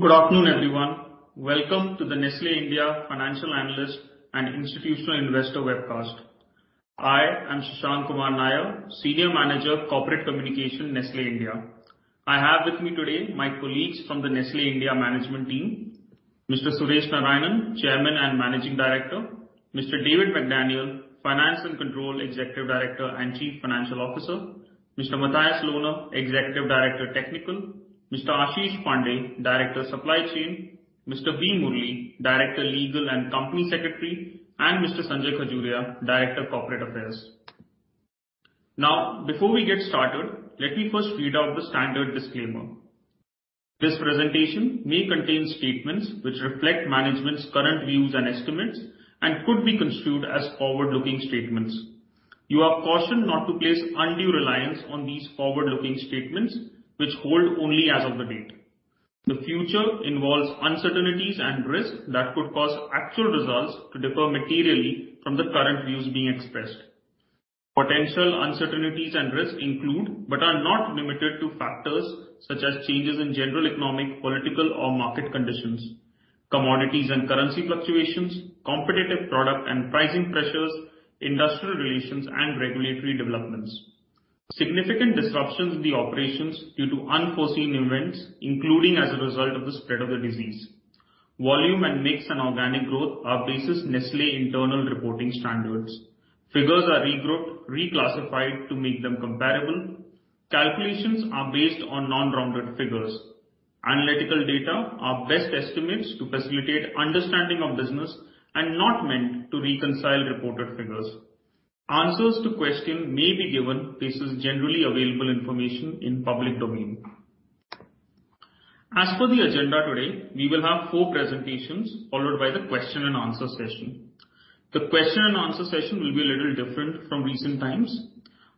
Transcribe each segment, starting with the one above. Good afternoon, everyone. Welcome to the Nestlé India Financial Analyst and Institutional Investor Webcast. I am Shashank Kumar Nair, Senior Manager, Corporate Communication, Nestlé India. I have with me today my colleagues from the Nestlé India management team, Mr. Suresh Narayanan, Chairman and Managing Director, Mr. David McDaniel, Executive Director, Finance and Control and Chief Financial Officer, Mr. Matthias Lohner, Executive Director, Technical, Mr. Ashish Pande, Director, Supply Chain, Mr. B. Murli, Director, Legal and Company Secretary, and Mr. Sanjay Khajuria, Director, Corporate Affairs. Now, before we get started, let me first read out the standard disclaimer. This presentation may contain statements which reflect management's current views and estimates and could be construed as forward-looking statements. You are cautioned not to place undue reliance on these forward-looking statements, which hold only as of the date. The future involves uncertainties and risks that could cause actual results to differ materially from the current views being expressed. Potential uncertainties and risks include, but are not limited to, factors such as changes in general economic, political, or market conditions, commodities and currency fluctuations, competitive product and pricing pressures, industrial relations and regulatory developments, significant disruptions in the operations due to unforeseen events, including as a result of the spread of the disease. Volume and mix and organic growth are based on Nestlé's internal reporting standards. Figures are regrouped, reclassified to make them comparable. Calculations are based on non-rounded figures. Analytical data are best estimates to facilitate understanding of business and not meant to reconcile reported figures. Answers to questions may be given based on generally available information in public domain. As per the agenda today, we will have 4 presentations, followed by the question and answer session. The question and answer session will be a little different from recent times.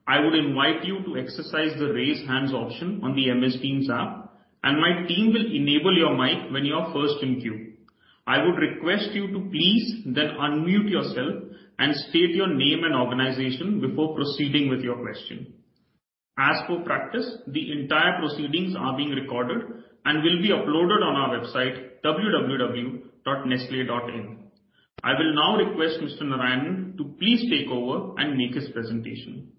I would invite you to exercise the Raise Hands option on the Microsoft Teams app, and my team will enable your mic when you are first in queue. I would request you to please then unmute yourself and state your name and organization before proceeding with your question. As for practice, the entire proceedings are being recorded and will be uploaded on our website www.nestle.in. I will now request Mr. Suresh Narayanan to please take over and make his presentation.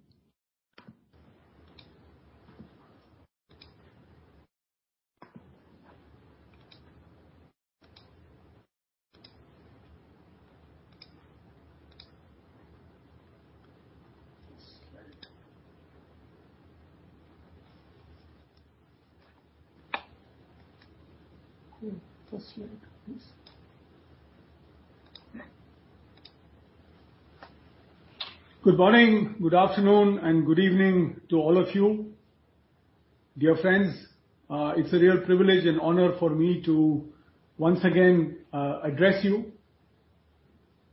Good morning, good afternoon, and good evening to all of you. Dear friends, it's a real privilege and honor for me to once again address you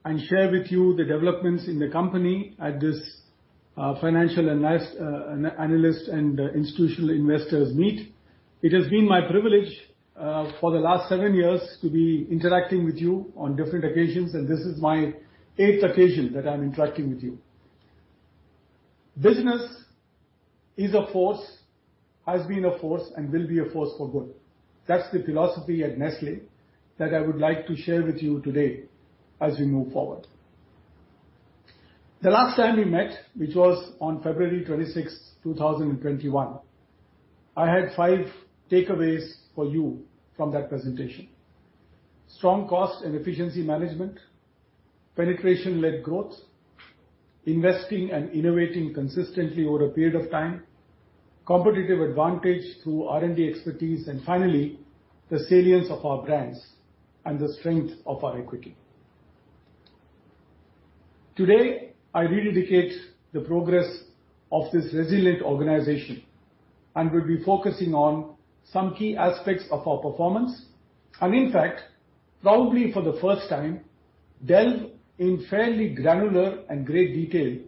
and share with you the developments in the company at this financial analyst and institutional investors meet. It has been my privilege for the last 7 years to be interacting with you on different occasions, and this is my 8th occasion that I'm interacting with you. Business is a force, has been a force, and will be a force for good. That's the philosophy at Nestlé that I would like to share with you today as we move forward. The last time we met, which was on February 26th, 2021, I had 5 takeaways for you from that presentation. Strong cost and efficiency management, penetration-led growth, investing and innovating consistently over a period of time, competitive advantage through R&D expertise, and finally, the salience of our brands and the strength of our equity. Today, I reiterate the progress of this resilient organization, and we'll be focusing on some key aspects of our performance. In fact, probably for the first time, delve in fairly granular and great detail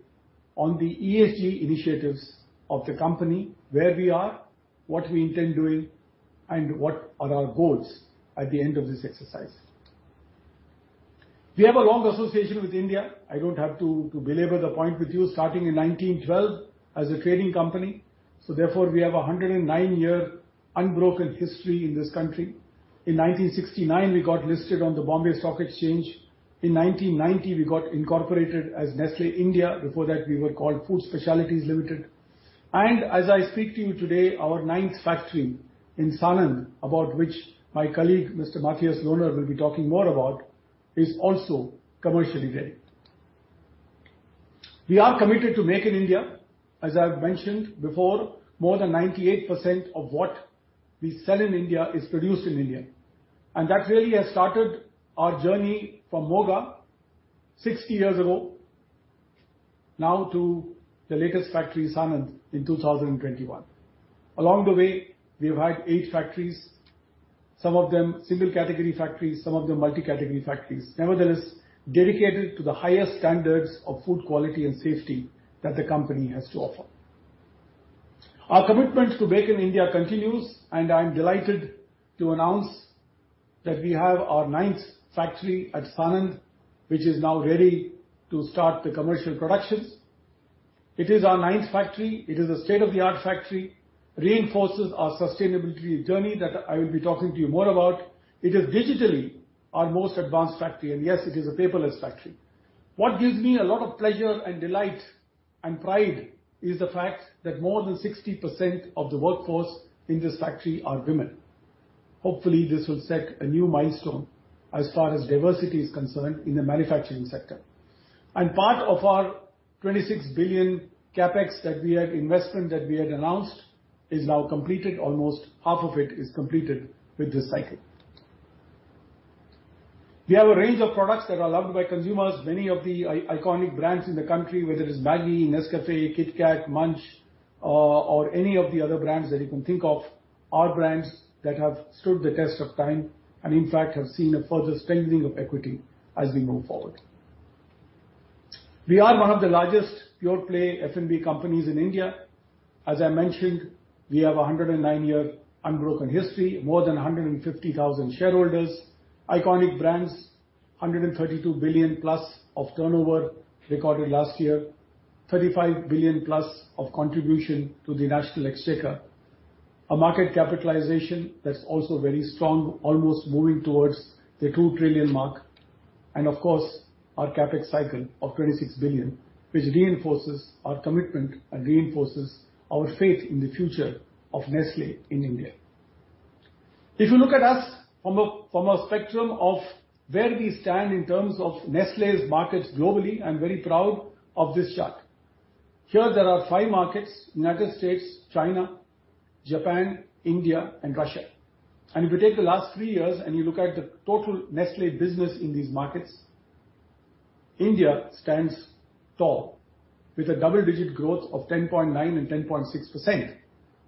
on the ESG initiatives of the company, where we are, what we intend doing, and what are our goals at the end of this exercise. We have a long association with India. I don't have to to belabor the point with you, starting in 1912 as a trading company, so therefore, we have a 109-year unbroken history in this country. In 1969, we got listed on the Bombay Stock Exchange. In 1990, we got incorporated as Nestlé India. Before that, we were called Food Specialities Limited. As I speak to you today, our ninth factory in Sanand, about which my colleague, Mr. Matthias Lohner, will be talking more about, is also commercially ready. We are committed to Make in India. As I've mentioned before, more than 98% of what we sell in India is produced in India. That really has started our journey from Moga 60 years ago now to the latest factory, Sanand, in 2021. Along the way, we have had 8 factories. Some of them single category factories, some of them multi-category factories. Nevertheless, dedicated to the highest standards of food quality and safety that the company has to offer. Our commitment to Make in India continues, and I'm delighted to announce that we have our ninth factory at Sanand, which is now ready to start the commercial productions. It is our ninth factory. It is a state-of-the-art factory that reinforces our sustainability journey that I will be talking to you more about. It is digitally our most advanced factory, and yes, it is a paperless factory. What gives me a lot of pleasure and delight and pride is the fact that more than 60% of the workforce in this factory are women. Hopefully, this will set a new milestone as far as diversity is concerned in the manufacturing sector. Part of our 26 billion CapEx investment that we had announced is now completed. Almost half of it is completed with this cycle. We have a range of products that are loved by consumers. Many of the iconic brands in the country, whether it's Maggi, Nescafé, KitKat, Munch, or any of the other brands that you can think of, are brands that have stood the test of time and in fact have seen a further strengthening of equity as we move forward. We are one of the largest pure-play F&B companies in India. As I mentioned, we have a 109-year unbroken history, more than 150,000 shareholders, iconic brands, 132 billion+ of turnover recorded last year, 35 billion+ of contribution to the national exchequer. A market capitalization that's also very strong, almost moving towards the 2 trillion mark. Of course, our CapEx cycle of 26 billion, which reinforces our commitment and reinforces our faith in the future of Nestlé in India. If you look at us from a spectrum of where we stand in terms of Nestlé's markets globally, I'm very proud of this chart. Here there are 5 markets, United States, China, Japan, India, and Russia. If you take the last 3 years, and you look at the total Nestlé business in these markets, India stands tall with a double-digit growth of 10.9% and 10.6%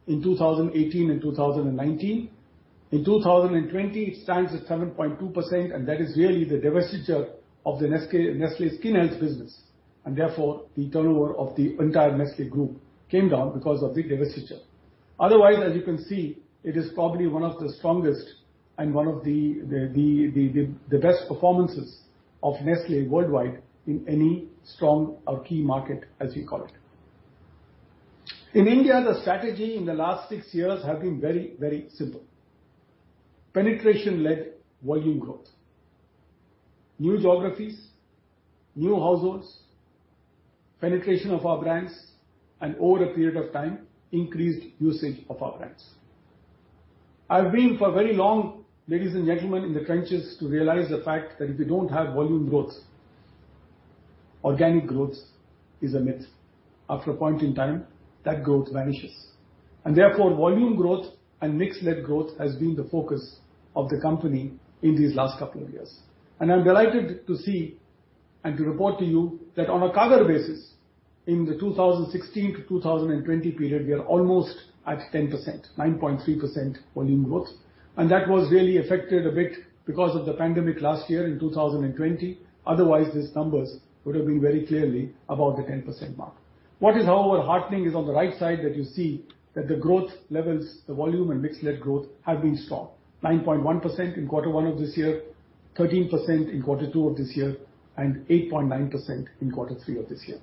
in 2018 and 2019. In 2020, it stands at 7.2%, and that is really the divestiture of the Nestlé Skin Health business. Therefore, the turnover of the entire Nestlé Group came down because of the divestiture. Otherwise, as you can see, it is probably one of the strongest and one of the best performances of Nestlé worldwide in any strong or key market, as we call it. In India, the strategy in the last 6 years have been very, very simple. Penetration-led volume growth. New geographies, new households, penetration of our brands, and over a period of time, increased usage of our brands. I've been for very long, ladies and gentlemen, in the trenches to realize the fact that if you don't have volume growth, organic growth is a myth. After a point in time, that growth vanishes. Therefore, volume growth and mix-led growth has been the focus of the company in these last couple of years. I'm delighted to see and to report to you that on a CAGR basis, in the 2016 to 2020 period, we are almost at 10%. 9.3% volume growth. That was really affected a bit because of the pandemic last year in 2020. Otherwise, these numbers would have been very clearly above the 10% mark. What is, however, heartening is on the right side that you see that the growth levels, the volume and mix-led growth have been strong. 9.1% in Q1 of this year, 13% in Q2 of this year, and 8.9% in Q3 of this year.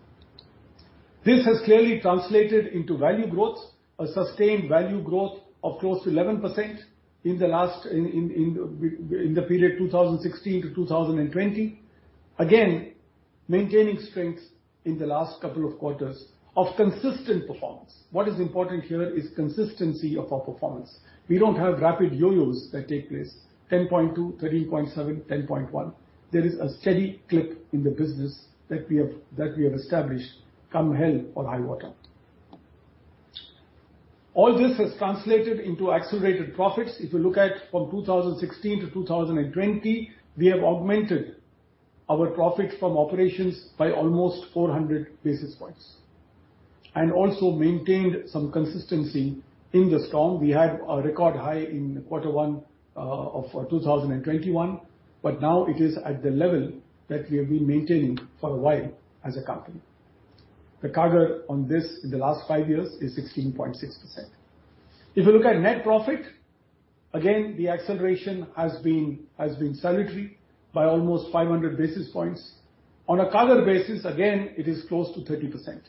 This has clearly translated into value growth, a sustained value growth of close to 11% in the last- In the period 2016 to 2020. Again, maintaining strength in the last couple of quarters of consistent performance. What is important here is consistency of our performance. We don't have rapid yo-yos that take place. 10.2%, 13.7%, 10.1%. There is a steady clip in the business that we have established, come hell or high water. All this has translated into accelerated profits. If you look at from 2016 to 2020, we have augmented our profits from operations by almost 400 basis points. Also maintained some consistency in the strong. We had a record high in Q1 of 2021, but now it is at the level that we have been maintaining for a while as a company. The CAGR on this in the last 5 years is 16.6%. If you look at net profit, again, the acceleration has been salutary by almost 500 basis points. On a CAGR basis, again, it is close to 30%.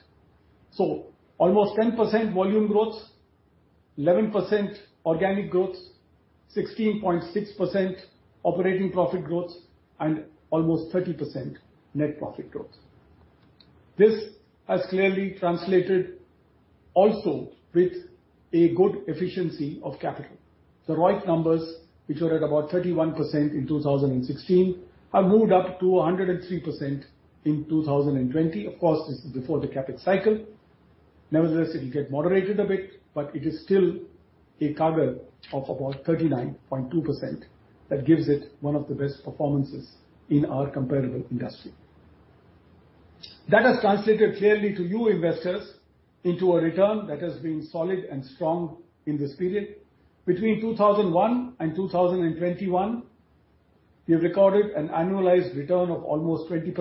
Almost 10% volume growth, 11% organic growth, 16.6% operating profit growth, and almost 30% net profit growth. This has clearly translated also with a good efficiency of capital. The ROIC numbers, which were at about 31% in 2016, have moved up to 103% in 2020. Of course, this is before the CapEx cycle. Nevertheless, it'll get moderated a bit, but it is still a CAGR of about 39.2%. That gives it one of the best performances in our comparable industry. That has translated clearly to you investors into a return that has been solid and strong in this period. Between 2001 and 2021, we have recorded an annualized return of almost 20%.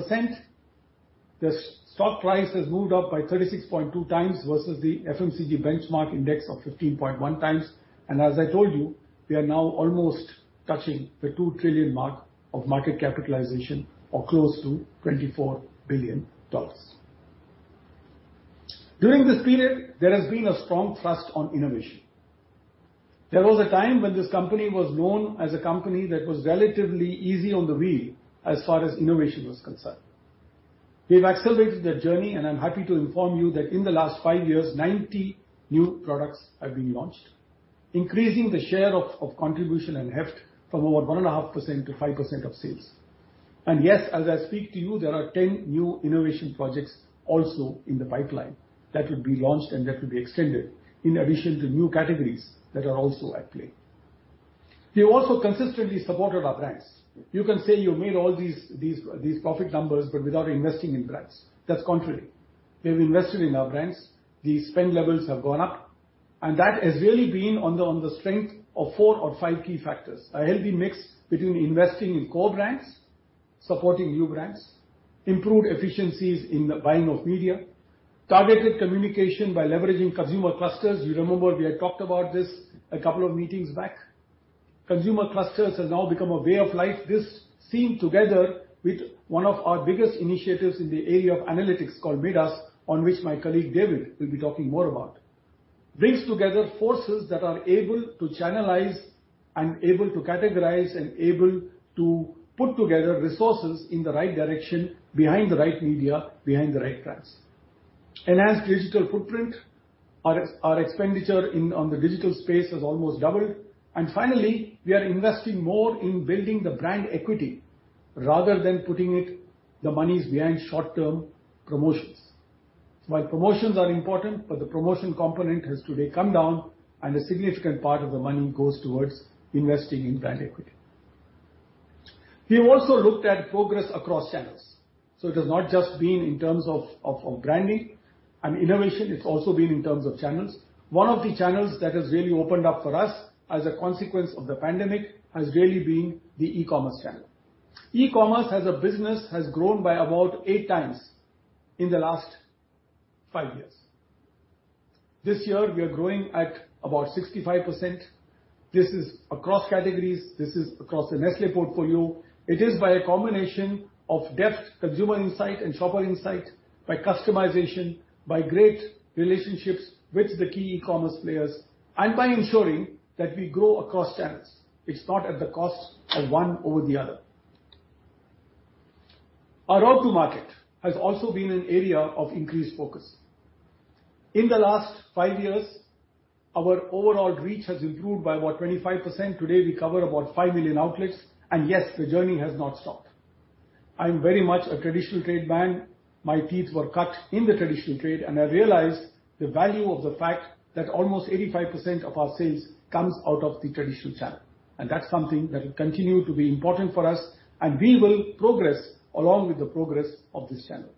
The stock price has moved up by 36.2x versus the FMCG benchmark index of 15.1x. As I told you, we are now almost touching the 2 trillion mark of market capitalization or close to $24 billion. During this period, there has been a strong thrust on innovation. There was a time when this company was known as a company that was relatively asleep at the wheel, as far as innovation was concerned. We've accelerated that journey, and I'm happy to inform you that in the last 5 years, 90 new products have been launched, increasing the share of contribution and heft from over 1.5% to 5% of sales. Yes, as I speak to you, there are 10 new innovation projects also in the pipeline that will be launched and that will be extended in addition to new categories that are also at play. We have also consistently supported our brands. You can say you made all these profit numbers, but without investing in brands. That's contrary. We've invested in our brands. The spend levels have gone up, and that has really been on the strength of 4 or 5 key factors. A healthy mix between investing in core brands, supporting new brands, improved efficiencies in the buying of media, targeted communication by leveraging consumer clusters. You remember we had talked about this a couple of meetings back. Consumer clusters has now become a way of life. This seen together with one of our biggest initiatives in the area of analytics called Midas, on which my colleague David will be talking more about, brings together forces that are able to channelize and able to categorize and able to put together resources in the right direction, behind the right media, behind the right brands. Enhanced digital footprint. Our expenditure in, on the digital space has almost doubled. Finally, we are investing more in building the brand equity rather than putting it the monies behind short-term promotions. While promotions are important, but the promotion component has today come down, and a significant part of the money goes towards investing in brand equity. We've also looked at progress across channels, so it has not just been in terms of branding and innovation, it's also been in terms of channels. One of the channels that has really opened up for us as a consequence of the pandemic has really been the e-commerce channel. E-commerce as a business has grown by about 8x in the last 5 years. This year we are growing at about 65%. This is across categories. This is across the Nestlé portfolio. It is by a combination of depth, consumer insight and shopper insight, by customization, by great relationships with the key e-commerce players, and by ensuring that we grow across channels. It's not at the cost of one over the other. Our go-to-market has also been an area of increased focus. In the last 5 years, our overall reach has improved by about 25%. Today we cover about 5 million outlets. Yes, the journey has not stopped. I'm very much a traditional trade man. My teeth were cut in the traditional trade, and I realized the value of the fact that almost 85% of our sales comes out of the traditional channel, and that's something that will continue to be important for us and we will progress along with the progress of this channel.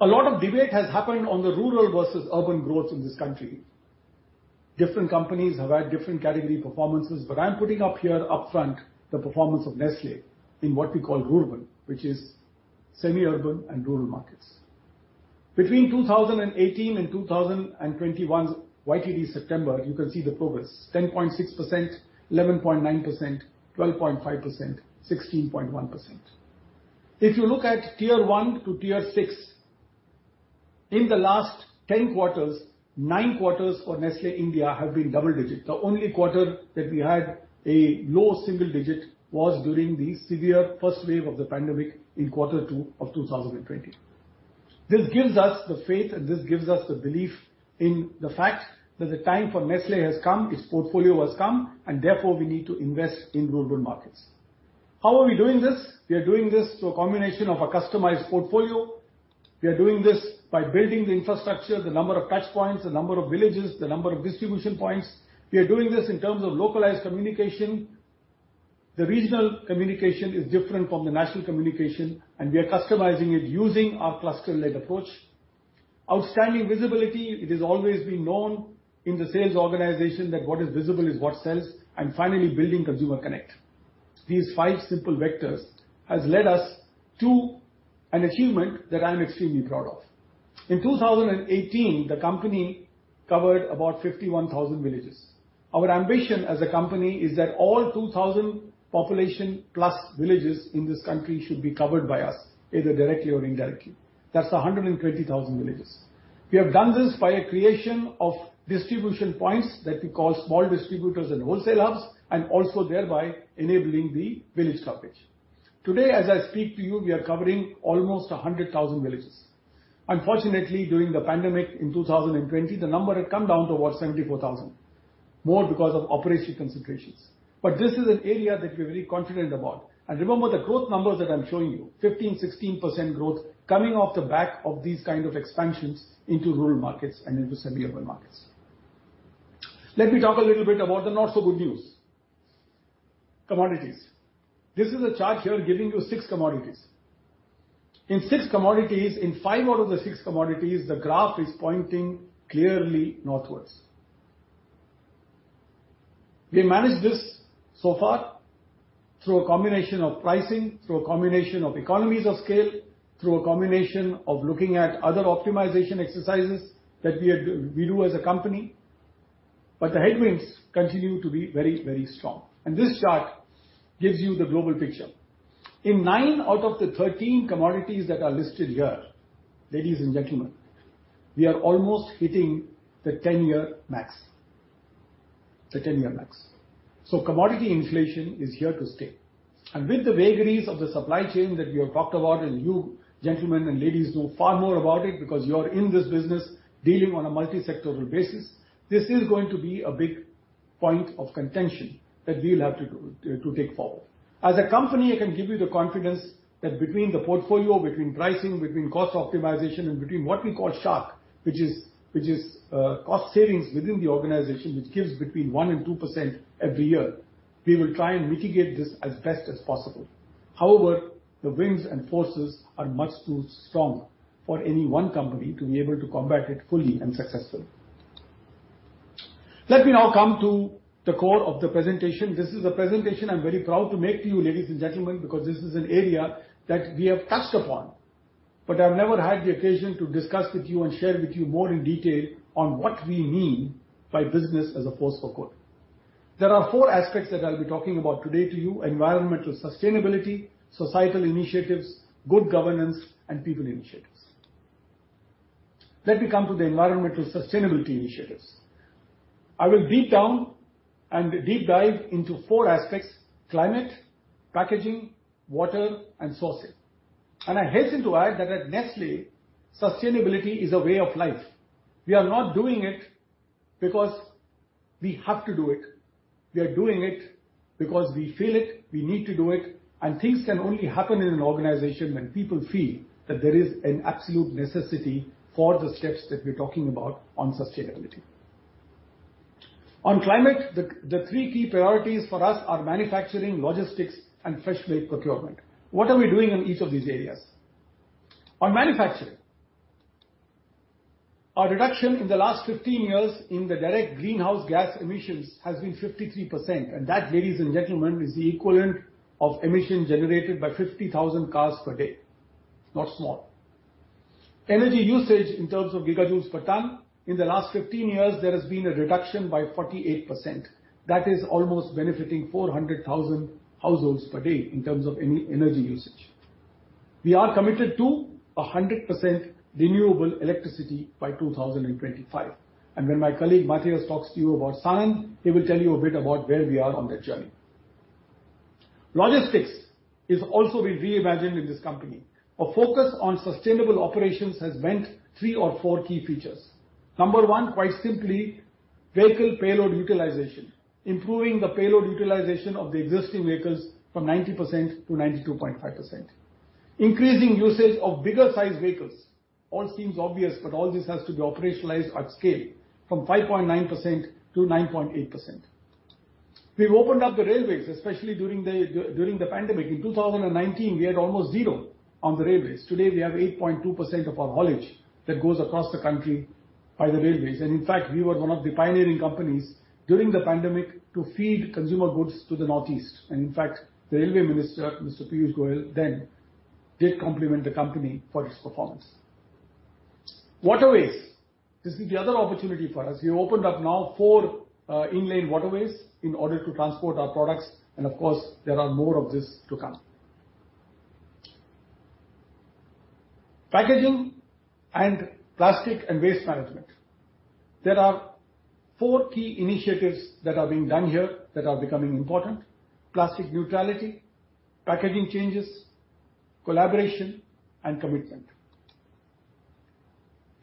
A lot of debate has happened on the rural versus urban growth in this country. Different companies have had different category performances, but I'm putting up here upfront the performance of Nestlé in what we call rurban, which is semi-urban and rural markets. Between 2018 and 2021's YTD September, you can see the progress, 10.6%, 11.9%, 12.5%, 16.1%. If you look at tier 1 to tier 6, in the last 10 quarters, 9 quarters for Nestlé India have been double-digit. The only quarter that we had a low single-digit was during the severe first wave of the pandemic in Q2 of 2020. This gives us the faith, and this gives us the belief in the fact that the time for Nestlé has come, its portfolio has come, and therefore we need to invest in rurban markets. How are we doing this? We are doing this through a combination of a customized portfolio. We are doing this by building the infrastructure, the number of touch points, the number of villages, the number of distribution points. We are doing this in terms of localized communication. The regional communication is different from the national communication, and we are customizing it using our cluster-led approach. Outstanding visibility. It has always been known in the sales organization that what is visible is what sells. Finally, building consumer connect. These 5 simple vectors has led us to an achievement that I'm extremely proud of. In 2018, the company covered about 51,000 villages. Our ambition as a company is that all 2,000 population plus villages in this country should be covered by us, either directly or indirectly. That's 120,000 villages. We have done this by a creation of distribution points that we call small distributors and wholesale hubs, and also thereby enabling the village coverage. Today, as I speak to you, we are covering almost 100,000 villages. Unfortunately, during the pandemic in 2020, the number had come down to about 74,000, more because of operational constraints. This is an area that we're very confident about. Remember the growth numbers that I'm showing you, 15% to 16% growth coming off the back of these kind of expansions into rural markets and into semi-urban markets. Let me talk a little bit about the not-so-good news. Commodities. This is a chart here giving you 6 commodities. In 6 commodities, in 5 out of the 6 commodities, the graph is pointing clearly northwards. We managed this so far through a combination of pricing, through a combination of economies of scale, through a combination of looking at other optimization exercises that we do as a company, but the headwinds continue to be very, very strong. This chart gives you the global picture. In 9 out of the 13 commodities that are listed here, ladies and gentlemen, we are almost hitting the 10-year max. Commodity inflation is here to stay. With the vagaries of the supply chain that we have talked about, and you gentlemen and ladies know far more about it because you're in this business dealing on a multi-sectoral basis, this is going to be a big point of contention that we'll have to do to take forward. As a company, I can give you the confidence that between the portfolio, between pricing, between cost optimization, and between what we call SHARK, which is cost savings within the organization, which gives between 1% and 2% every year. We will try and mitigate this as best as possible. However, the winds and forces are much too strong for any 1 company to be able to combat it fully and successfully. Let me now come to the core of the presentation. This is a presentation I'm very proud to make to you, ladies and gentlemen, because this is an area that we have touched upon, but I've never had the occasion to discuss with you and share with you more in detail on what we mean by business as a force for good. There are 4 aspects that I'll be talking about today to you, environmental sustainability, societal initiatives, good governance, and people initiatives. Let me come to the environmental sustainability initiatives. I will deep down and deep dive into 4 aspects, climate, packaging, water, and sourcing. I hasten to add that at Nestlé, sustainability is a way of life. We are not doing it because we have to do it. We are doing it because we feel it, we need to do it, and things can only happen in an organization when people feel that there is an absolute necessity for the steps that we're talking about on sustainability. On climate, the 3 key priorities for us are manufacturing, logistics, and fresh made procurement. What are we doing in each of these areas? On manufacturing, our reduction in the last 15 years in the direct greenhouse gas emissions has been 53%, and that, ladies and gentlemen, is the equivalent of emissions generated by 50,000 cars per day. Not small. Energy usage in terms of gigajoules per ton, in the last 15 years, there has been a reduction by 48%. That is almost benefiting 400,000 households per day in terms of any energy usage. We are committed to 100% renewable electricity by 2025. When my colleague Matthias talks to you about science, he will tell you a bit about where we are on that journey. Logistics is also being reimagined in this company. A focus on sustainable operations has meant 3 or 4 key features. Number 1, quite simply, vehicle payload utilization, improving the payload utilization of the existing vehicles from 90% to 92.5%. Increasing usage of bigger-sized vehicles. All seems obvious, but all this has to be operationalized at scale from 5.9% to 9.8%. We've opened up the railways, especially during the pandemic. In 2019, we had almost 0 on the railways. Today, we have 8.2% of our haulage that goes across the country by the railways. In fact, we were one of the pioneering companies during the pandemic to feed consumer goods to the northeast. In fact, the railway minister, Mr. Piyush Goyal, then did compliment the company for its performance. Waterways. This is the other opportunity for us. We opened up now 4 inland waterways in order to transport our products, and of course, there are more of this to come. Packaging and plastic and waste management. There are 4 key initiatives that are being done here that are becoming important. Plastic neutrality, packaging changes, collaboration, and commitment.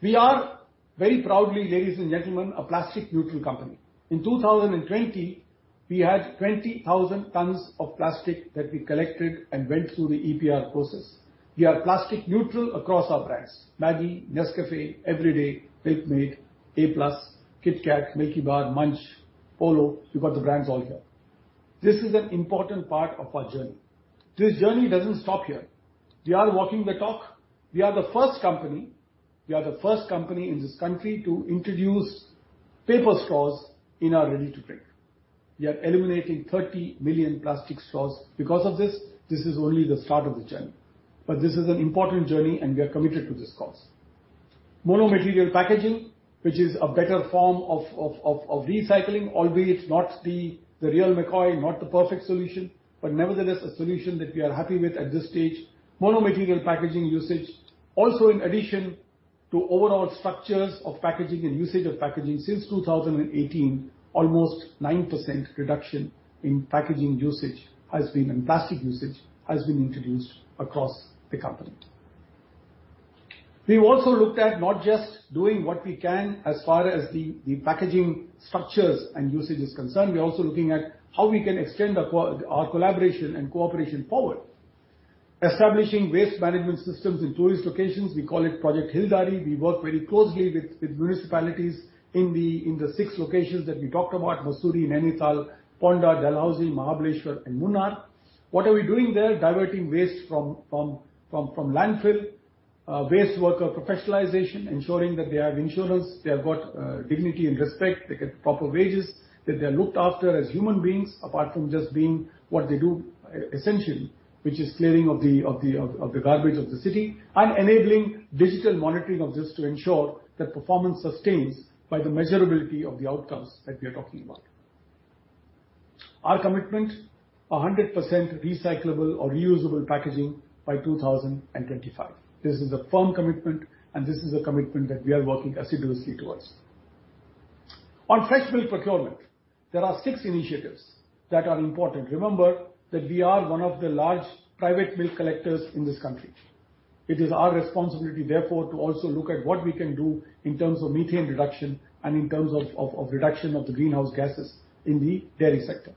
We are very proudly, ladies and gentlemen, a plastic neutral company. In 2020, we had 20,000 tons of plastic that we collected and went through the EPR process. We are plastic neutral across our brands, MAGGI, NESCAFÉ, EVERYDAY, [Milkmaid], NESTLÉ a+, KitKat, Milkybar, Munch, Polo. You've got the brands all here. This is an important part of our journey. This journey doesn't stop here. We are walking the talk. We are the first company in this country to introduce paper straws in our ready-to-drink. We are eliminating 30 million plastic straws because of this. This is only the start of the journey, but this is an important journey, and we are committed to this cause. Monomaterial packaging, which is a better form of recycling, albeit not the real McCoy, not the perfect solution, but nevertheless a solution that we are happy with at this stage. Monomaterial packaging usage. Also, in addition to overall structures of packaging and usage of packaging, since 2018, there has been almost 9% reduction in packaging and plastic usage across the company. We've also looked at not just doing what we can as far as the packaging structures and usage is concerned, we're also looking at how we can extend our collaboration and cooperation forward. Establishing waste management systems in tourist locations, we call it Project Hilldaari. We work very closely with municipalities in the 6 locations that we talked about, Mussoorie, Nainital, Ponda, Dalhousie, Mahabaleshwar, and Munnar. What are we doing there? Diverting waste from landfill, waste worker professionalization, ensuring that they have insurance, they have dignity and respect, they get proper wages, that they are looked after as human beings, apart from just being what they do essentially, which is clearing of the garbage of the city. Enabling digital monitoring of this to ensure that performance sustains by the measurability of the outcomes that we are talking about. Our commitment, 100% recyclable or reusable packaging by 2025. This is a firm commitment, and this is a commitment that we are working assiduously towards. On fresh milk procurement, there are 6 initiatives that are important. Remember that we are one of the large private milk collectors in this country. It is our responsibility therefore to also look at what we can do in terms of methane reduction and in terms of reduction of the greenhouse gases in the dairy sector.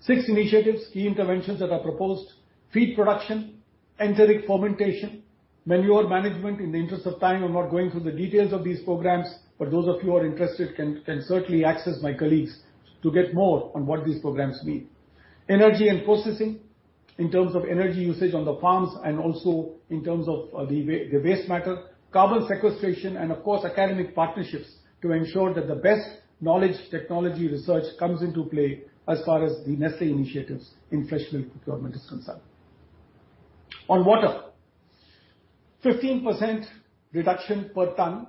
6 initiatives, key interventions that are proposed: feed production, enteric fermentation, manure management. In the interest of time, I'm not going through the details of these programs, but those of you who are interested can certainly access my colleagues to get more on what these programs mean. Energy and processing, in terms of energy usage on the farms, and also in terms of the waste matter. Carbon sequestration, and of course, academic partnerships to ensure that the best knowledge technology research comes into play as far as the Nestlé initiatives in fresh milk procurement is concerned. On water, 15% reduction per ton,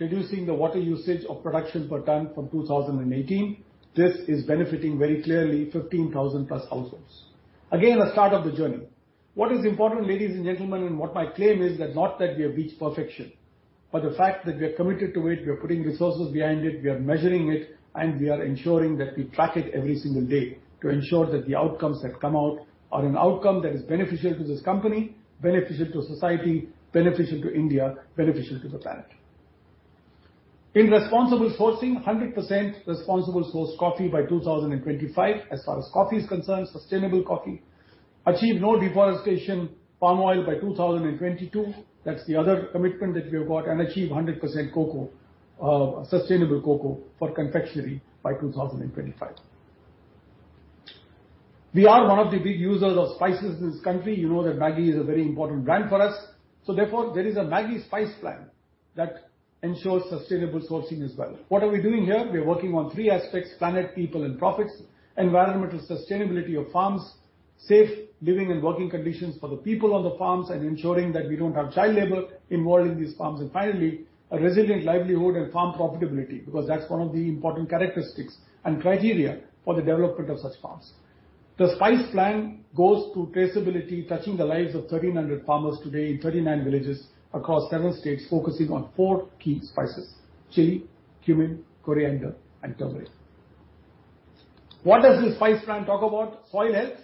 reducing the water usage of production per ton from 2018. This is benefiting very clearly 15,000+ households. Again, a start of the journey. What is important, ladies and gentlemen, and what my claim is that not that we have reached perfection, but the fact that we are committed to it, we are putting resources behind it, we are measuring it, and we are ensuring that we track it every single day to ensure that the outcomes that come out are an outcome that is beneficial to this company, beneficial to society, beneficial to India, beneficial to the planet. In responsible sourcing, 100% responsible sourced coffee by 2025 as far as coffee is concerned, sustainable coffee. Achieve no deforestation palm oil by 2022. That's the other commitment that we have got. Achieve 100% cocoa, sustainable cocoa for confectionery by 2025. We are one of the big users of spices in this country. You know that MAGGI is a very important brand for us. Therefore, there is a MAGGI Spice Plan that ensures sustainable sourcing as well. What are we doing here? We are working on 3 aspects, planet, people, and profits. Environmental sustainability of farms, safe living and working conditions for the people on the farms, and ensuring that we don't have child labor involved in these farms. Finally, a resilient livelihood and farm profitability, because that's one of the important characteristics and criteria for the development of such farms. The Spice Plan goes to traceability, touching the lives of 1,300 farmers today in 39 villages across several states, focusing on 4 key spices, chili, cumin, coriander, and turmeric. What does the Spice Plan talk about? Soil health,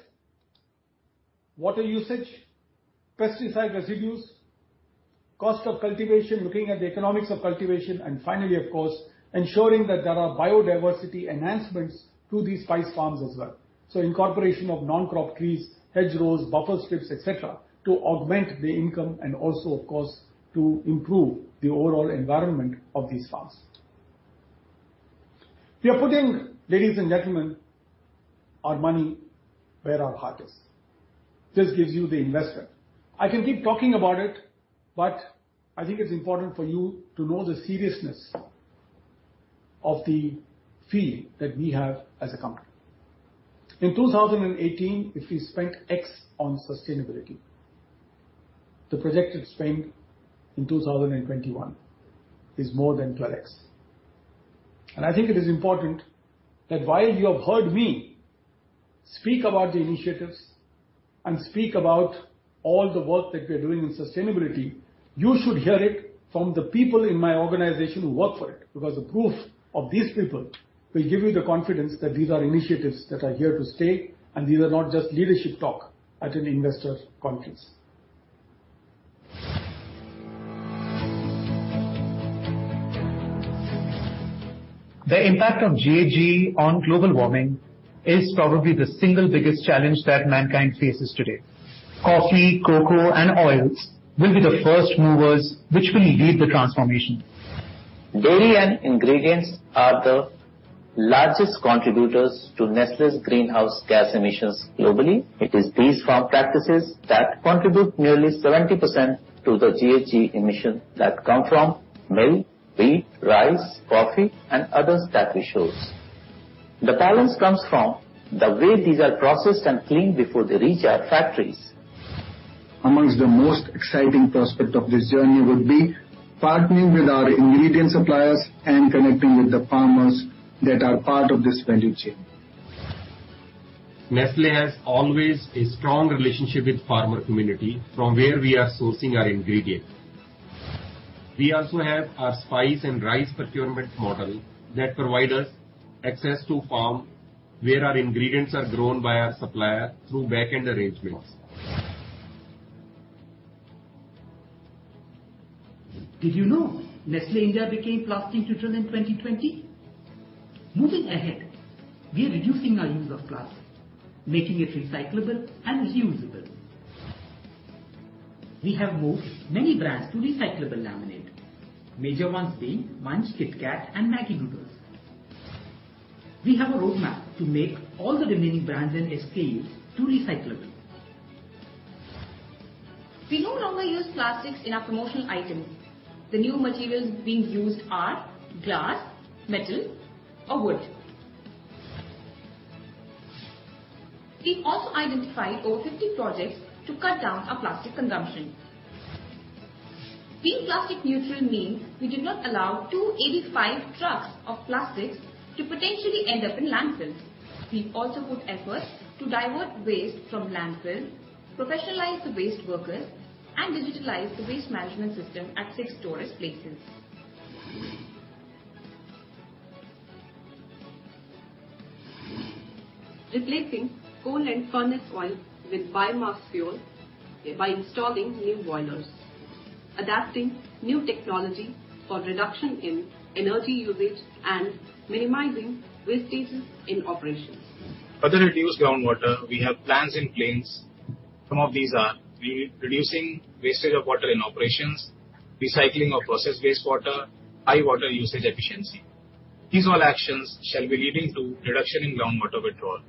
water usage, pesticide residues, cost of cultivation, looking at the economics of cultivation, and finally, of course, ensuring that there are biodiversity enhancements to these spice farms as well. Incorporation of non-crop trees, hedgerows, buffer strips, et cetera, to augment the income and also of course, to improve the overall environment of these farms. We are putting, ladies and gentlemen, our money where our heart is. This gives you the investment. I can keep talking about it, but I think it's important for you to know the seriousness of the feeling that we have as a company. In 2018, if we spent X on sustainability, the projected spend in 2021 is more than 12x. I think it is important that while you have heard me speak about the initiatives and speak about all the work that we are doing in sustainability, you should hear it from the people in my organization who work for it, because the proof of these people will give you the confidence that these are initiatives that are here to stay, and these are not just leadership talk at an investor conference. The impact of GHG on global warming is probably the single biggest challenge that mankind faces today. Coffee, cocoa, and oils will be the first movers which will lead the transformation. Dairy and ingredients are the largest contributors to Nestlé's greenhouse gas emissions globally. It is these farm practices that contribute nearly 70% to the GHG emissions that come from milk, wheat, rice, coffee, and others that we source. The balance comes from the way these are processed and cleaned before they reach our factories. Among the most exciting prospect of this journey will be partnering with our ingredient suppliers and connecting with the farmers that are part of this value chain. Nestlé has always a strong relationship with farmer community from where we are sourcing our ingredients. We also have our spice and rice procurement model that provide us access to farm where our ingredients are grown by our supplier through back-end arrangements. Did you know Nestlé India became plastic neutral in 2020? Moving ahead, we are reducing our use of plastic, making it recyclable and reusable. We have moved many brands to recyclable laminate. Major ones being Munch, KitKat and MAGGI Noodles. We have a roadmap to make all the remaining brands and SKUs to recyclable. We no longer use plastics in our promotional items. The new materials being used are glass, metal or wood. We also identified over 50 projects to cut down our plastic consumption. Being plastic neutral means we did not allow 285 trucks of plastics to potentially end up in landfills. We also put efforts to divert waste from landfills, professionalize the waste workers, and digitalize the waste management system at 6 tourist places. Replacing coal and furnace oil with biomass fuel by installing new boilers, adapting new technology for reduction in energy usage, and minimizing wastages in operations. For the reduced groundwater, we have plans in place. Some of these are reducing wastage of water in operations, recycling of process waste water, high water usage efficiency. These all actions shall be leading to reduction in groundwater withdrawal.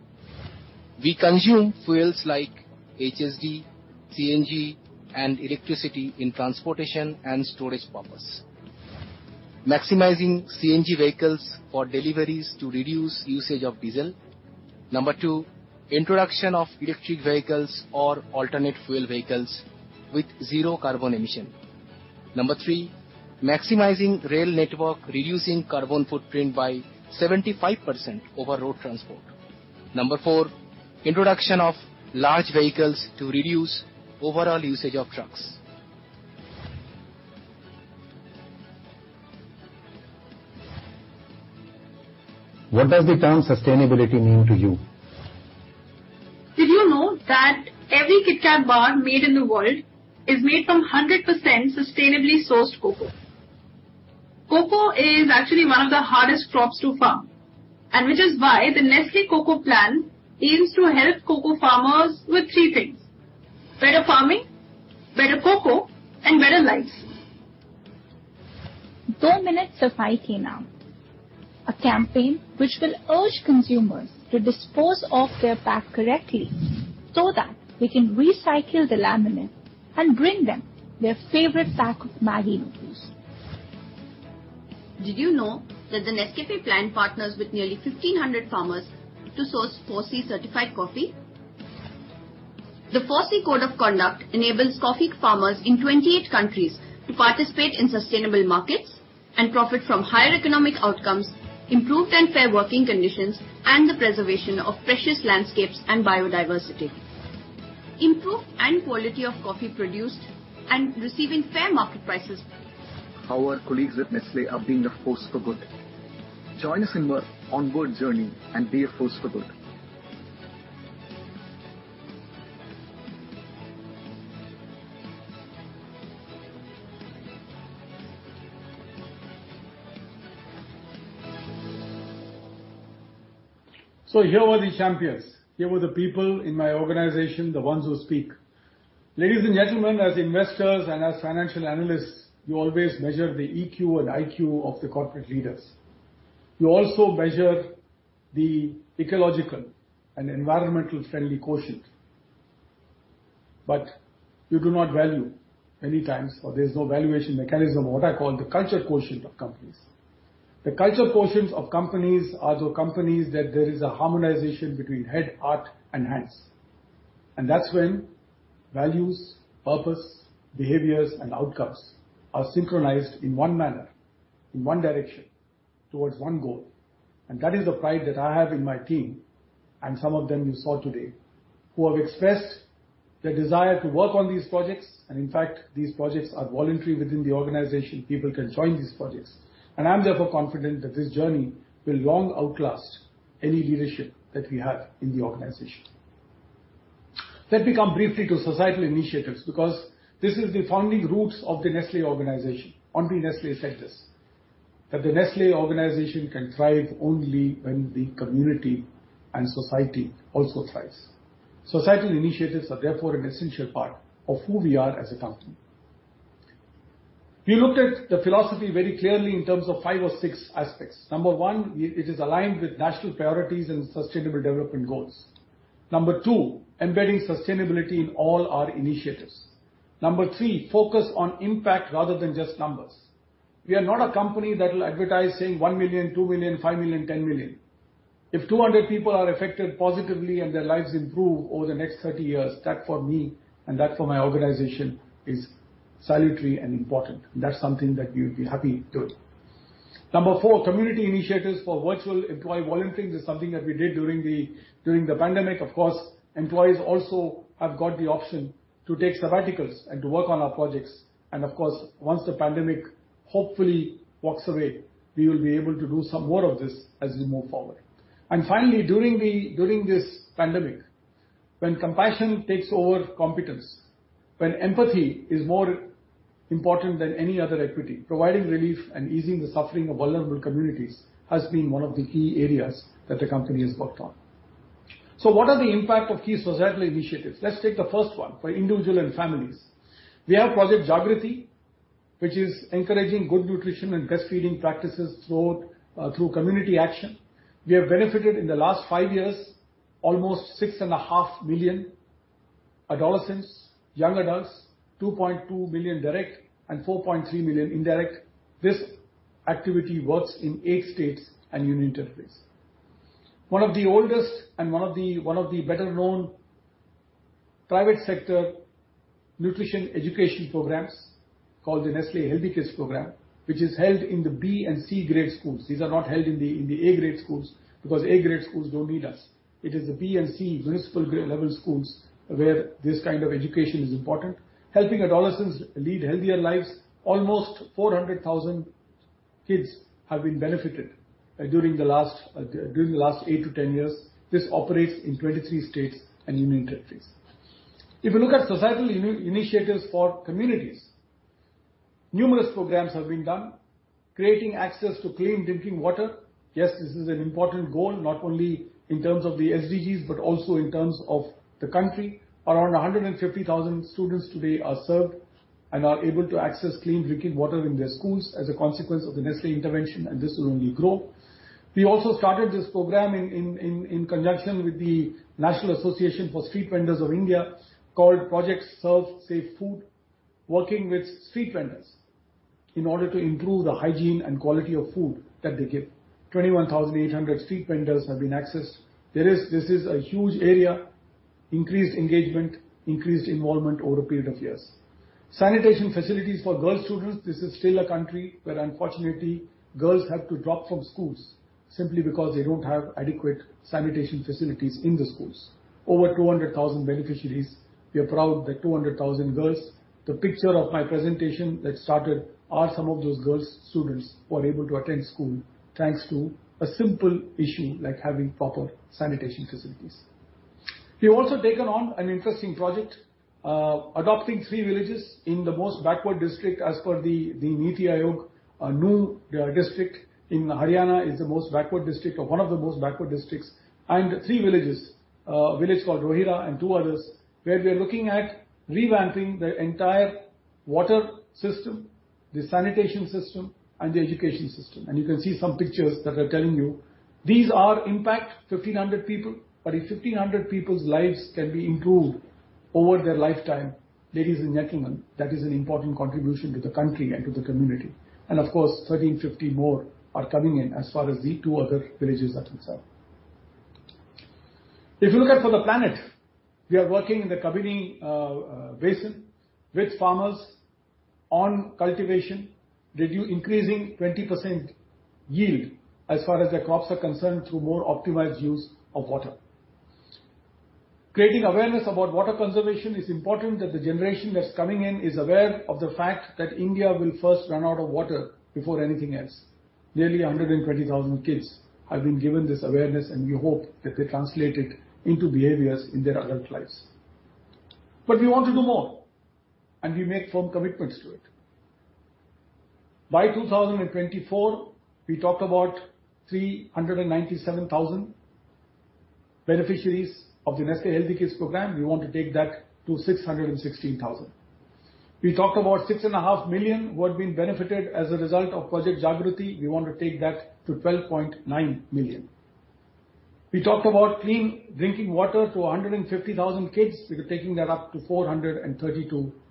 We consume fuels like HSD, CNG, and electricity in transportation and storage purpose. Maximizing CNG vehicles for deliveries to reduce usage of diesel. 2, introduction of electric vehicles or alternate fuel vehicles with 0 carbon emission. 3, maximizing rail network, reducing carbon footprint by 75% over road transport. 4, introduction of large vehicles to reduce overall usage of trucks. What does the term sustainability mean to you? Did you know that every KitKat bar made in the world is made from 100% sustainably sourced cocoa? Cocoa is actually one of the hardest crops to farm, and which is why the Nestlé Cocoa Plan aims to help cocoa farmers with 3 things, better farming, better cocoa and better lives. 2 Minute Safai Ke Naam, a campaign which will urge consumers to dispose of their pack correctly so that we can recycle the laminate and bring them their favorite pack of MAGGI Noodles. Did you know that the Nestlé plant partners with nearly 1,500 farmers to source 4C certified coffee? The 4C Code of Conduct enables coffee farmers in 28 countries to participate in sustainable markets and profit from higher economic outcomes, improved and fair working conditions, and the preservation of precious landscapes and biodiversity, improved quality of coffee produced and receiving fair market prices. Our colleagues at Nestlé are being a force for good. Join us in our onward journey and be a force for good. Here were the champions. Here were the people in my organization, the ones who speak. Ladies and gentlemen, as investors and as financial analysts, you always measure the EQ and IQ of the corporate leaders. You also measure the ecological and environmental friendly quotient. You do not value many times, or there is no valuation mechanism, what I call the culture quotient of companies. The culture quotients of companies are the companies that there is a harmonization between head, heart and hands, and that's when values, purpose, behaviors, and outcomes are synchronized in 1 manner, in 1 direction towards 1 goal. That is the pride that I have in my team, and some of them you saw today, who have expressed their desire to work on these projects. In fact, these projects are voluntary within the organization. People can join these projects, and I am therefore confident that this journey will long outlast any leadership that we have in the organization. Let me come briefly to societal initiatives, because this is the founding roots of the Nestlé organization. Henri Nestlé said this, that the Nestlé organization can thrive only when the community and society also thrives. Societal initiatives are therefore an essential part of who we are as a company. We looked at the philosophy very clearly in terms of 5 or 6 aspects. Number 1, it is aligned with national priorities and sustainable development goals. Number 2, embedding sustainability in all our initiatives. Number 3, focus on impact rather than just numbers. We are not a company that will advertise saying 1 million, 2 million, 5 million, 10 million. If 200 people are affected positively and their lives improve over the next 30 years, that for me and that for my organization, is salutary and important. That's something that we'll be happy doing. Number 4, community initiatives for virtual employee volunteering is something that we did during the pandemic. Of course, employees also have got the option to take sabbaticals and to work on our projects. Of course, once the pandemic hopefully walks away, we will be able to do some more of this as we move forward. Finally, during this pandemic. When compassion takes over competence, when empathy is more important than any other equity, providing relief and easing the suffering of vulnerable communities has been one of the key areas that the company has worked on. So what are the impact of key societal initiatives? Let's take the first one, for individuals and families. We have Project Jagriti, which is encouraging good nutrition and breastfeeding practices through community action. We have benefited in the last 5 years almost 6.5 million adolescents, young adults, 2.2 million direct, and 4.3 million indirect. This activity works in 8 states and union territories. One of the oldest and one of the better-known private sector nutrition education programs, called the Nestlé Healthy Kids Programme, which is held in the B and C grade schools. These are not held in the A grade schools, because A grade schools don't need us. It is the B and C municipal grade level schools where this kind of education is important, helping adolescents lead healthier lives. Almost 400,000 kids have been benefited during the last 8 to 10 years. This operates in 23 states and union territories. If you look at societal initiatives for communities, numerous programs have been done. Creating access to clean drinking water. Yes, this is an important goal, not only in terms of the SDGs, but also in terms of the country. Around 150,000 students today are served and are able to access clean drinking water in their schools as a consequence of the Nestlé intervention, and this will only grow. We also started this program in conjunction with the National Association of Street Vendors of India, called Project Serve Safe Food, working with street vendors in order to improve the hygiene and quality of food that they give. 21,800 street vendors have been accessed. This is a huge area, increased engagement, increased involvement over a period of years. Sanitation facilities for girl students. This is still a country where, unfortunately, girls have to drop from schools simply because they don't have adequate sanitation facilities in the schools. Over 200,000 beneficiaries. We are proud that 200,000 girls. The picture of my presentation that started are some of those girls, students, who are able to attend school thanks to a simple issue like having proper sanitation facilities. We have also taken on an interesting project, adopting 3 villages in the most backward district as per the NITI Aayog. Nuh district in Haryana is the most backward district or one of the most backward districts, and 3 villages, a village called Rohira and 2 others, where we are looking at revamping the entire water system, the sanitation system and the education system. You can see some pictures that are telling you these are impacting 1,500 people. If 1,500 people's lives can be improved over their lifetime, ladies and gentlemen, that is an important contribution to the country and to the community. Of course, 1,350 more are coming in as far as the 2 other villages are concerned. If you look at for the planet, we are working in the Kabini basin with farmers on cultivation, increasing 20% yield as far as their crops are concerned, through more optimized use of water. Creating awareness about water conservation is important that the generation that's coming in is aware of the fact that India will first run out of water before anything else. Nearly 120,000 kids have been given this awareness, and we hope that they translate it into behaviors in their adult lives. We want to do more, and we make firm commitments to it. By 2024, we talked about 397,000 beneficiaries of the Nestlé Healthy Kids program. We want to take that to 616,000. We talked about 6.5 million who have been benefited as a result of Project Jagriti. We want to take that to 12.9 million. We talked about clean drinking water to 150,000 kids. We are taking that up to 432,000 beneficiaries.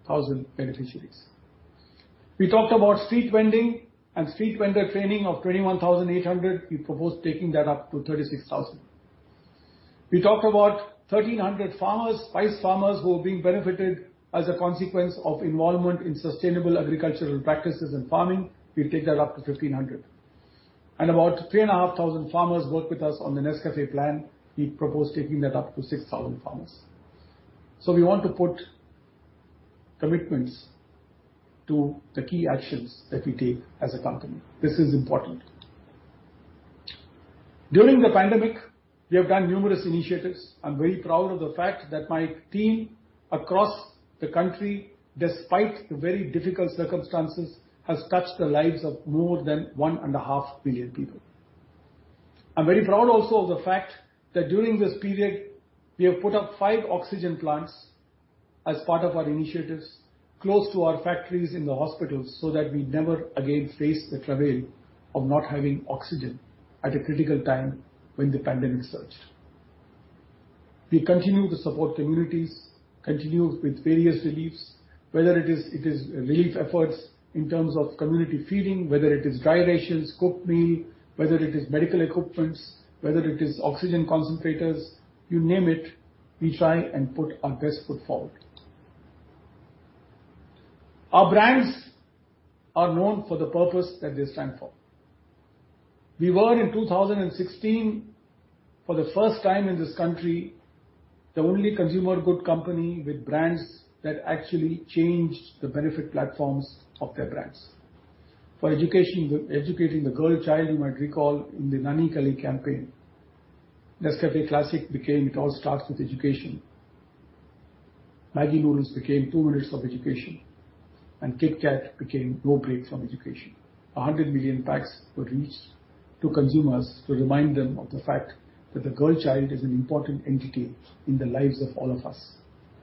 We talked about street vending and street vendor training of 21,800. We propose taking that up to 36,000. We talked about 1,300 farmers, rice farmers, who are being benefited as a consequence of involvement in sustainable agricultural practices and farming. We'll take that up to 1,500. About 3,500 farmers work with us on the NESCAFÉ Plan. We propose taking that up to 6,000 farmers. We want to put commitments to the key actions that we take as a company. This is important. During the pandemic, we have done numerous initiatives. I'm very proud of the fact that my team across the country, despite the very difficult circumstances, has touched the lives of more than 1.5 billion people. I'm very proud also of the fact that during this period, we have put up 5 oxygen plants as part of our initiatives close to our factories in the hospitals, so that we never again face the travail of not having oxygen at a critical time when the pandemic surged. We continue to support communities, continue with various reliefs, whether it is relief efforts in terms of community feeding, whether it is dry rations, cooked meal, whether it is medical equipment, whether it is oxygen concentrators, you name it, we try and put our best foot forward. Our brands are known for the purpose that they stand for. We were in 2016, for the first time in this country, the only consumer goods company with brands that actually changed the benefit platforms of their brands. For education, educating the girl child, you might recall in the Nanhi Kali campaign, NESCAFÉ Classic became It All Starts with Education. MAGGI Noodles became 2 Minutes of Education, and KitKat became No Break from Education. 100 million packs were reached to consumers to remind them of the fact that the girl child is an important entity in the lives of all of us,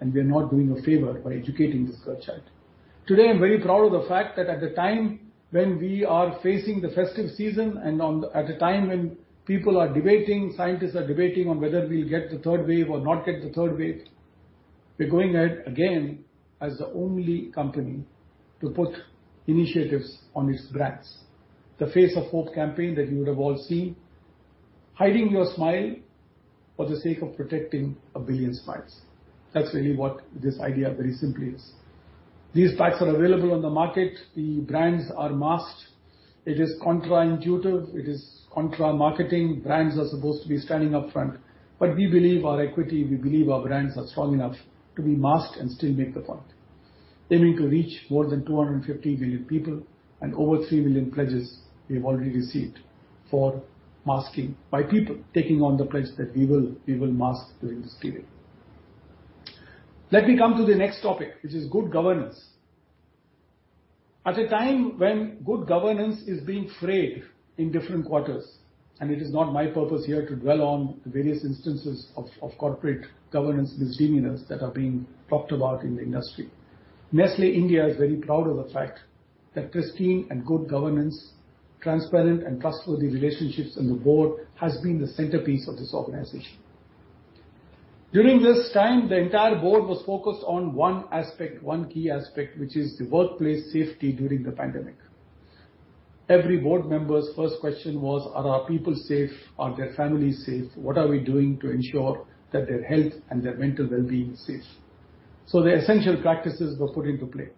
and we are not doing a favor by educating this girl child. Today, I'm very proud of the fact that at the time when we are facing the festive season and on- At a time when people are debating, scientists are debating on whether we'll get the third wave or not get the third wave, we're going ahead again as the only company to put initiatives on its brands. The Face of Hope campaign that you would have all seen, hiding your smile for the sake of protecting a billion smiles. That's really what this idea very simply is. These packs are available on the market. The brands are masked. It is contra-intuitive. It is contra-marketing. Brands are supposed to be standing up front, but we believe our equity, we believe our brands are strong enough to be masked and still make the point. Aiming to reach more than 250 million people and over 3 million pledges we've already received for masking by people taking on the pledge that we will mask during this period. Let me come to the next topic, which is good governance. At a time when good governance is being frayed in different quarters, and it is not my purpose here to dwell on the various instances of corporate governance misdemeanors that are being talked about in the industry. Nestlé India is very proud of the fact that pristine and good governance, transparent and trustworthy relationships on the board has been the centerpiece of this organization. During this time, the entire board was focused on 1 aspect, 1 key aspect, which is the workplace safety during the pandemic. Every board member's first question was, "Are our people safe? Are their families safe? What are we doing to ensure that their health and their mental wellbeing is safe?" The essential practices were put into play.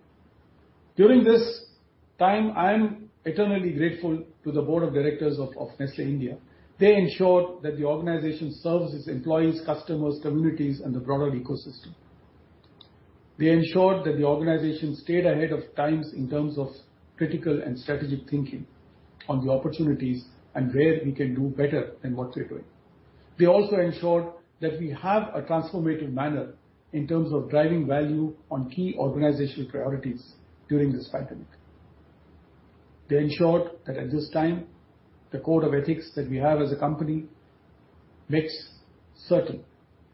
During this time, I'm eternally grateful to the board of directors of Nestlé India. They ensured that the organization serves its employees, customers, communities, and the broader ecosystem. They ensured that the organization stayed ahead of times in terms of critical and strategic thinking on the opportunities and where we can do better than what we're doing. They also ensured that we have a transformative manner in terms of driving value on key organizational priorities during this pandemic. They ensured that at this time, the code of ethics that we have as a company makes certain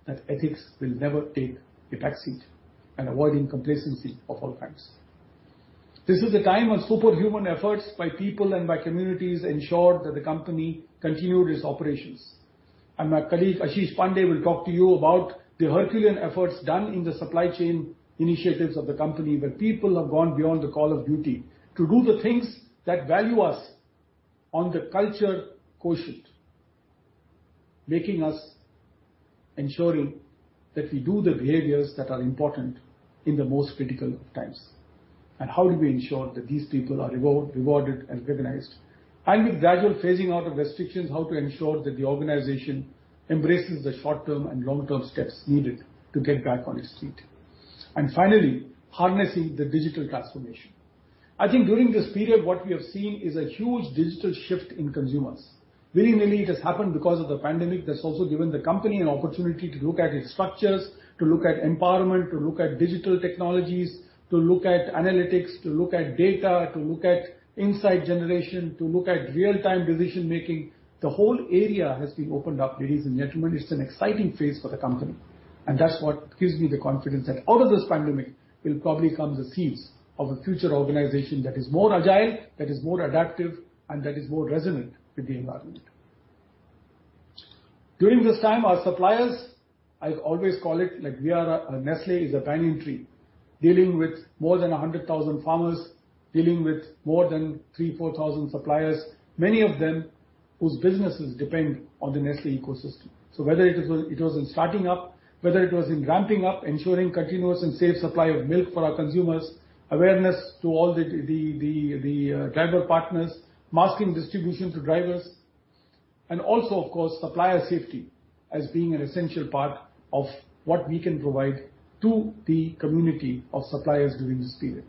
that ethics will never take a back seat, and avoiding complacency of all kinds. This is the time when superhuman efforts by people and by communities ensured that the company continued its operations. My colleague, Ashish Pande, will talk to you about the Herculean efforts done in the supply chain initiatives of the company, where people have gone beyond the call of duty to do the things that value us on the culture quotient, making us ensure that we do the behaviors that are important in the most critical of times. How do we ensure that these people are rewarded and recognized? With gradual phasing out of restrictions, how to ensure that the organization embraces the short-term and long-term steps needed to get back on its feet. Finally, harnessing the digital transformation. I think during this period, what we have seen is a huge digital shift in consumers. Very rarely it has happened because of the pandemic that's also given the company an opportunity to look at its structures, to look at empowerment, to look at digital technologies, to look at analytics, to look at data, to look at insight generation, to look at real-time decision-making. The whole area has been opened up, ladies and gentlemen. It's an exciting phase for the company, and that's what gives me the confidence that out of this pandemic will probably come the seeds of a future organization that is more agile, that is more adaptive, and that is more resonant with the environment. During this time, our suppliers, I always call it like Nestlé is a banyan tree, dealing with more than 100,000 farmers, dealing with more than 3,000 to 4,000 suppliers, many of them whose businesses depend on the Nestlé ecosystem. Whether it was in starting up, whether it was in ramping up, ensuring continuous and safe supply of milk for our consumers, awareness to all the driver partners, masking distribution to drivers, and also, of course, supplier safety as being an essential part of what we can provide to the community of suppliers during this period.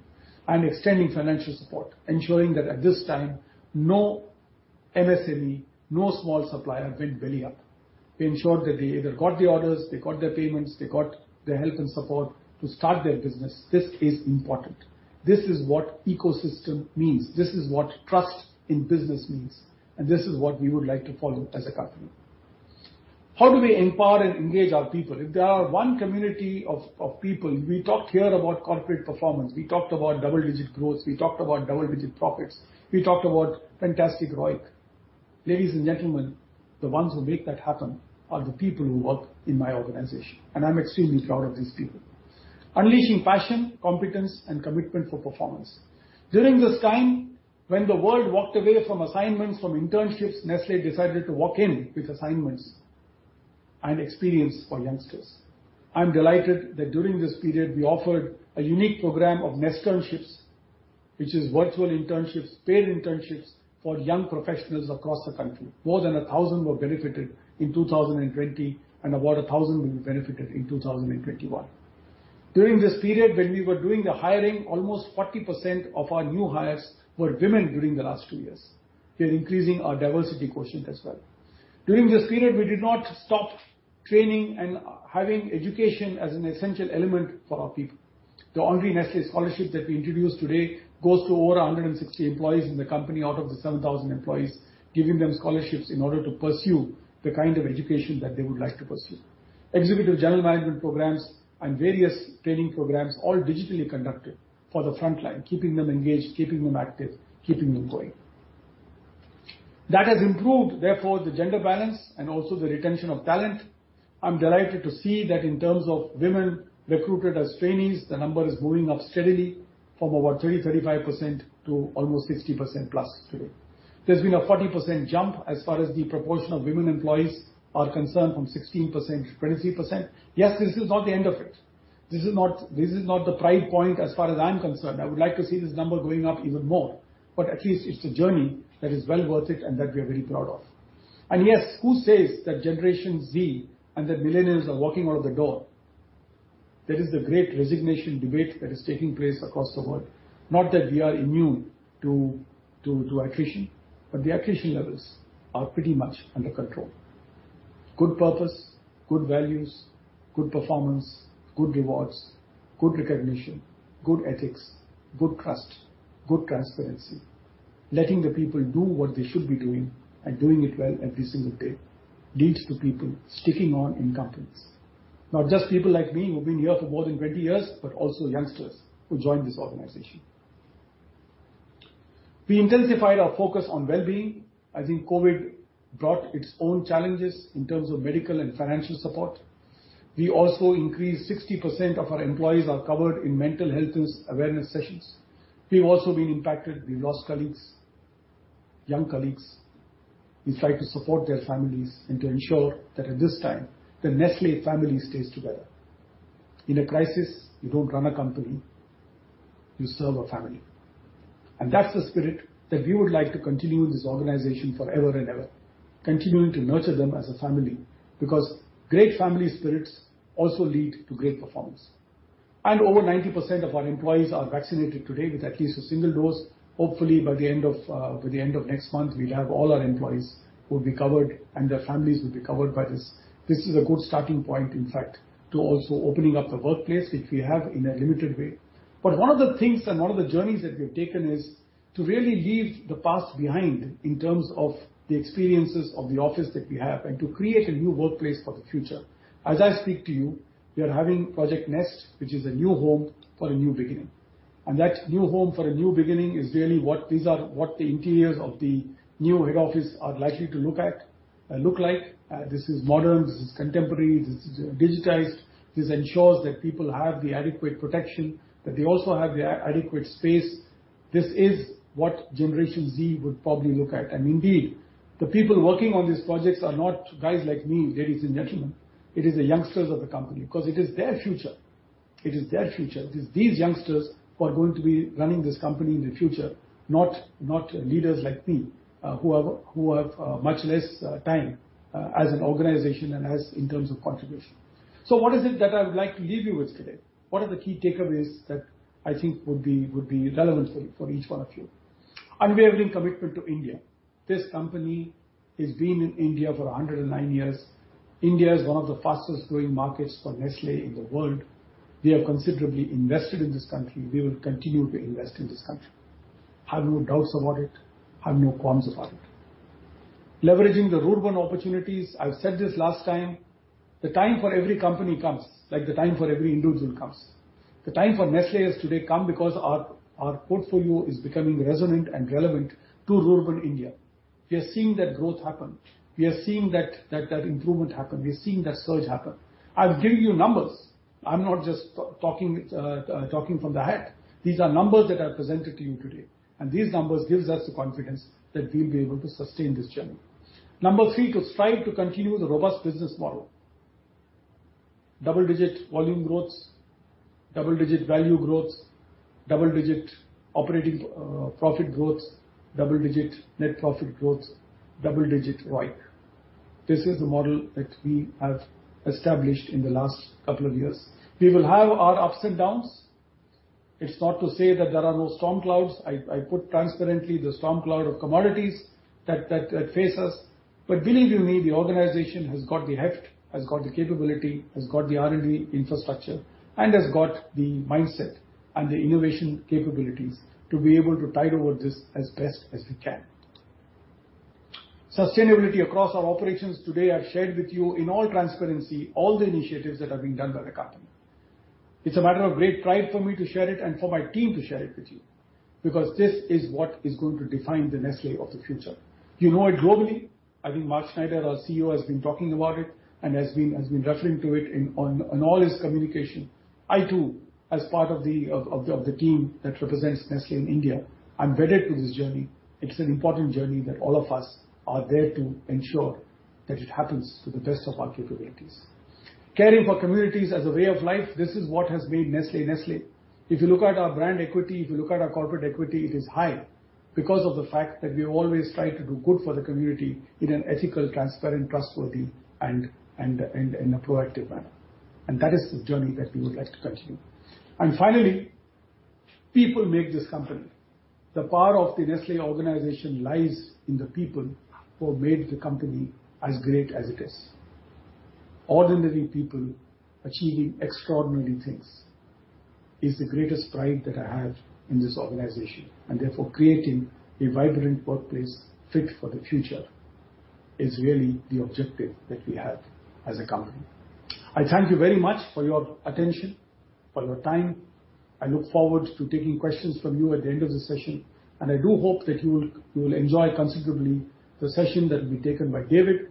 Extending financial support, ensuring that at this time, no MSME, no small supplier went belly up. We ensured that they either got the orders, they got their payments, they got the help and support to start their business. This is important. This is what ecosystem means. This is what trust in business means, and this is what we would like to follow as a company. How do we empower and engage our people? If there's 1 community of people, we talked here about corporate performance, we talked about double-digit growth, we talked about double-digit profits, we talked about fantastic ROIC. Ladies and gentlemen, the ones who make that happen are the people who work in my organization, and I'm extremely proud of these people. Unleashing passion, competence, and commitment for performance. During this time, when the world walked away from assignments, from internships, Nestlé decided to walk in with assignments and experience for youngsters. I'm delighted that during this period, we offered a unique program of Nesternships, which is virtual internships, paid internships for young professionals across the country. More than 1,000 were benefited in 2020, and about 1,000 will be benefited in 2021. During this period when we were doing the hiring, almost 40% of our new hires were women during the last 2 years. We are increasing our diversity quotient as well. During this period, we did not stop training and having education as an essential element for our people. The Only Nestlé scholarship that we introduced today goes to over 160 employees in the company out of the 7,000 employees, giving them scholarships in order to pursue the kind of education that they would like to pursue. Executive general management programs and various training programs, all digitally conducted for the front line, keeping them engaged, keeping them active, keeping them going. That has improved, therefore, the gender balance and also the retention of talent. I'm delighted to see that in terms of women recruited as trainees, the number is moving up steadily from about 20% to 35% to almost 60%+ today. There's been a 40% jump as far as the proportion of women employees are concerned, from 16% to 20%. Yes, this is not the end of it. This is not the pride point as far as I'm concerned. I would like to see this number going up even more, but at least it's a journey that is well worth it and that we are very proud of. Yes, who says that Generation Z and that millennials are walking out of the door? There is the Great Resignation debate that is taking place across the world. Not that we are immune to attrition, but the attrition levels are pretty much under control. Good purpose, good values, good performance, good rewards, good recognition, good ethics, good trust, good transparency. Letting the people do what they should be doing and doing it well every single day leads to people sticking on in companies. Not just people like me who've been here for more than 20 years, but also youngsters who join this organization. We intensified our focus on well-being. I think COVID brought its own challenges in terms of medical and financial support. We also increased 60% of our employees are covered in mental health awareness sessions. We've also been impacted. We've lost colleagues, young colleagues. We try to support their families and to ensure that at this time, the Nestlé family stays together. In a crisis, you don't run a company, you serve a family. That's the spirit that we would like to continue in this organization forever and ever, continuing to nurture them as a family, because great family spirits also lead to great performance. Over 90% of our employees are vaccinated today with at least a single dose. Hopefully, by the end of next month, we'll have all our employees who will be covered and their families will be covered by this. This is a good starting point, in fact, to also opening up the workplace, which we have in a limited way. One of the things and one of the journeys that we've taken is to really leave the past behind in terms of the experiences of the office that we have and to create a new workplace for the future. As I speak to you, we are having Project Nest, which is a new home for a new beginning. That new home for a new beginning is really what these are, what the interiors of the new head office are likely to look like. This is modern, this is contemporary, this is digitized. This ensures that people have the adequate protection, that they also have the adequate space. This is what Generation Z would probably look at. Indeed, the people working on these projects are not guys like me, ladies and gentlemen, it is the youngsters of the company, because it is their future. It is their future. It is these youngsters who are going to be running this company in the future, not leaders like me, who have much less time as an organization and as in terms of contribution. What is it that I would like to leave you with today? What are the key takeaways that I think would be relevant for you, for each one of you? Unwavering commitment to India. This company has been in India for 109 years. India is one of the fastest-growing markets for Nestlé in the world. We have considerably invested in this country. We will continue to invest in this country. Have no doubts about it. Have no qualms about it. Leveraging the rural opportunities. I've said this last time. The time for every company comes, like the time for every individual comes. The time for Nestlé has today come because our portfolio is becoming resonant and relevant to rural India. We are seeing that growth happen. We are seeing that improvement happen. We are seeing that surge happen. I've given you numbers. I'm not just talking from the head. These are numbers that I've presented to you today, and these numbers gives us the confidence that we'll be able to sustain this journey. Number 3, to strive to continue the robust business model. Double-digit volume growths, double-digit value growths, double-digit operating profit growths, double-digit net profit growths, double-digit ROIC. This is the model that we have established in the last couple of years. We will have our ups and downs. It's not to say that there are no storm clouds. I put transparently the storm cloud of commodities that face us. Believe you me, the organization has got the heft, has got the capability, has got the R&D infrastructure, and has got the mindset and the innovation capabilities to be able to tide over this as best as we can. Sustainability across our operations. Today, I've shared with you in all transparency, all the initiatives that are being done by the company. It's a matter of great pride for me to share it and for my team to share it with you, because this is what is going to define the Nestlé of the future. You know it globally. I think Mark Schneider, our CEO, has been talking about it and has been referring to it in all his communication. I too, as part of the team that represents Nestlé in India, I'm wedded to this journey. It's an important journey that all of us are there to ensure that it happens to the best of our capabilities. Caring for communities as a way of life, this is what has made Nestlé Nestlé. If you look at our brand equity, if you look at our corporate equity, it is high. Because of the fact that we always try to do good for the community in an ethical, transparent, trustworthy, and in a proactive manner. That is the journey that we would like to continue. Finally, people make this company. The power of the Nestlé organization lies in the people who made the company as great as it is. Ordinary people achieving extraordinary things is the greatest pride that I have in this organization, and therefore, creating a vibrant workplace fit for the future is really the objective that we have as a company. I thank you very much for your attention, for your time. I look forward to taking questions from you at the end of the session, and I do hope that you will enjoy considerably the session that will be taken by David,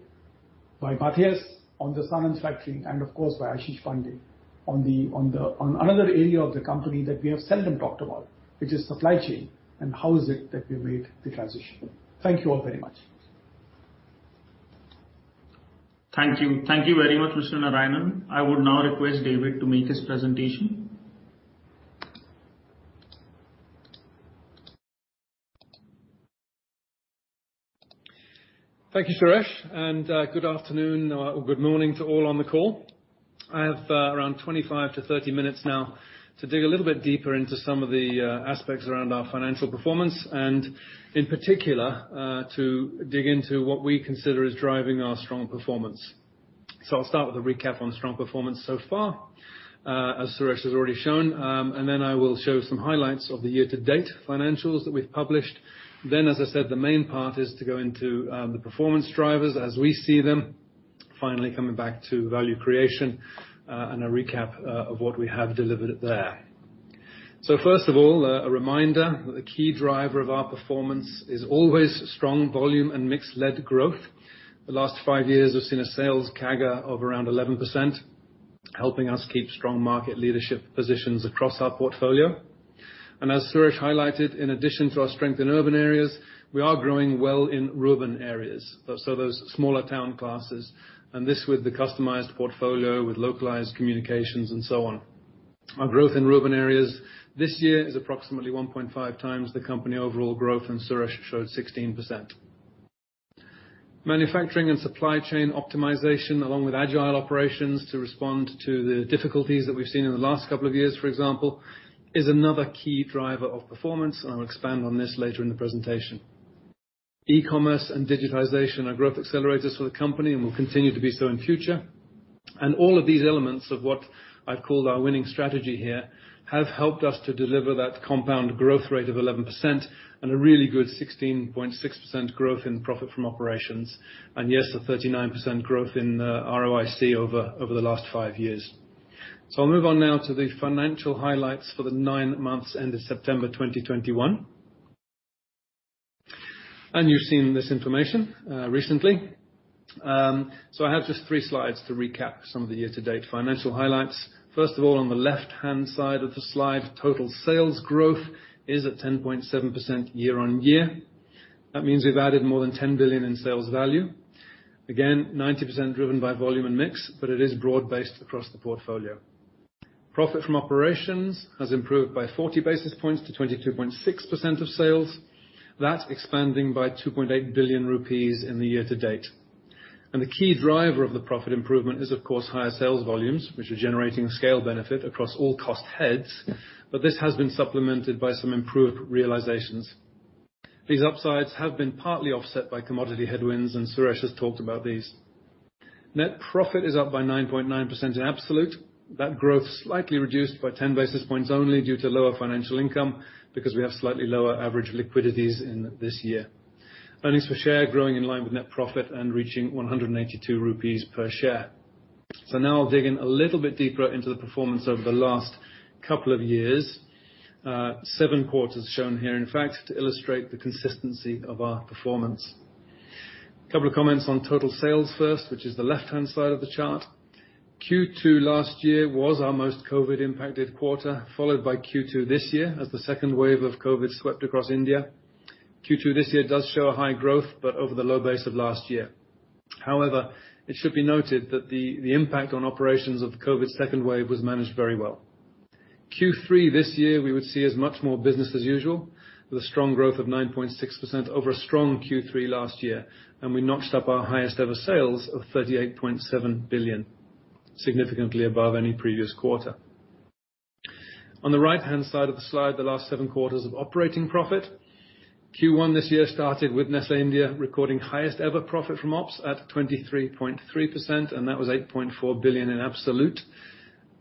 by Matthias on the Sanand factory, and of course, by Ashish Pande on another area of the company that we have seldom talked about, which is supply chain and how is it that we made the transition. Thank you all very much. Thank you. Thank you very much, Mr. Narayanan. I would now request David to make his presentation. Thank you, Suresh. Good afternoon or good morning to all on the call. I have around 25 to 30 minutes now to dig a little bit deeper into some of the aspects around our financial performance and in particular to dig into what we consider is driving our strong performance. I'll start with a recap on strong performance so far, as Suresh has already shown, and then I will show some highlights of the year-to-date financials that we've published. As I said, the main part is to go into the performance drivers as we see them, finally coming back to value creation and a recap of what we have delivered there. First of all, a reminder that the key driver of our performance is always strong volume and mix-led growth. The last 5 years, we've seen a sales CAGR of around 11%, helping us keep strong market leadership positions across our portfolio. As Suresh highlighted, in addition to our strength in urban areas, we are growing well in rural areas, so those smaller town classes, and this with the customized portfolio, with localized communications and so on. Our growth in rural areas this year is approximately 1.5 times the company overall growth, and Suresh showed 16%. Manufacturing and supply chain optimization, along with agile operations to respond to the difficulties that we've seen in the last couple of years, for example, is another key driver of performance, and I'll expand on this later in the presentation. e-commerce and digitization are growth accelerators for the company and will continue to be so in future. All of these elements of what I've called our winning strategy here have helped us to deliver that compound growth rate of 11% and a really good 16.6% growth in profit from operations, and yes, a 39% growth in ROIC over the last 5 years. I'll move on now to the financial highlights for the 9 months ended September 2021. You've seen this information recently. I have just 3 slides to recap some of the year-to-date financial highlights. First of all, on the left-hand side of the slide, total sales growth is at 10.7% year-on-year. That means we've added more than 10 billion in sales value. Again, 90% driven by volume and mix, but it is broad-based across the portfolio. Profit from operations has improved by 40 basis points to 22.6% of sales. That expanding by 2.8 billion rupees in the year-to-date. The key driver of the profit improvement is of course higher sales volumes, which are generating scale benefit across all cost heads, but this has been supplemented by some improved realizations. These upsides have been partly offset by commodity headwinds, and Suresh has talked about these. Net profit is up by 9.9% in absolute. That growth slightly reduced by 10 basis points only due to lower financial income, because we have slightly lower average liquidities in this year. Earnings per share growing in line with net profit and reaching 182 rupees per share. Now I'll dig in a little bit deeper into the performance over the last couple of years. 7 quarters shown here, in fact, to illustrate the consistency of our performance. A couple of comments on total sales first, which is the left-hand side of the chart. Q2 last year was our most COVID-impacted quarter, followed by Q2 this year as the second wave of COVID swept across India. Q2 this year does show a high growth but over the low base of last year. However, it should be noted that the impact on operations of the COVID second wave was managed very well. Q3 this year, we would see as much more business as usual, with a strong growth of 9.6% over a strong Q3 last year, and we notched up our highest ever sales of 38.7 billion, significantly above any previous quarter. On the right-hand side of the slide, the last 7 quarters of operating profit. Q1 this year started with Nestlé India recording highest ever profit from ops at 23.3%, and that was 8.4 billion in absolute.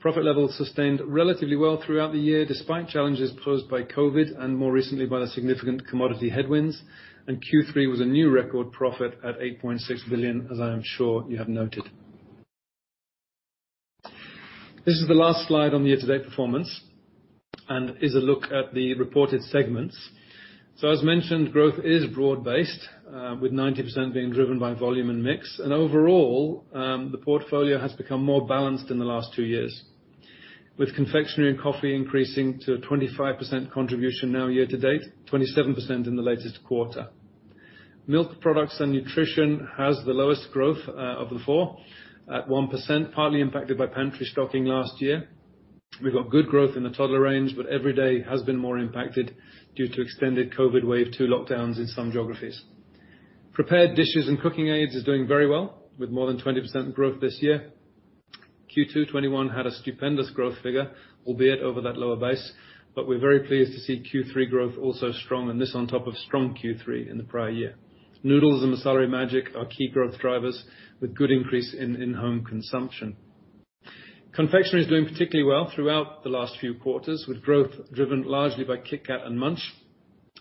Profit levels sustained relatively well throughout the year despite challenges posed by COVID and more recently by the significant commodity headwinds, and Q3 was a new record profit at 8.6 billion, as I am sure you have noted. This is the last slide on the year-to-date performance, and is a look at the reported segments. As mentioned, growth is broad-based, with 90% being driven by volume and mix. Overall, the portfolio has become more balanced in the last 2 years, with confectionery and coffee increasing to a 25% contribution now year-to-date, 27% in the latest quarter. Milk products and nutrition has the lowest growth of the 4 at 1%, partly impacted by pantry stocking last year. We've got good growth in the toddler range, but EVERYDAY has been more impacted due to extended COVID wave 2 lockdowns in some geographies. Prepared dishes and cooking aids is doing very well with more than 20% growth this year. Q2 2021 had a stupendous growth figure, albeit over that lower base. We're very pleased to see Q3 growth also strong, and this on top of strong Q3 in the prior year. Noodles and MAGGI Masala-ae-Magic are key growth drivers with good increase in home consumption. Confectionery is doing particularly well throughout the last few quarters, with growth driven largely by KitKat and Munch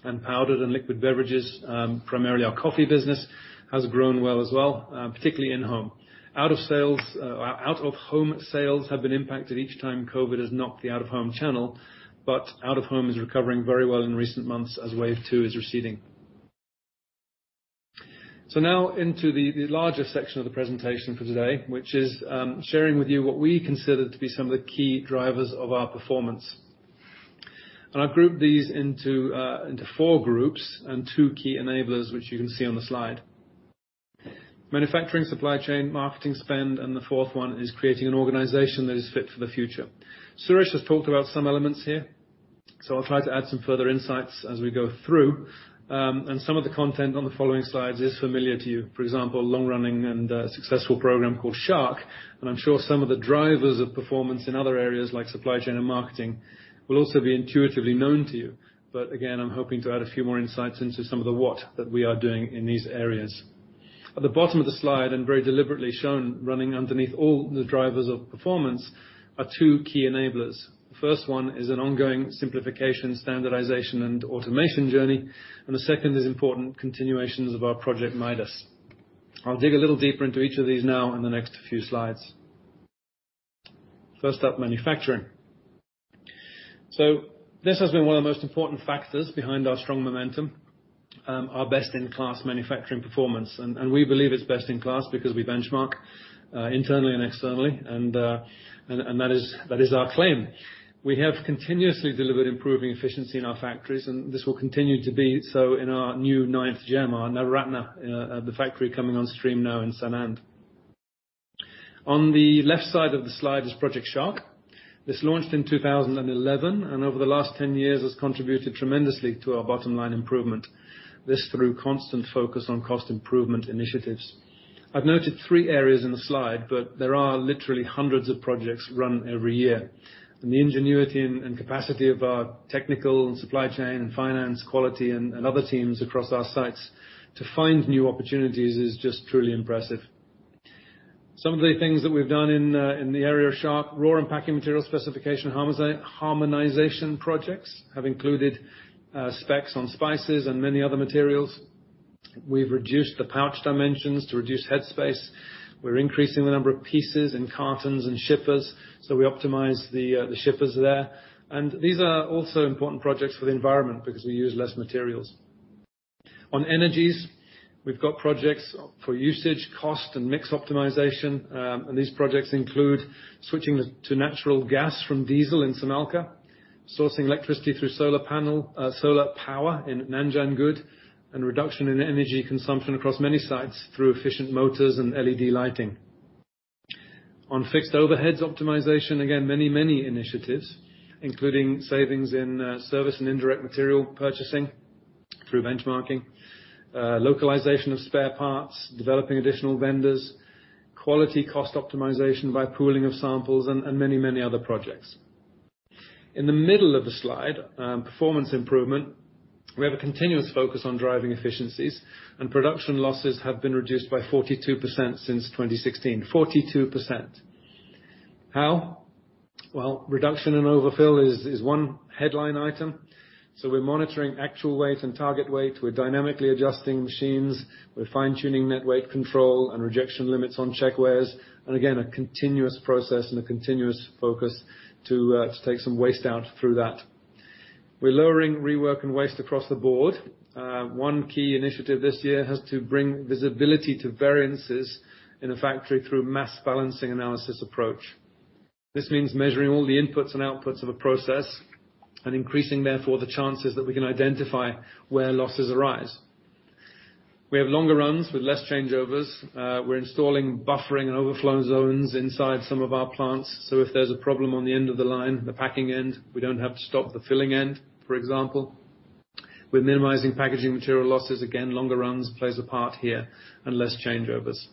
and powdered and liquid beverages, primarily our coffee business has grown well as well, particularly in home. Out-of-home sales have been impacted each time COVID has knocked the out-of-home channel, but out-of-home is recovering very well in recent months as wave 2 is receding. Now into the larger section of the presentation for today, which is sharing with you what we consider to be some of the key drivers of our performance. I've grouped these into 4 groups and 2 key enablers which you can see on the slide. Manufacturing, supply chain, marketing spend, and the fourth one is creating an organization that is fit for the future. Suresh has talked about some elements here, so I'll try to add some further insights as we go through. Some of the content on the following slides is familiar to you, for example, long-running and successful program called Shark. I'm sure some of the drivers of performance in other areas like supply chain and marketing will also be intuitively known to you. Again, I'm hoping to add a few more insights into some of the what that we are doing in these areas. At the bottom of the slide and very deliberately shown running underneath all the drivers of performance are 2 key enablers. First one is an ongoing simplification, standardization, and automation journey, and the second is important continuations of our Project Midas. I'll dig a little deeper into each of these now in the next few slides. First up, manufacturing. This has been one of the most important factors behind our strong momentum, our best in class manufacturing performance. We believe it's best in class because we benchmark internally and externally, and that is our claim. We have continuously delivered improving efficiency in our factories, and this will continue to be so in our new ninth gem, our Navratna, the factory coming on stream now in Sanand. On the left side of the slide is Project Shark. This launched in 2011, and over the last 10 years has contributed tremendously to our bottom line improvement through constant focus on cost improvement initiatives. I've noted 3 areas in the slide, but there are literally hundreds of projects run every year. The ingenuity and capacity of our technical supply chain and finance quality and other teams across our sites to find new opportunities is just truly impressive. Some of the things that we've done in the area of Shark, raw and packing material specification harmonization projects have included specs on spices and many other materials. We've reduced the pouch dimensions to reduce head space. We're increasing the number of pieces in cartons and shippers, so we optimize the shippers there. These are also important projects for the environment because we use less materials. On energies, we've got projects for usage, cost, and mix optimization. These projects include switching to natural gas from diesel in Samalkha, sourcing electricity through solar panel solar power in Nanjangud, and reduction in energy consumption across many sites through efficient motors and LED lighting. On fixed overheads optimization, again, many initiatives, including savings in service and indirect material purchasing through benchmarking, localization of spare parts, developing additional vendors, quality cost optimization by pooling of samples, and many other projects. In the middle of the slide, performance improvement, we have a continuous focus on driving efficiencies, and production losses have been reduced by 42% since 2016. 42%. How? Well, reduction in overfill is 1 headline item. So we're monitoring actual weight and target weight. We're dynamically adjusting machines. We're fine-tuning net weight control and rejection limits on checkweighers. Again, a continuous process and a continuous focus to take some waste out through that. We're lowering rework and waste across the board. 1 key initiative this year has to bring visibility to variances in a factory through mass balancing analysis approach. This means measuring all the inputs and outputs of a process and increasing, therefore, the chances that we can identify where losses arise. We have longer runs with less changeovers. We're installing buffering and overflow zones inside some of our plants, so if there's a problem on the end of the line, the packing end, we don't have to stop the filling end, for example. We're minimizing packaging material losses. Again, longer runs plays a part here and less changeovers.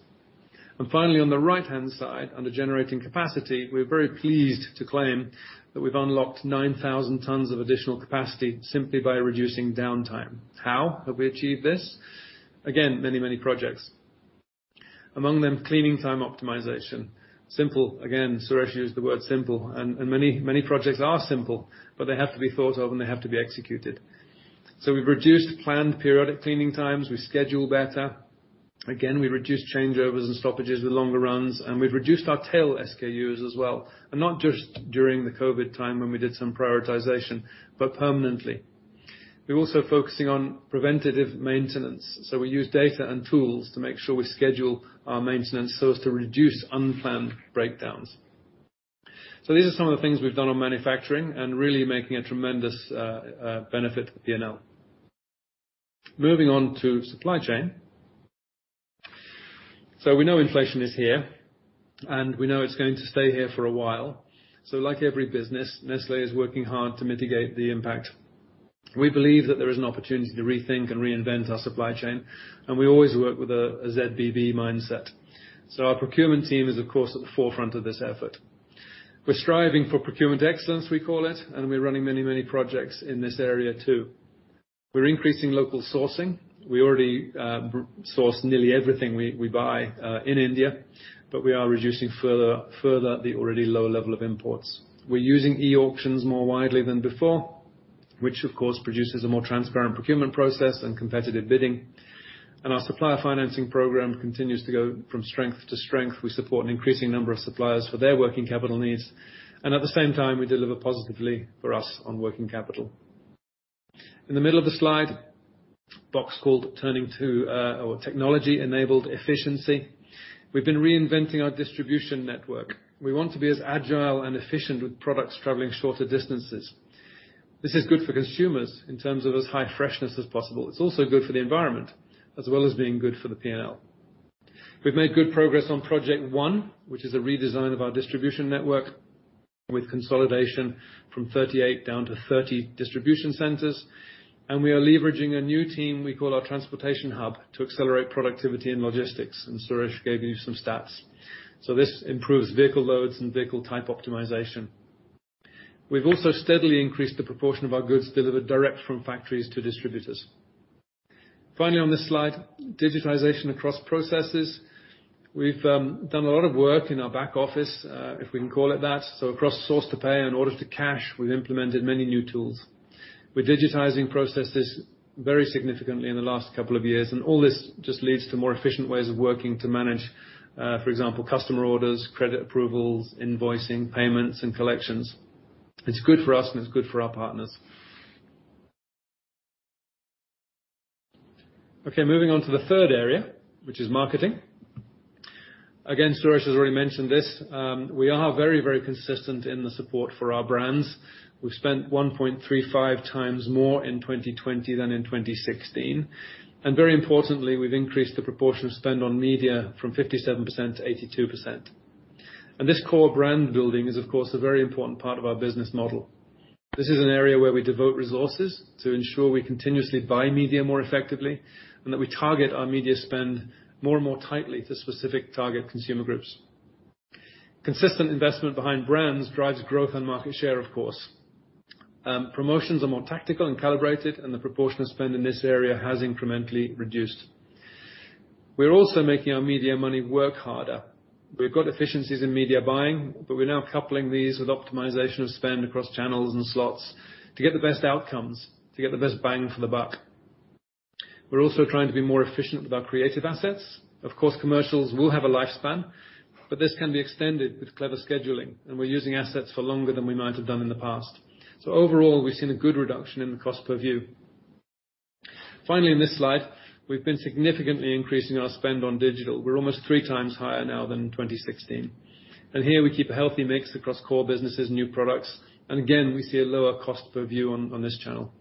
Finally, on the right-hand side, under generating capacity, we're very pleased to claim that we've unlocked 9,000 tons of additional capacity simply by reducing downtime. How have we achieved this? Again, many, many projects. Among them, cleaning time optimization. Simple. Again, Suresh used the word simple. Many, many projects are simple, but they have to be thought of and they have to be executed. We've reduced planned periodic cleaning times. We schedule better. Again, we reduced changeovers and stoppages with longer runs, and we've reduced our tail SKUs as well. Not just during the COVID time when we did some prioritization, but permanently. We're also focusing on preventative maintenance. We use data and tools to make sure we schedule our maintenance so as to reduce unplanned breakdowns. These are some of the things we've done on manufacturing and really making a tremendous benefit to the P&L. Moving on to supply chain. We know inflation is here, and we know it's going to stay here for a while. Like every business, Nestlé is working hard to mitigate the impact. We believe that there is an opportunity to rethink and reinvent our supply chain, and we always work with a ZBB mindset. Our procurement team is, of course, at the forefront of this effort. We're striving for procurement excellence, we call it, and we're running many projects in this area too. We're increasing local sourcing. We already source nearly everything we buy in India, but we are reducing further the already low level of imports. We're using e-auctions more widely than before, which of course, produces a more transparent procurement process and competitive bidding. Our supplier financing program continues to go from strength to strength. We support an increasing number of suppliers for their working capital needs, and at the same time, we deliver positively for us on working capital. In the middle of the slide, box called turning to our technology-enabled efficiency. We've been reinventing our distribution network. We want to be as agile and efficient with products traveling shorter distances. This is good for consumers in terms of as high freshness as possible. It's also good for the environment, as well as being good for the P&L. We've made good progress on project 1, which is a redesign of our distribution network with consolidation from 38 down to 30 distribution centers, and we are leveraging a new team we call our Transportation Hub to accelerate productivity and logistics, and Suresh gave you some stats. This improves vehicle loads and vehicle type optimization. We've also steadily increased the proportion of our goods delivered direct from factories to distributors. Finally, on this slide, digitization across processes. We've done a lot of work in our back office, if we can call it that. So across source to pay and order to cash, we've implemented many new tools. We're digitizing processes very significantly in the last couple of years, and all this just leads to more efficient ways of working to manage, for example, customer orders, credit approvals, invoicing, payments, and collections. It's good for us, and it's good for our partners. Okay, moving on to the third area, which is marketing. Again, Suresh has already mentioned this. We are very, very consistent in the support for our brands. We've spent 1.35 times more in 2020 than in 2016. Very importantly, we've increased the proportion spend on media from 57% to 82%. This core brand building is, of course, a very important part of our business model. This is an area where we devote resources to ensure we continuously buy media more effectively, and that we target our media spend more and more tightly to specific target consumer groups. Consistent investment behind brands drives growth and market share, of course. Promotions are more tactical and calibrated, and the proportion of spend in this area has incrementally reduced. We're also making our media money work harder. We've got efficiencies in media buying, but we're now coupling these with optimization of spend across channels and slots to get the best outcomes, to get the best bang for the buck. We're also trying to be more efficient with our creative assets. Of course, commercials will have a lifespan, but this can be extended with clever scheduling, and we're using assets for longer than we might have done in the past. Overall, we've seen a good reduction in the cost per view. Finally, in this slide, we've been significantly increasing our spend on digital. We're almost 3x higher now than in 2016. Here we keep a healthy mix across core businesses, new products, and again, we see a lower cost per view on this channel.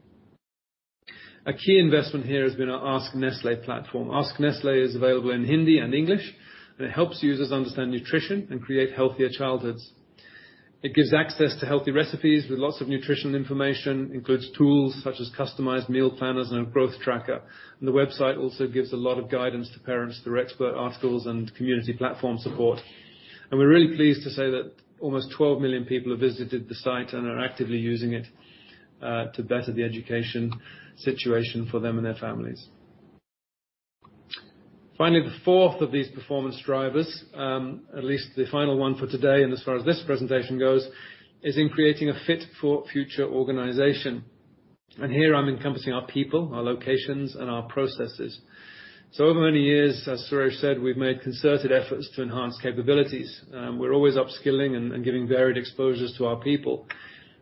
A key investment here has been our Ask Nestlé platform. Ask Nestlé is available in Hindi and English, and it helps users understand nutrition and create healthier childhoods. It gives access to healthy recipes with lots of nutritional information, includes tools such as customized meal planners and a growth tracker. The website also gives a lot of guidance to parents through expert articles and community platform support. We're really pleased to say that almost 12 million people have visited the site and are actively using it to better the education situation for them and their families. Finally, the fourth of these performance drivers, at least the final one for today, and as far as this presentation goes, is in creating a fit for future organization. Here I'm encompassing our people, our locations, and our processes. Over many years, as Suresh said, we've made concerted efforts to enhance capabilities. We're always upskilling and giving varied exposures to our people.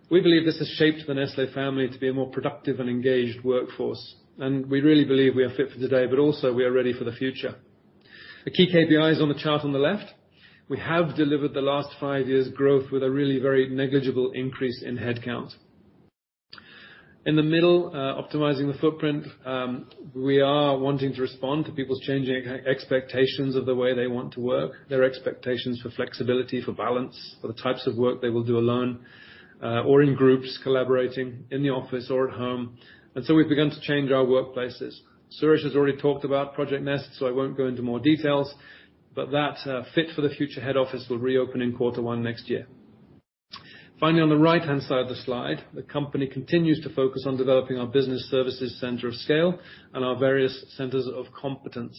We believe this has shaped the Nestlé family to be a more productive and engaged workforce, and we really believe we are fit for today, but also we are ready for the future. The key KPI is on the chart on the left. We have delivered the last 5 years' growth with a really very negligible increase in headcount. In the middle, optimizing the footprint, we are wanting to respond to people's changing expectations of the way they want to work, their expectations for flexibility, for balance, for the types of work they will do alone, or in groups, collaborating in the office or at home. We've begun to change our workplaces. Suresh has already talked about Project Nest, so I won't go into more details, but that fit for the future head office will reopen in Q1 next year. Finally, on the right-hand side of the slide, the company continues to focus on developing our business services center of scale and our various centers of competence.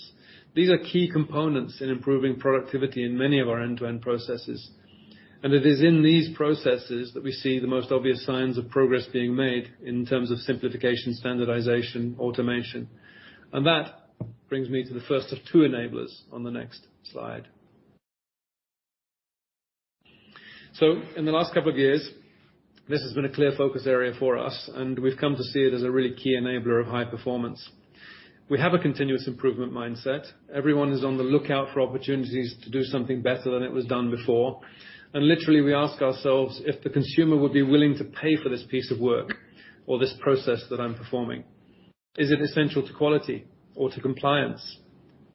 These are key components in improving productivity in many of our end-to-end processes. It is in these processes that we see the most obvious signs of progress being made in terms of simplification, standardization, automation. That brings me to the first of 2 enablers on the next slide. This has been a clear focus area for us, and we've come to see it as a really key enabler of high performance. We have a continuous improvement mindset. Everyone is on the lookout for opportunities to do something better than it was done before. Literally, we ask ourselves if the consumer would be willing to pay for this piece of work or this process that I'm performing. Is it essential to quality or to compliance?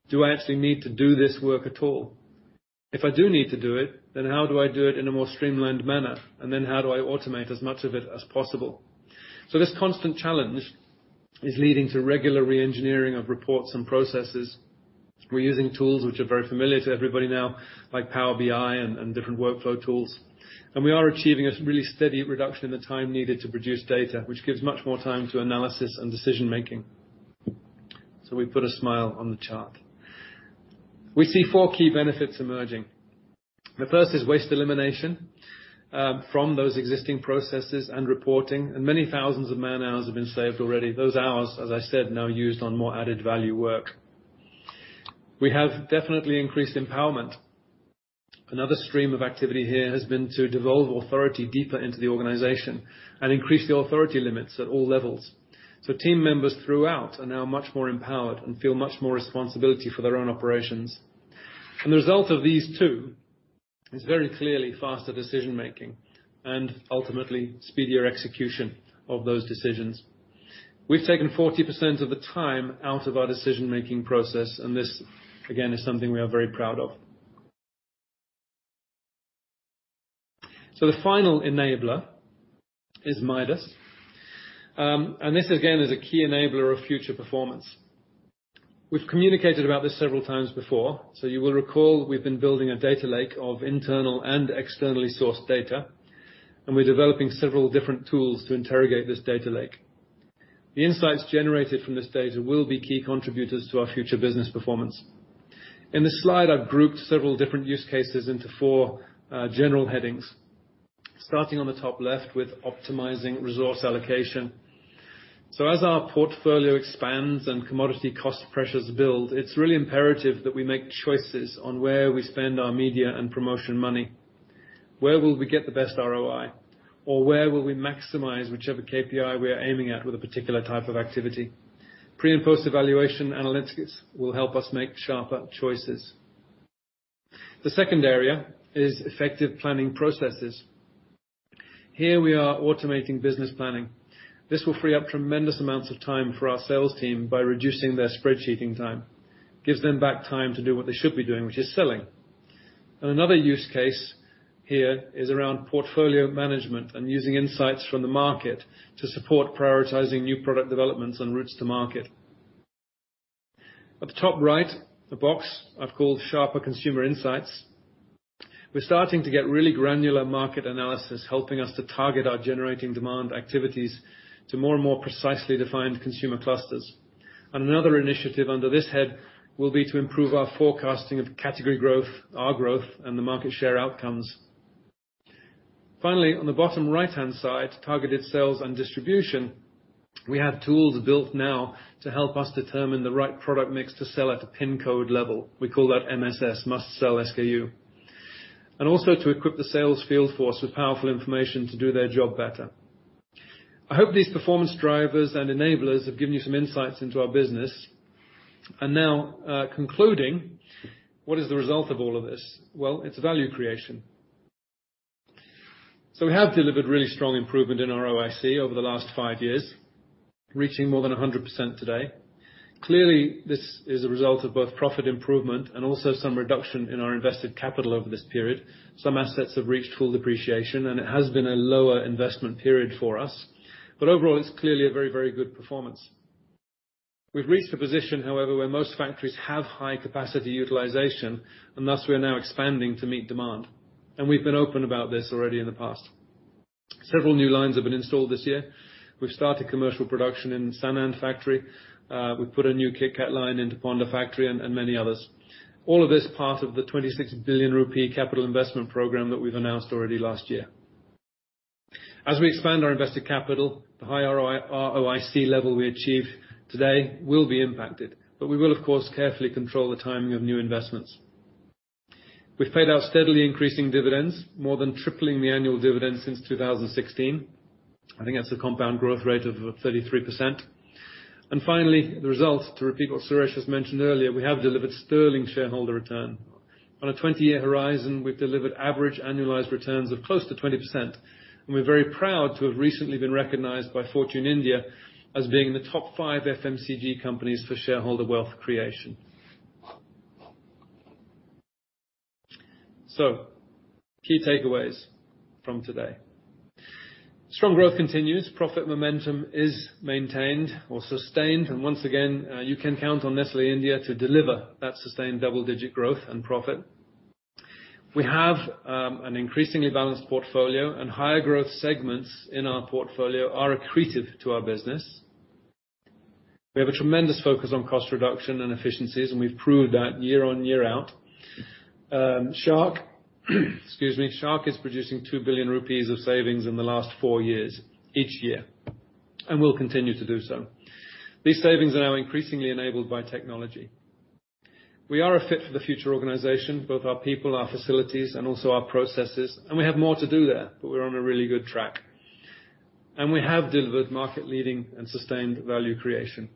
Do I actually need to do this work at all? If I do need to do it, then how do I do it in a more streamlined manner? How do I automate as much of it as possible? This constant challenge is leading to regular reengineering of reports and processes. We're using tools which are very familiar to everybody now, like Power BI and different workflow tools. We are achieving a really steady reduction in the time needed to produce data, which gives much more time to analysis and decision-making. We put a smile on the chart. We see 4 key benefits emerging. The first is waste elimination from those existing processes and reporting, and many thousands of man-hours have been saved already. Those hours, as I said, now used on more added value work. We have definitely increased empowerment. Another stream of activity here has been to devolve authority deeper into the organization and increase the authority limits at all levels. Team members throughout are now much more empowered and feel much more responsibility for their own operations. The result of these two is very clearly faster decision-making and ultimately speedier execution of those decisions. We've taken 40% of the time out of our decision-making process, and this, again, is something we are very proud of. The final enabler is Midas. This again is a key enabler of future performance. We've communicated about this several times before, so you will recall we've been building a data lake of internal and externally sourced data, and we're developing several different tools to interrogate this data lake. The insights generated from this data will be key contributors to our future business performance. In this slide, I've grouped several different use cases into 4 general headings, starting on the top left with optimizing resource allocation. As our portfolio expands and commodity cost pressures build, it's really imperative that we make choices on where we spend our media and promotion money. Where will we get the best ROI? Where will we maximize whichever KPI we are aiming at with a particular type of activity? Pre and post-evaluation analytics will help us make sharper choices. The second area is effective planning processes. Here we are automating business planning. This will free up tremendous amounts of time for our sales team by reducing their spreadsheeting time, gives them back time to do what they should be doing, which is selling. Another use case here is around portfolio management and using insights from the market to support prioritizing new product developments and routes to market. At the top right, the box I've called sharper consumer insights. We're starting to get really granular market analysis, helping us to target our generating demand activities to more and more precisely defined consumer clusters. Another initiative under this head will be to improve our forecasting of category growth, our growth, and the market share outcomes. Finally, on the bottom right-hand side, targeted sales and distribution, we have tools built now to help us determine the right product mix to sell at a PIN code level. We call that MSS, Must Sell SKU. Also to equip the sales field force with powerful information to do their job better. I hope these performance drivers and enablers have given you some insights into our business. Now, concluding, what is the result of all of this? Well, it's value creation. We have delivered really strong improvement in our ROIC over the last 5 years, reaching more than 100% today. Clearly, this is a result of both profit improvement and also some reduction in our invested capital over this period. Some assets have reached full depreciation, and it has been a lower investment period for us. Overall, it's clearly a very, very good performance. We've reached a position, however, where most factories have high capacity utilization, and thus we are now expanding to meet demand. We've been open about this already in the past. Several new lines have been installed this year. We've started commercial production in Sanand factory. We've put a new KitKat line into Ponda factory and many others. All of this part of the 26 billion rupee capital investment program that we've announced already last year. As we expand our invested capital, the high ROI, ROIC level we achieve today will be impacted, but we will of course, carefully control the timing of new investments. We've paid out steadily increasing dividends, more than tripling the annual dividends since 2016. I think that's a compound growth rate of 33%. Finally, the result, to repeat what Suresh has mentioned earlier, we have delivered sterling shareholder return. On a 20-year horizon, we've delivered average annualized returns of close to 20%, and we're very proud to have recently been recognized by Fortune India as being the top 5 FMCG companies for shareholder wealth creation. Key takeaways from today. Strong growth continues. Profit momentum is maintained or sustained. Once again, you can count on Nestlé India to deliver that sustained double-digit growth and profit. We have an increasingly balanced portfolio and higher growth segments in our portfolio are accretive to our business. We have a tremendous focus on cost reduction and efficiencies, and we've proved that year on, year out. Shark, excuse me, Shark is producing 2 billion rupees of savings in the last 4 years, each year, and will continue to do so. These savings are now increasingly enabled by technology. We are a fit for the future organization, both our people, our facilities, and also our processes, and we have more to do there, but we're on a really good track. We have delivered market-leading and sustained value creation.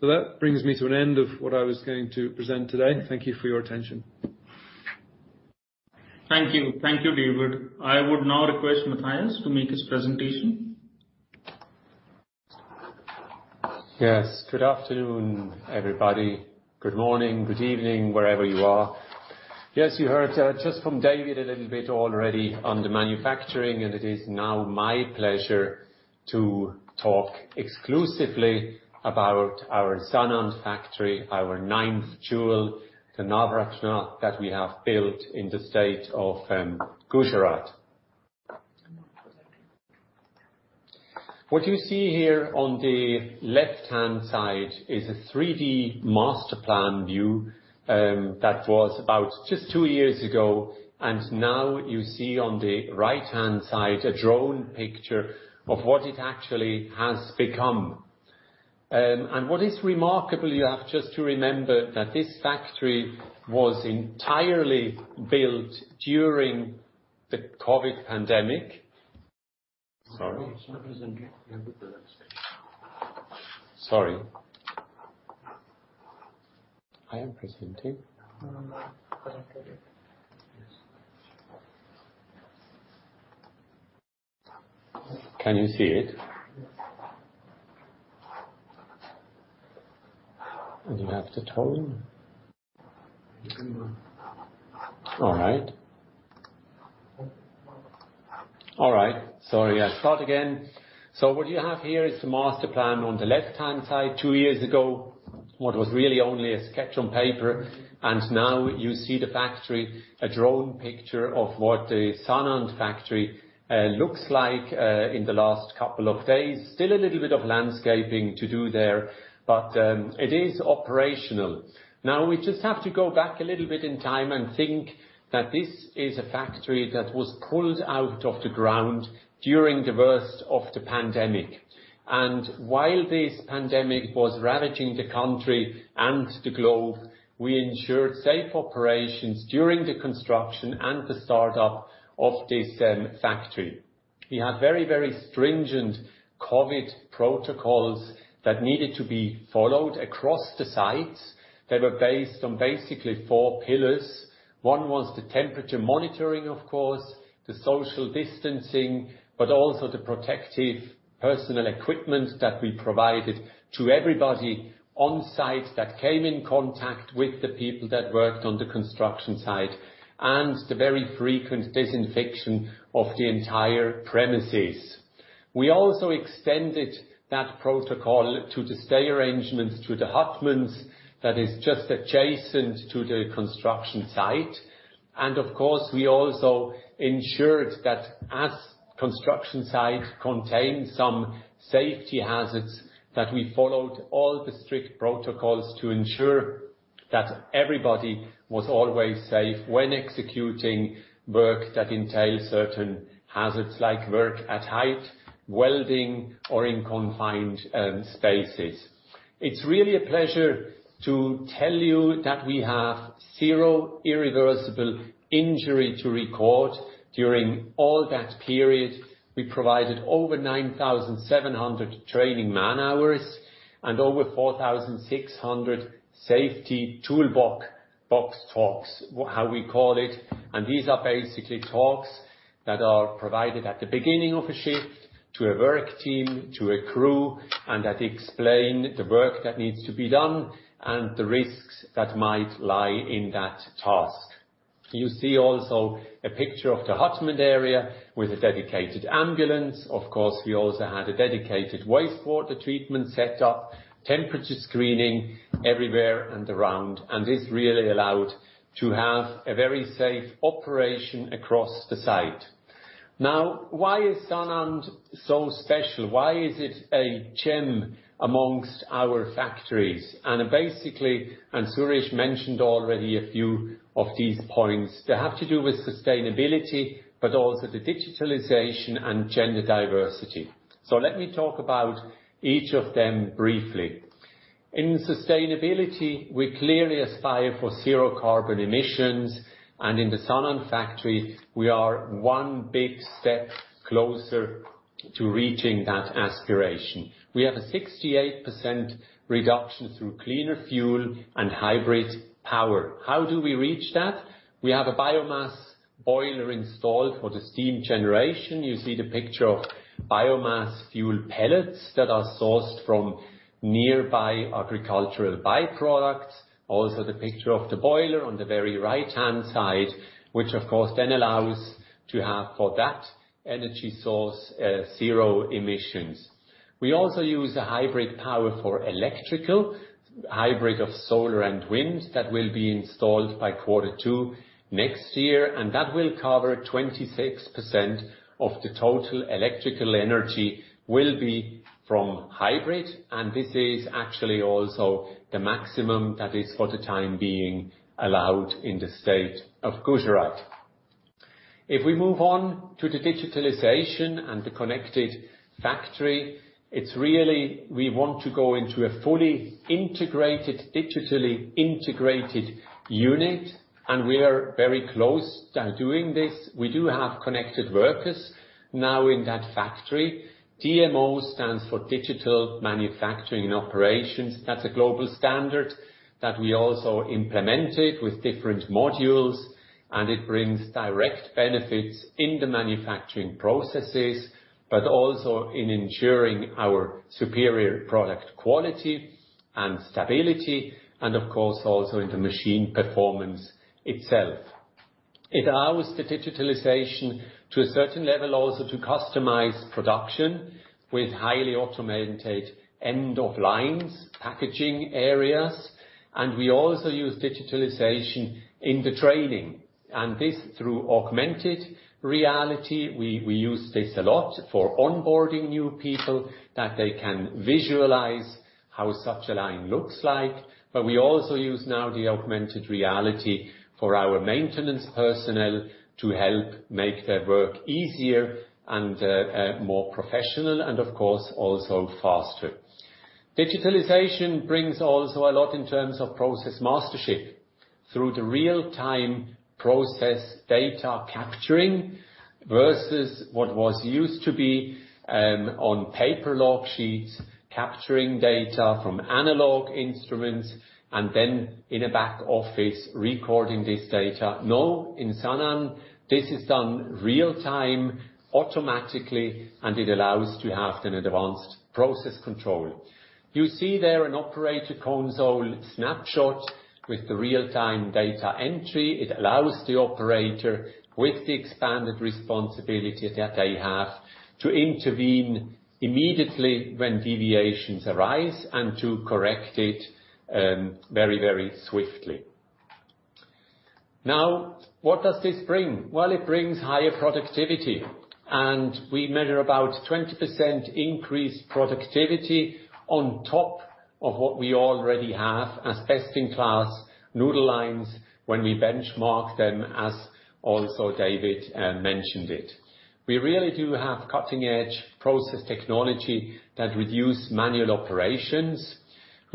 That brings me to an end of what I was going to present today. Thank you for your attention. Thank you. Thank you, David. I would now request Matthias to make his presentation. Yes. Good afternoon, everybody. Good morning, good evening, wherever you are. Yes, you heard just from David a little bit already on the manufacturing, and it is now my pleasure to talk exclusively about our Sanand factory, our ninth jewel, the Navratna that we have built in the state of Gujarat. What you see here on the left-hand side is a 3D master plan view that was about just 2 years ago, and now you see on the right-hand side a drone picture of what it actually has become. And what is remarkable, you have just to remember that this factory was entirely built during the COVID pandemic. Sorry? You're presenting. You have to. Sorry. I am presenting. No, no. Present the video. Yes. Can you see it? Yes. What you have here is the master plan on the left-hand side. 2 years ago, what was really only a sketch on paper, and now you see the factory, a drone picture of what the Sanand factory looks like in the last couple of days. Still a little bit of landscaping to do there, but it is operational. Now, we just have to go back a little bit in time and think that this is a factory that was pulled out of the ground during the worst of the pandemic. While this pandemic was ravaging the country and the globe, we ensured safe operations during the construction and the startup of this factory. We had very, very stringent COVID protocols that needed to be followed across the sites that were based on basically 4 pillars. One was the temperature monitoring, of course, the social distancing, but also the personal protective equipment that we provided to everybody on site that came in contact with the people that worked on the construction site, and the very frequent disinfection of the entire premises. We also extended that protocol to the stay arrangements to the hutments that is just adjacent to the construction site. Of course, we also ensured that as construction site contained some safety hazards, that we followed all the strict protocols to ensure that everybody was always safe when executing work that entails certain hazards, like work at height, welding, or in confined spaces. It's really a pleasure to tell you that we have 0 irreversible injury to record during all that period. We provided over 9,700 training man-hours and over 4,600 safety toolbox talks, how we call it. These are basically talks that are provided at the beginning of a shift to a work team, to a crew, and that explain the work that needs to be done and the risks that might lie in that task. You see also a picture of the hutment area with a dedicated ambulance. Of course, we also had a dedicated wastewater treatment set up, temperature screening everywhere and around, and this really allowed to have a very safe operation across the site. Now, why is Sanand so special? Why is it a gem amongst our factories? Basically, Suresh mentioned already a few of these points, they have to do with sustainability, but also the digitalization and gender diversity. Let me talk about each of them briefly. In sustainability, we clearly aspire for 0 carbon emissions. In the Sanand factory, we are one big step closer to reaching that aspiration. We have a 68% reduction through cleaner fuel and hybrid power. How do we reach that? We have a biomass boiler installed for the steam generation. You see the picture of biomass fuel pellets that are sourced from nearby agricultural by-products. Also, the picture of the boiler on the very right-hand side, which of course then allows to have for that energy source, 0 emissions. We also use a hybrid power for electrical. Hybrid of solar and wind that will be installed by Q2 next year, and that will cover 26% of the total electrical energy will be from hybrid. This is actually also the maximum that is for the time being allowed in the state of Gujarat. If we move on to the digitalization and the connected factory, it's really we want to go into a fully integrated, digitally integrated unit, and we are very close to doing this. We do have connected workers now in that factory. DMO stands for Digital Manufacturing and Operations. That's a global standard that we also implemented with different modules, and it brings direct benefits in the manufacturing processes, but also in ensuring our superior product quality and stability, and of course, also in the machine performance itself. It allows the digitalization to a certain level, also to customize production with highly automated end of lines, packaging areas. We also use digitalization in the training, and this through augmented reality. We use this a lot for onboarding new people that they can visualize how such a line looks like. We also use now the augmented reality for our maintenance personnel to help make their work easier and more professional and of course, also faster. Digitalization brings also a lot in terms of process mastership through the real-time process data capturing versus what was used to be, on paper log sheets, capturing data from analog instruments and then in a back office recording this data. Now, in Sanand, this is done real-time automatically, and it allows to have an advanced process control. You see there an operator console snapshot with the real-time data entry. It allows the operator with the expanded responsibility that they have to intervene immediately when deviations arise and to correct it very, very swiftly. Now, what does this bring? Well, it brings higher productivity, and we measure about 20% increased productivity on top of what we already have as best-in-class noodle lines when we benchmark them, as also David mentioned it. We really do have cutting-edge process technology that reduce manual operations.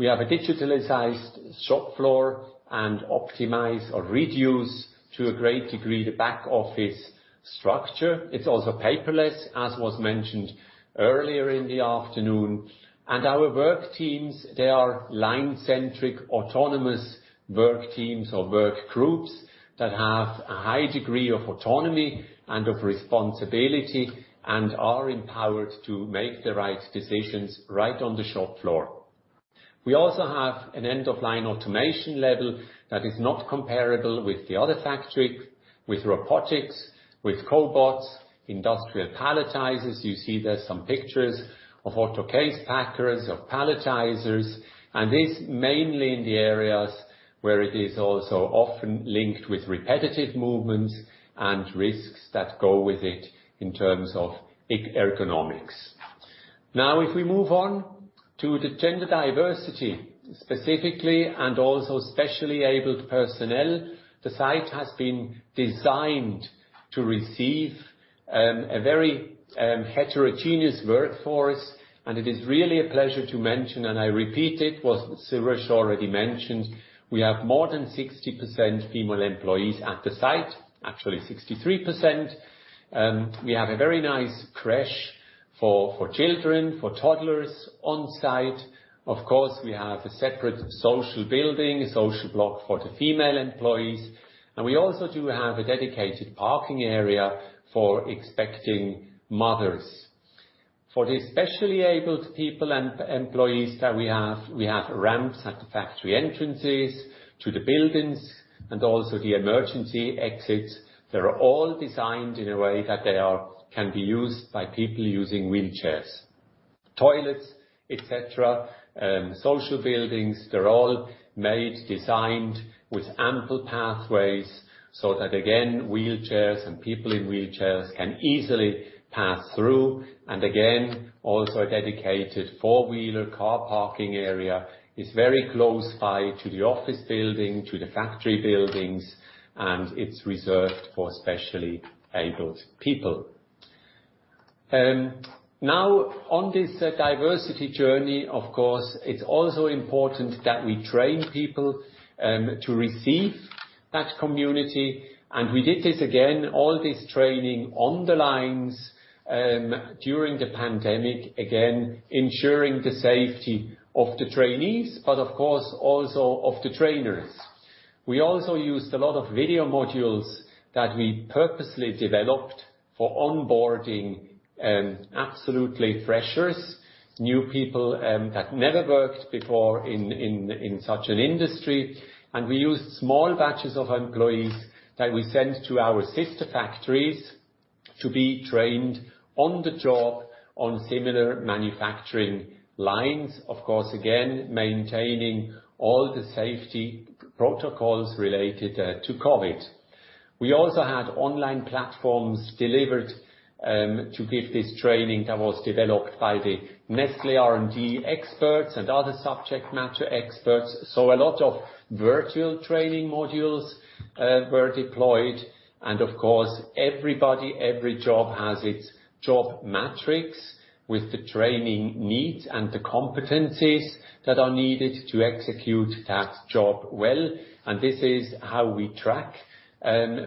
We have a digitalized shop floor and optimize or reduce to a great degree the back office structure. It's also paperless, as was mentioned earlier in the afternoon. Our work teams, they are line-centric, autonomous work teams or work groups that have a high degree of autonomy and of responsibility and are empowered to make the right decisions right on the shop floor. We also have an end-of-line automation level that is not comparable with the other factory, with robotics, with cobots, industrial palletizers. You see there's some pictures of auto case packers or palletizers, and this mainly in the areas where it is also often linked with repetitive movements and risks that go with it in terms of ergonomics. Now, if we move on to the gender diversity, specifically and also specially abled personnel, the site has been designed to receive a very heterogeneous workforce, and it is really a pleasure to mention, and I repeat it, what Suresh already mentioned. We have more than 60% female employees at the site, actually 63%. We have a very nice crèche for children for toddlers on site. Of course, we have a separate social building, a social block for the female employees, and we also do have a dedicated parking area for expecting mothers. For the specially abled people and employees that we have, we have ramps at the factory entrances to the buildings and also the emergency exits. They're all designed in a way that can be used by people using wheelchairs. Toilets, et cetera, social buildings, they're all made, designed with ample pathways so that again, wheelchairs and people in wheelchairs can easily pass through. Again, also a dedicated 4-wheeler car parking area is very close by to the office building, to the factory buildings, and it's reserved for specially abled people. Now on this diversity journey, of course, it's also important that we train people to receive that community. We did this again, all this training on the lines, during the pandemic, again, ensuring the safety of the trainees, but of course also of the trainers. We also used a lot of video modules that we purposely developed for onboarding, absolutely freshers, new people, that never worked before in such an industry. We used small batches of employees that we sent to our sister factories to be trained on the job on similar manufacturing lines. Of course, again, maintaining all the safety protocols related to COVID. We also had online platforms delivered to give this training that was developed by the Nestlé R&D experts and other subject matter experts. A lot of virtual training modules were deployed and of course, everybody, every job has its job metrics with the training needs and the competencies that are needed to execute that job well. This is how we track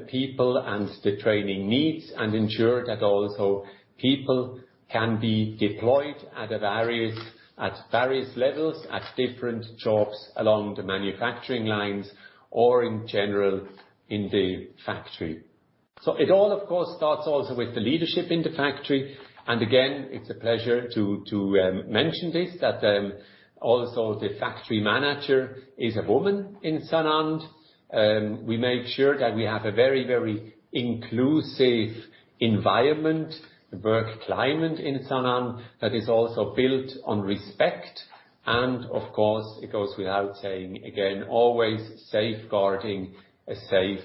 people and the training needs, and ensure that also people can be deployed at various levels, at different jobs along the manufacturing lines or in general in the factory. It all, of course, starts also with the leadership in the factory. It is a pleasure to mention this, that also the factory manager is a woman in Sanand. We make sure that we have a very, very inclusive environment, work climate in Sanand that is also built on respect and of course, it goes without saying again, always safeguarding a safe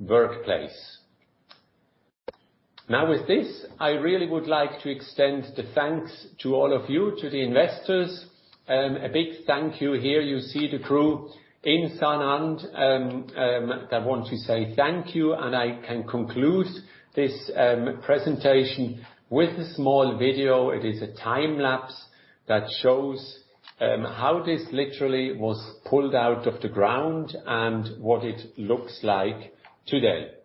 workplace. Now with this, I really would like to extend the thanks to all of you, to the investors. A big thank you here. You see the crew in Sanand that want to say thank you. I can conclude this presentation with a small video. It is a time lapse that shows how this literally was pulled out of the ground and what it looks like today.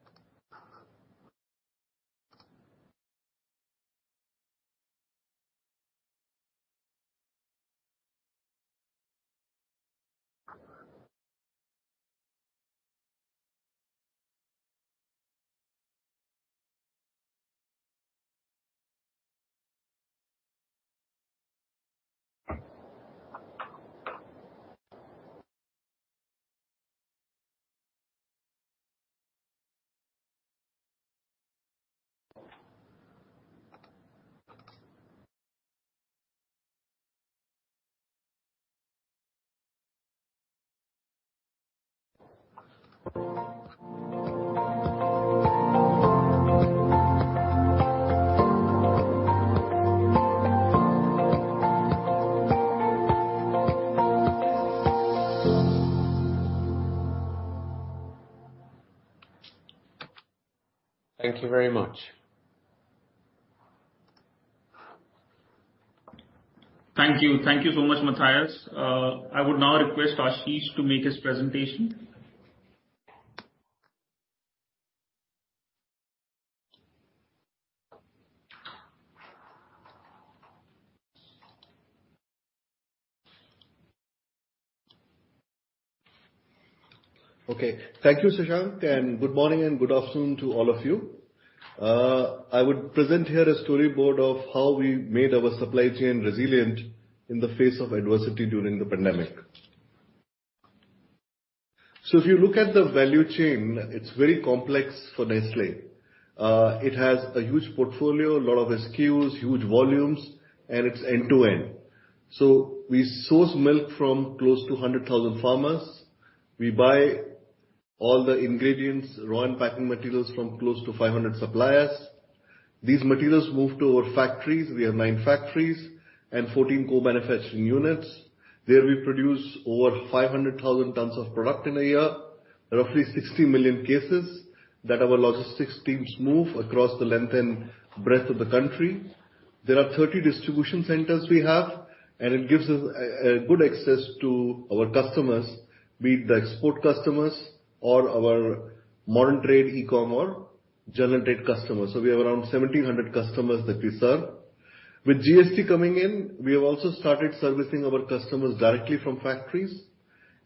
Thank you very much. Thank you. Thank you so much, Matthias. I would now request Ashish to make his presentation. Okay. Thank you, Shashank, and good morning and good afternoon to all of you. I would present here a storyboard of how we made our supply chain resilient in the face of adversity during the pandemic. If you look at the value chain, it's very complex for Nestlé. It has a huge portfolio, a lot of SKUs, huge volumes, and it's end-to-end. We source milk from close to 100,000 farmers. We buy all the ingredients, raw and packing materials from close to 500 suppliers. These materials move to our factories. We have 9 factories and 14 co-manufacturing units. There we produce over 500,000 tons of product in a year. Roughly 60 million cases that our logistics teams move across the length and breadth of the country. There are 30 distribution centers we have, and it gives us a good access to our customers, be it the export customers or our modern trade, e-com or general trade customers. We have around 1,700 customers that we serve. With GST coming in, we have also started servicing our customers directly from factories,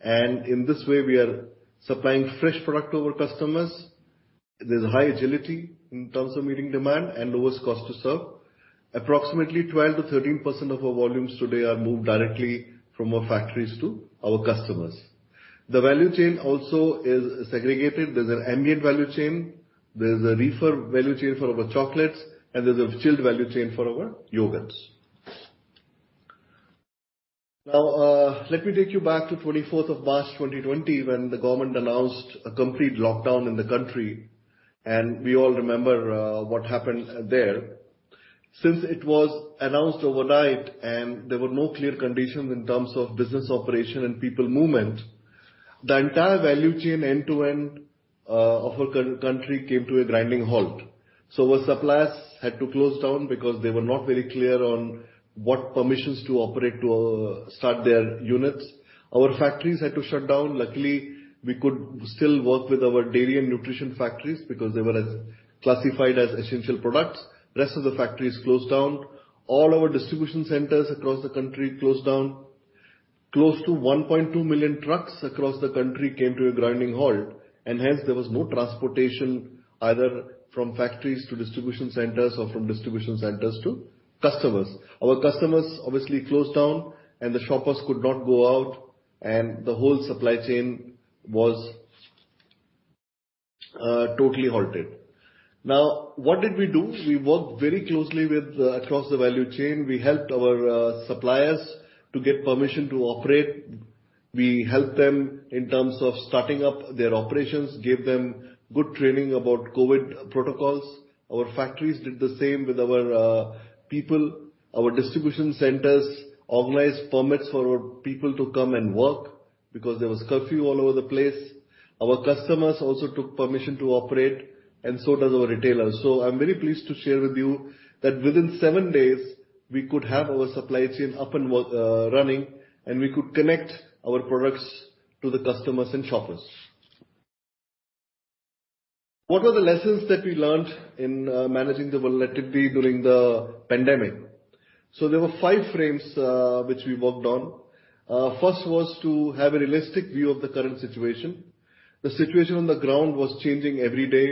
and in this way, we are supplying fresh product to our customers. There's high agility in terms of meeting demand and lowest cost to serve. Approximately 12% to 13% of our volumes today are moved directly from our factories to our customers. The value chain also is segregated. There's an ambient value chain, there's a reefer value chain for our chocolates, and there's a chilled value chain for our yogurts. Now, let me take you back to 24th of March 2020, when the government announced a complete lockdown in the country, and we all remember what happened there. Since it was announced overnight and there were no clear conditions in terms of business operation and people movement, the entire value chain end-to-end of our country came to a grinding halt. Our suppliers had to close down because they were not very clear on what permissions to operate to start their units. Our factories had to shut down. Luckily, we could still work with our dairy and nutrition factories because they were classified as essential products. Rest of the factories closed down. All our distribution centers across the country closed down. Close to 1.2 million trucks across the country came to a grinding halt, and hence there was no transportation either from factories to distribution centers or from distribution centers to customers. Our customers obviously closed down and the shoppers could not go out. The whole supply chain was totally halted. Now, what did we do? We worked very closely with across the value chain. We helped our suppliers to get permission to operate. We helped them in terms of starting up their operations, gave them good training about COVID protocols. Our factories did the same with our people. Our distribution centers organized permits for our people to come and work because there was curfew all over the place. Our customers also took permission to operate and so does our retailers. I'm very pleased to share with you that within 7 days, we could have our supply chain up and work, running, and we could connect our products to the customers and shoppers. What were the lessons that we learned in managing the volatility during the pandemic? There were 5 frames which we worked on. First was to have a realistic view of the current situation. The situation on the ground was changing every day.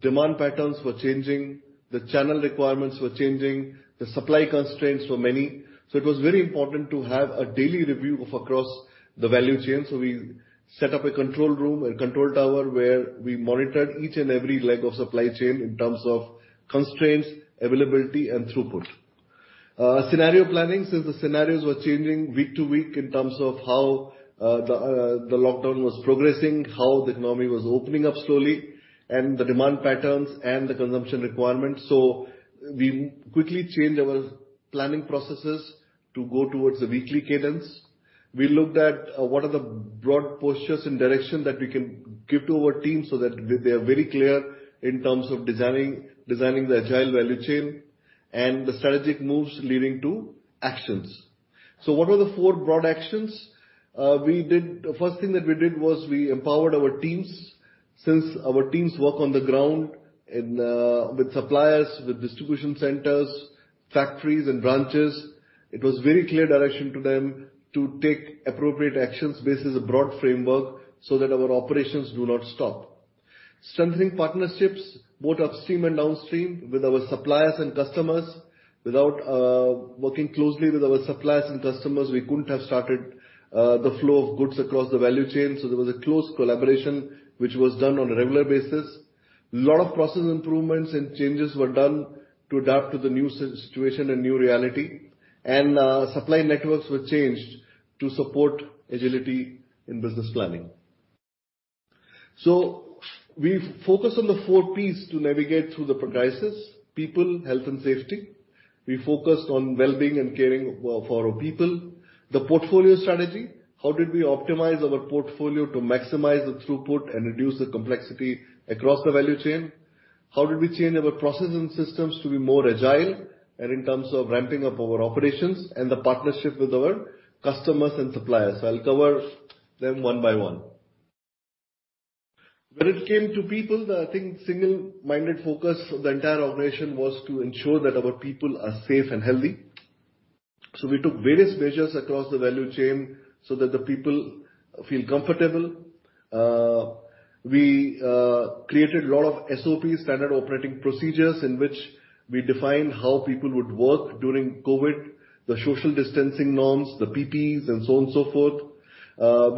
Demand patterns were changing, the channel requirements were changing, the supply constraints were many. It was very important to have a daily review of across the value chain. We set up a control room, a control tower, where we monitored each and every leg of supply chain in terms of constraints, availability, and throughput. Scenario planning. Since the scenarios were changing week to week in terms of how the lockdown was progressing, how the economy was opening up slowly and the demand patterns and the consumption requirements. We quickly changed our planning processes to go towards a weekly cadence. We looked at what are the broad postures and direction that we can give to our team so that they are very clear in terms of designing the agile value chain and the strategic moves leading to actions. What were the 4 broad actions? The first thing that we did was we empowered our teams. Since our teams work on the ground with suppliers, with distribution centers, factories and branches, it was very clear direction to them to take appropriate actions based on a broad framework so that our operations do not stop. Strengthening partnerships both upstream and downstream with our suppliers and customers. Without working closely with our suppliers and customers, we couldn't have started the flow of goods across the value chain. There was a close collaboration which was done on a regular basis. A lot of process improvements and changes were done to adapt to the new situation and new reality. Supply networks were changed to support agility in business planning. We focus on the 4 Ps to navigate through the crisis. People, health and safety. We focused on wellbeing and caring for our people. The portfolio strategy. How did we optimize our portfolio to maximize the throughput and reduce the complexity across the value chain? How did we change our processing systems to be more agile and in terms of ramping up our operations and the partnership with our customers and suppliers? I'll cover them one-by-one. When it came to people, I think the single-minded focus of the entire operation was to ensure that our people are safe and healthy. We took various measures across the value chain so that the people feel comfortable. We created a lot of SOP, standard operating procedures, in which we defined how people would work during COVID, the social distancing norms, the PPEs and so on and so forth.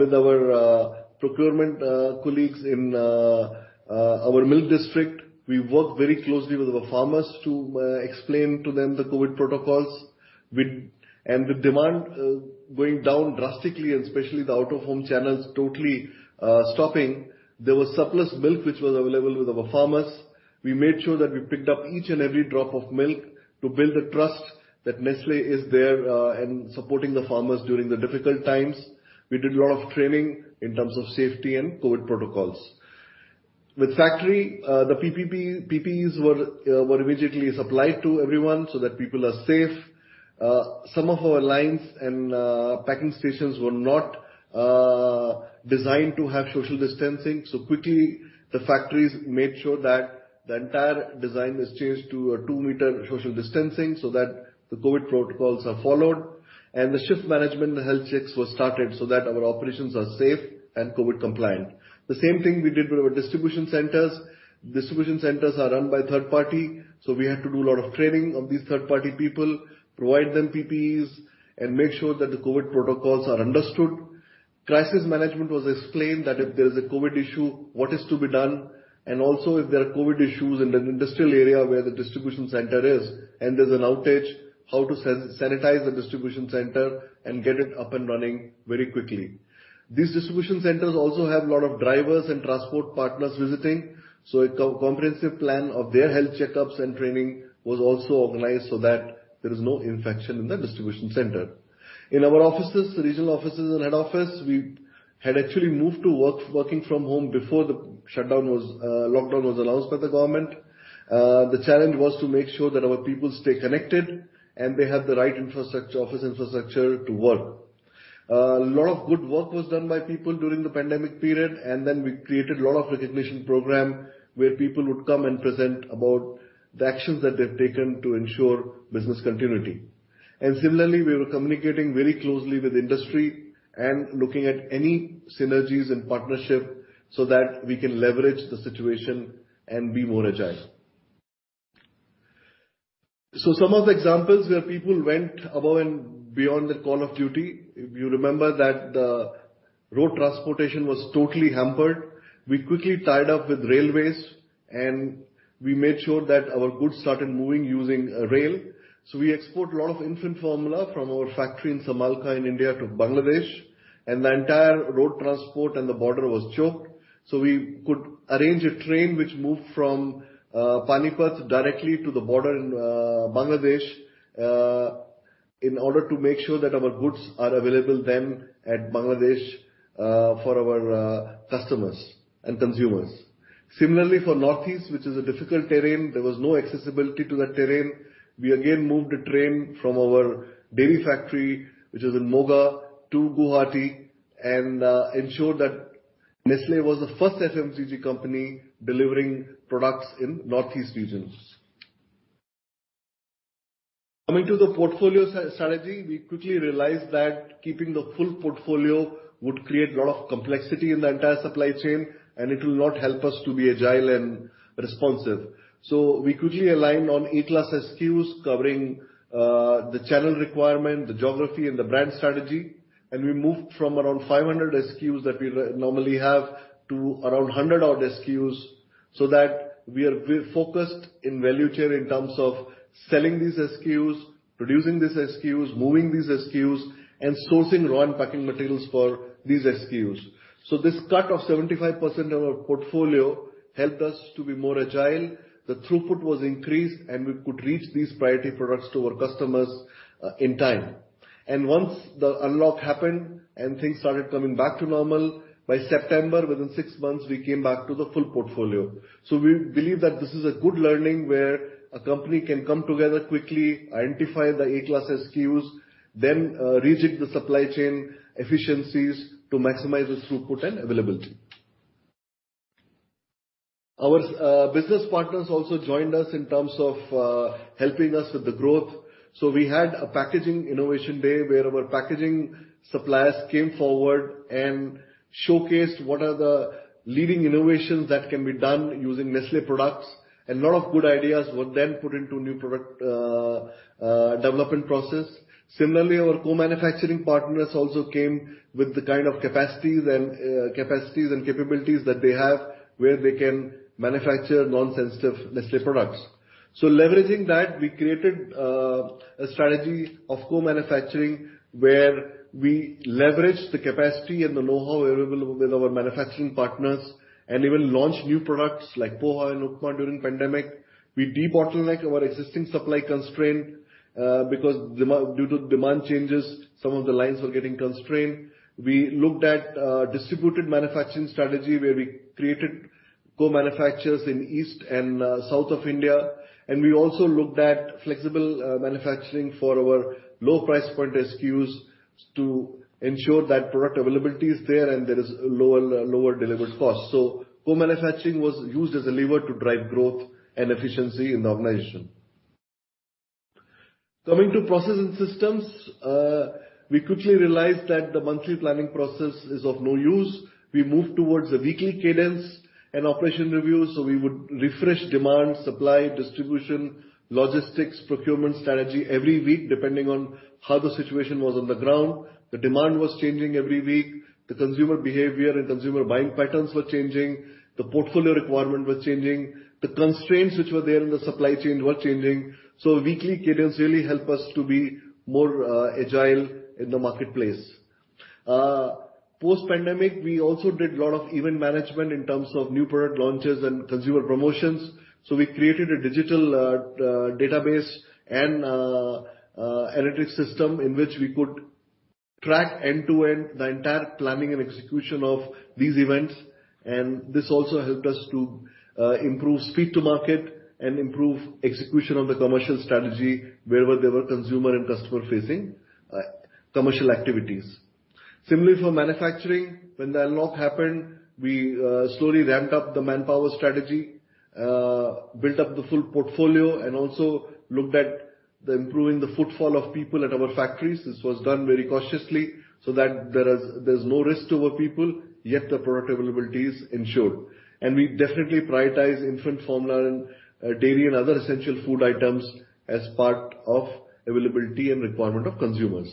With our procurement colleagues in our milk district, we worked very closely with our farmers to explain to them the COVID protocols. With demand going down drastically and especially the out-of-home channels totally stopping, there was surplus milk which was available with our farmers. We made sure that we picked up each and every drop of milk to build a trust that Nestlé is there and supporting the farmers during the difficult times. We did a lot of training in terms of safety and COVID protocols. With factory, the PPP, PPEs were immediately supplied to everyone so that people are safe. Some of our lines and packing stations were not designed to have social distancing, so quickly the factories made sure that the entire design is changed to a 2 m social distancing so that the COVID protocols are followed. The shift management, the health checks were started so that our operations are safe and COVID compliant. The same thing we did with our distribution centers. Distribution centers are run by third-party, so we had to do a lot of training of these third-party people, provide them PPEs, and make sure that the COVID protocols are understood. Crisis management was explained that if there is a COVID issue, what is to be done, and also if there are COVID issues in an industrial area where the distribution center is and there's an outage, how to sanitize the distribution center and get it up and running very quickly. These distribution centers also have a lot of drivers and transport partners visiting, so a comprehensive plan of their health checkups and training was also organized so that there is no infection in the distribution center. In our offices, regional offices and head office, we had actually moved to working from home before the lockdown was announced by the government. The challenge was to make sure that our people stay connected and they have the right office infrastructure to work. A lot of good work was done by people during the pandemic period, and then we created a lot of recognition program where people would come and present about the actions that they've taken to ensure business continuity. Similarly, we were communicating very closely with industry and looking at any synergies and partnership so that we can leverage the situation and be more agile. Some of the examples where people went above and beyond the call of duty, if you remember that the road transportation was totally hampered. We quickly tied up with railways, and we made sure that our goods started moving using rail. We export a lot of infant formula from our factory in Samalkha in India to Bangladesh. The entire road transport and the border was choked, so we could arrange a train which moved from Panipat directly to the border in Bangladesh in order to make sure that our goods are available then at Bangladesh for our customers and consumers. Similarly, for Northeast, which is a difficult terrain, there was no accessibility to that terrain. We again moved a train from our dairy factory, which is in Moga to Guwahati, and ensured that Nestlé was the first FMCG company delivering products in Northeast regions. Coming to the portfolio strategy, we quickly realized that keeping the full portfolio would create a lot of complexity in the entire supply chain, and it will not help us to be agile and responsive. We quickly aligned on A-class SKUs covering the channel requirement, the geography and the brand strategy. We moved from around 500 SKUs that we normally have to around 100-odd SKUs, so that we are more focused in value chain in terms of selling these SKUs, producing these SKUs, moving these SKUs and sourcing raw and packaging materials for these SKUs. This cut of 75% of our portfolio helped us to be more agile. The throughput was increased, and we could reach these priority products to our customers in time. Once the unlock happened and things started coming back to normal, by September, within 6 months, we came back to the full portfolio. We believe that this is a good learning where a company can come together quickly, identify the A-class SKUs, then rejig the supply chain efficiencies to maximize the throughput and availability. Our business partners also joined us in terms of helping us with the growth. We had a packaging innovation day where our packaging suppliers came forward and showcased what are the leading innovations that can be done using Nestlé products. A lot of good ideas were then put into new product development process. Similarly, our co-manufacturing partners also came with the kind of capacities and capabilities that they have, where they can manufacture non-sensitive Nestlé products. Leveraging that, we created a strategy of co-manufacturing, where we leveraged the capacity and the know-how available with our manufacturing partners and even launched new products like Poha and Upma during pandemic. We de-bottlenecked our existing supply constraint because due to demand changes, some of the lines were getting constrained. We looked at distributed manufacturing strategy, where we created co-manufacturers in East and South of India. We also looked at flexible manufacturing for our low price point SKUs to ensure that product availability is there and there is lower delivered cost. Co-manufacturing was used as a lever to drive growth and efficiency in the organization. Coming to process and systems, we quickly realized that the monthly planning process is of no use. We moved towards a weekly cadence and operation reviews, so we would refresh demand, supply, distribution, logistics, procurement strategy every week, depending on how the situation was on the ground. The demand was changing every week. The consumer behavior and consumer buying patterns were changing. The portfolio requirement was changing. The constraints which were there in the supply chain were changing. Weekly cadence really help us to be more agile in the marketplace. Post-pandemic, we also did a lot of event management in terms of new product launches and consumer promotions. We created a digital database and analytics system in which we could track end-to-end the entire planning and execution of these events. This also helped us to improve speed to market and improve execution of the commercial strategy wherever there were consumer and customer-facing commercial activities. Similarly, for manufacturing, when the unlock happened, we slowly ramped up the manpower strategy, built up the full portfolio and also looked at the improving the footfall of people at our factories. This was done very cautiously, so that there's no risk to our people, yet the product availability is ensured. We definitely prioritize infant formula and dairy and other essential food items as part of availability and requirement of consumers.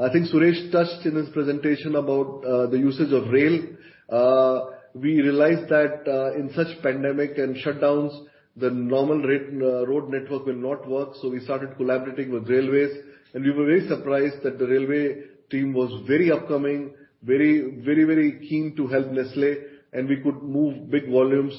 I think Suresh touched on his presentation about the usage of rail. We realized that in such pandemic and shutdowns, the normal road network will not work. So we started collaborating with railways, and we were very surprised that the railway team was very forthcoming, very keen to help Nestlé, and we could move big volumes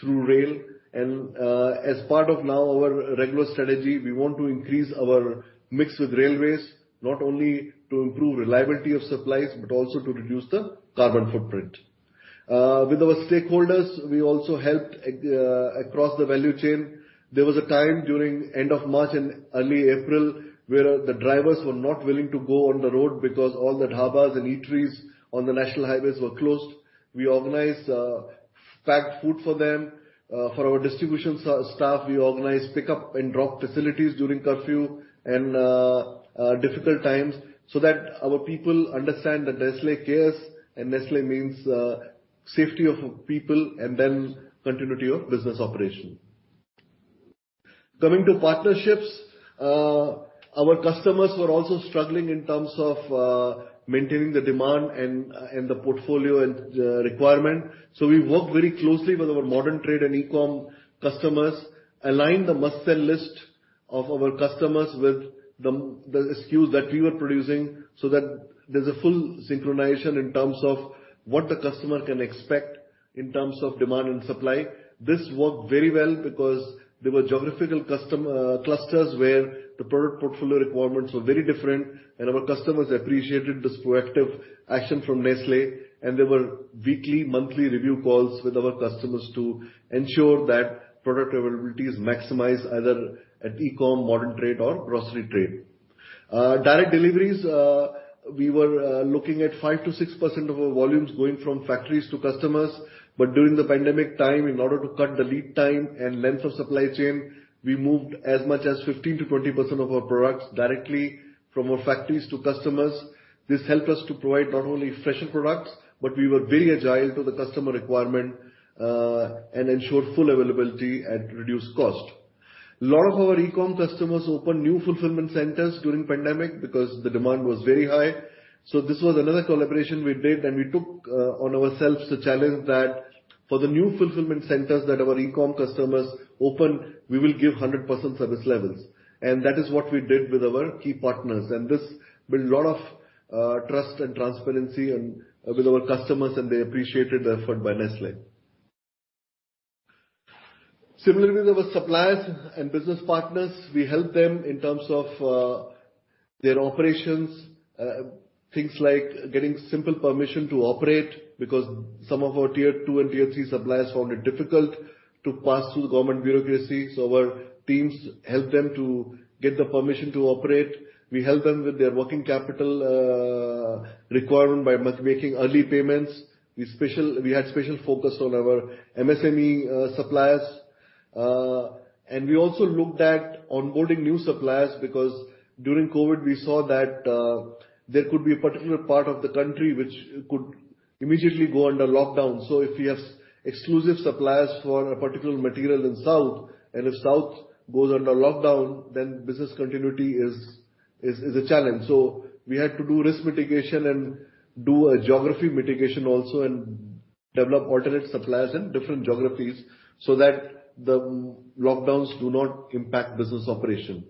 through rail. As part of now our regular strategy, we want to increase our mix with railways, not only to improve reliability of supplies, but also to reduce the carbon footprint. With our stakeholders, we also helped across the value chain. There was a time during end of March and early April where the drivers were not willing to go on the road because all the dhabas and eateries on the national highways were closed. We organized packed food for them. For our distribution staff, we organized pickup and drop facilities during curfew and difficult times, so that our people understand that Nestlé cares and Nestlé means safety of people and then continuity of business operation. Coming to partnerships, our customers were also struggling in terms of maintaining the demand and the portfolio and the requirement. We worked very closely with our modern trade and e-com customers, aligned the must-sell list of our customers with the SKUs that we were producing, so that there's a full synchronization in terms of what the customer can expect in terms of demand and supply. This worked very well because there were geographical clusters where the product portfolio requirements were very different, and our customers appreciated this proactive action from Nestlé. There were weekly, monthly review calls with our customers to ensure that product availability is maximized either at e-com, modern trade or grocery trade. Direct deliveries, we were looking at 5% to 6% of our volumes going from factories to customers, but during the pandemic time, in order to cut the lead time and length of supply chain, we moved as much as 15% to 20% of our volumes directly from our factories to customers. This helped us to provide not only fresher products, but we were very agile to the customer requirement and ensured full availability at reduced cost. A lot of our e-com customers opened new fulfillment centers during pandemic because the demand was very high. This was another collaboration we did, and we took on ourselves the challenge that for the new fulfillment centers that our e-com customers opened, we will give 100% service levels. That is what we did with our key partners. This built a lot of trust and transparency with our customers, and they appreciated the effort by Nestlé. Similarly, with our suppliers and business partners, we helped them in terms of their operations, things like getting simple permission to operate because some of our tier 2 and tier 3 suppliers found it difficult to pass through government bureaucracy. Our teams helped them to get the permission to operate. We helped them with their working capital requirement by making early payments. We had special focus on our MSME suppliers. We also looked at onboarding new suppliers because during COVID, we saw that there could be a particular part of the country which could immediately go under lockdown. If we have exclusive suppliers for a particular material in south, and if south goes under lockdown, then business continuity is a challenge. We had to do risk mitigation and do a geography mitigation also and develop alternate suppliers in different geographies so that the lockdowns do not impact business operation.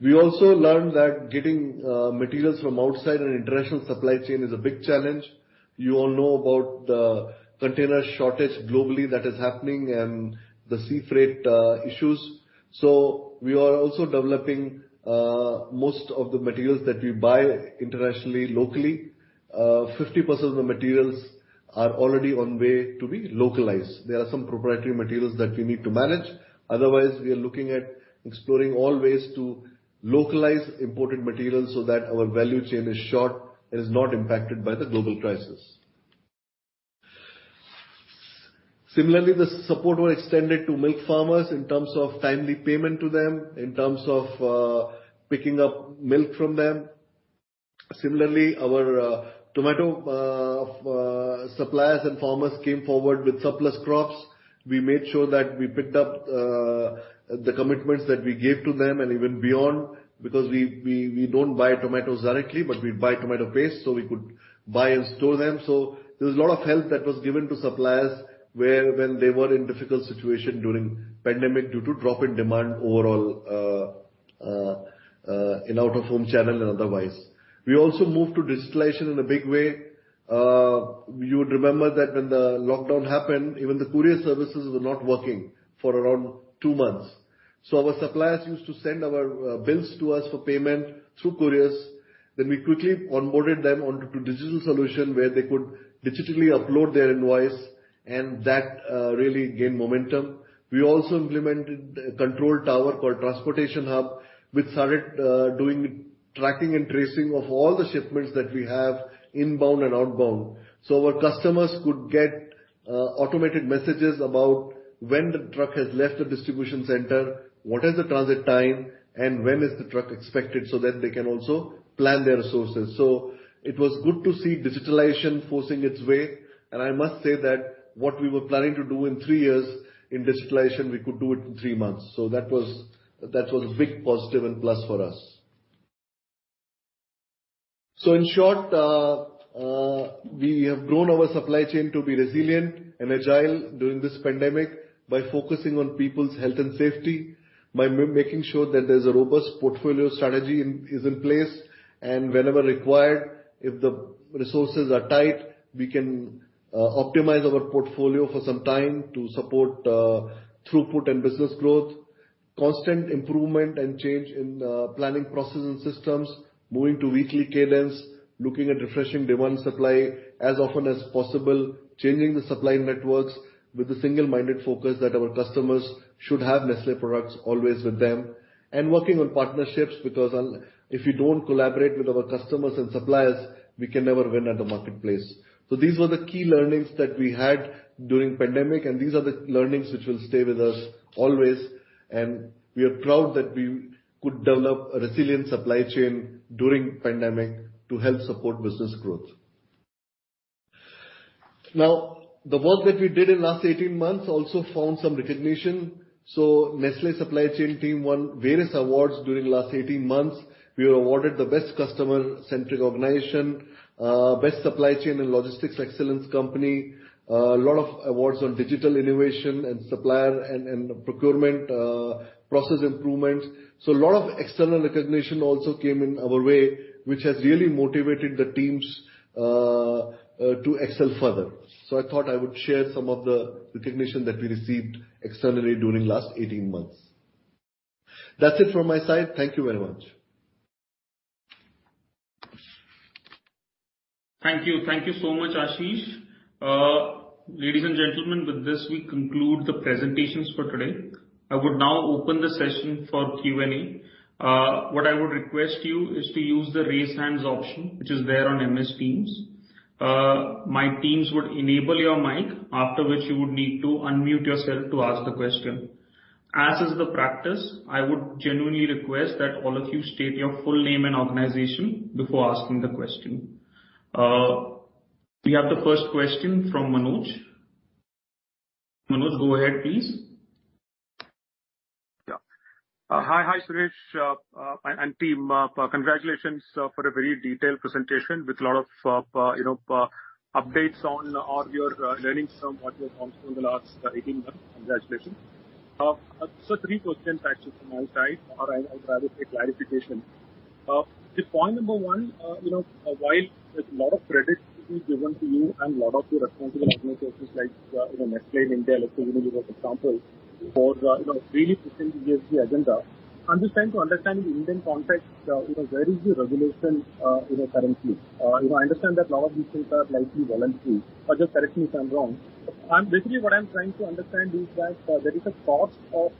We also learned that getting materials from outside an international supply chain is a big challenge. You all know about the container shortage globally that is happening and the sea freight issues. We are also developing most of the materials that we buy internationally, locally. 50% of the materials are already on the way to be localized. There are some proprietary materials that we need to manage. Otherwise, we are looking at exploring all ways to localize imported materials so that our value chain is short and is not impacted by the global crisis. Similarly, the support was extended to milk farmers in terms of timely payment to them, in terms of picking up milk from them. Similarly, our tomato suppliers and farmers came forward with surplus crops. We made sure that we picked up the commitments that we gave to them and even beyond, because we don't buy tomatoes directly, but we buy tomato paste, so we could buy and store them. There was a lot of help that was given to suppliers where, when they were in difficult situation during pandemic due to drop in demand overall, in out-of-home channel and otherwise. We also moved to digitalization in a big way. You would remember that when the lockdown happened, even the courier services were not working for around 2 months. Our suppliers used to send our bills to us for payment through couriers. Then we quickly onboarded them onto digital solution where they could digitally upload their invoice, and that really gained momentum. We also implemented a control tower called Transportation Hub. We started doing tracking and tracing of all the shipments that we have inbound and outbound. Our customers could get automated messages about when the truck has left the distribution center, what is the transit time, and when is the truck expected, so that they can also plan their resources. It was good to see digitalization forcing its way, and I must say that what we were planning to do in 3 years in digitalization, we could do it in 3 months. That was big positive and plus for us. In short, we have grown our supply chain to be resilient and agile during this pandemic by focusing on people's health and safety, by making sure that there's a robust portfolio strategy is in place, and whenever required, if the resources are tight, we can optimize our portfolio for some time to support throughput and business growth. Constant improvement and change in planning process and systems, moving to weekly cadence, looking at refreshing demand supply as often as possible, changing the supply networks with a single-minded focus that our customers should have Nestlé products always with them. Working on partnerships, because if you don't collaborate with our customers and suppliers, we can never win at the marketplace. These were the key learnings that we had during pandemic, and these are the learnings which will stay with us always. We are proud that we could develop a resilient supply chain during pandemic to help support business growth. Now, the work that we did in last 18 months also found some recognition. Nestlé supply chain team won various awards during last 18 months. We were awarded the Best Customer-Centric Organization, Best Supply Chain & Logistics Excellence company, lot of awards on digital innovation and supplier and procurement process improvements. A lot of external recognition also came in our way, which has really motivated the teams to excel further. I thought I would share some of the recognition that we received externally during last 18 months. That's it from my side. Thank you very much. Thank you. Thank you so much, Ashish. Ladies and gentlemen, with this, we conclude the presentations for today. I would now open the session for Q&A. What I would request you is to use the Raise Hands option, which is there on Microsoft Teams. My teams would enable your mic, after which you would need to unmute yourself to ask the question. As is the practice, I would genuinely request that all of you state your full name and organization before asking the question. We have the first question from Manoj. Manoj, go ahead, please. Hi. Hi, Suresh, and team. Congratulations for a very detailed presentation with a lot of, you know, updates on all your learnings from what you have done through the last 18 months. Congratulations. 3 questions actually from my side, or I'll rather say clarification. The point number 1 you know, while a lot of credit is given to you and lot of your responsible organizations like, you know, Nestlé India, Nestlé Junior, for example, for, you know, really pushing the ESG agenda. I'm just trying to understand the Indian context, you know, where is the regulation, you know, currently? You know, I understand that lot of these things are likely voluntary, but just correct me if I'm wrong. Basically what I'm trying to understand is that, there is a cost of,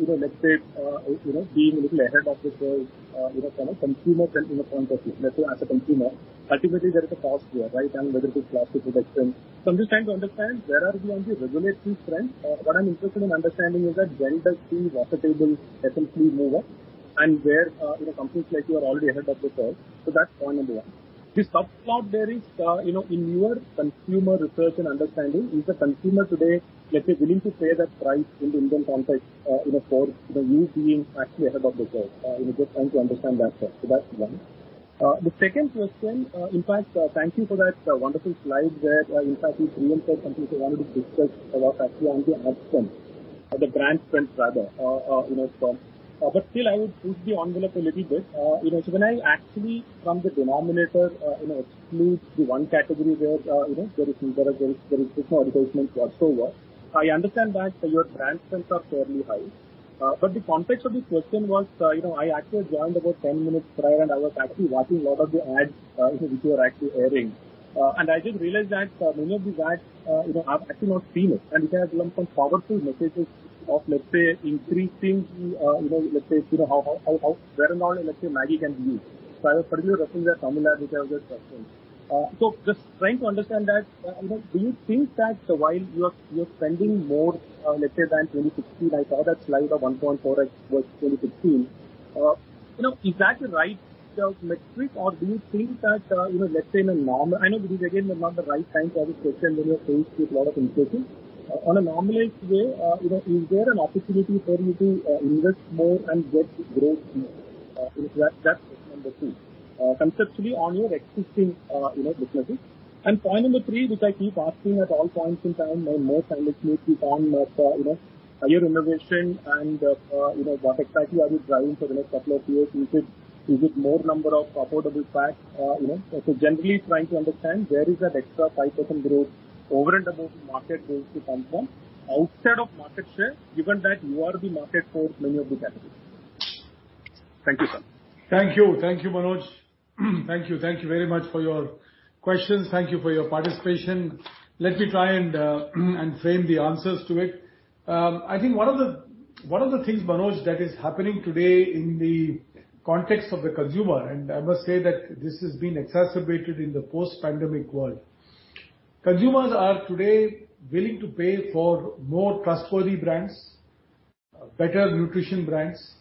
you know, let's say, you know, being a little ahead of the curve, you know, from a consumer trend, you know, point of view. Nestlé as a consumer, ultimately there is a cost here, right? Whether it is plastic reduction. I'm just trying to understand where are we on the regulatory front? What I'm interested in understanding is that when does the water table essentially move up and where, you know, companies like you are already ahead of the curve. That's point number 1. The sub-plot there is, you know, in your consumer research and understanding, is the consumer today, let's say, willing to pay that price in the Indian context, you know, for, you know, you being actually ahead of the curve? You know, just trying to understand that part. That's one. The second question, in fact, thank you for that wonderful slide where, in fact you preempted something which I wanted to discuss about actually on the ad spend or the brand spend rather, you know, spend. Still I would push the envelope a little bit. You know, so when I actually from the denominator, you know, exclude the 1 category where, you know, there is no advertisement whatsoever. I understand that your brand spends are fairly high. But the context of this question was, you know, I actually joined about 10 minutes prior, and I was actually watching a lot of the ads, you know, which were actually airing. I just realized that many of these ads, you know, I've actually not seen it, and it has some powerful messages of, let's say, increasing, you know, let's say, you know, how, where and all, you know, Maggi can be used. I was particularly referring to that familiar which I was just watching. Just trying to understand that, you know, do you think that while you are spending more, let's say than 2016, I saw that slide of 1.4x was 2016. You know, is that the right metric? Or do you think that, you know, let's say in a normal. I know this is again not the right time for this question when you are faced with lot of increases. On a normalized way, you know, is there an opportunity for you to invest more and get growth more? That's question number 2. Conceptually on your existing, you know, businesses. Point number 3, which I keep asking at all points in time more silently to be honest, you know, higher innovation and, you know, what exactly are you driving for the next couple of years? Is it, is it more number of affordable packs? You know, so generally trying to understand where is that extra 5% growth over and above market growth to come from outside of market share, given that you are the market for many of the categories. Thank you, sir. Thank you. Thank you, Manoj. Thank you. Thank you very much for your questions. Thank you for your participation. Let me try and frame the answers to it. I think one of the things, Manoj, that is happening today in the context of the consumer, and I must say that this has been exacerbated in the post-pandemic world. Consumers are today willing to pay for more trustworthy brands, better nutrition brands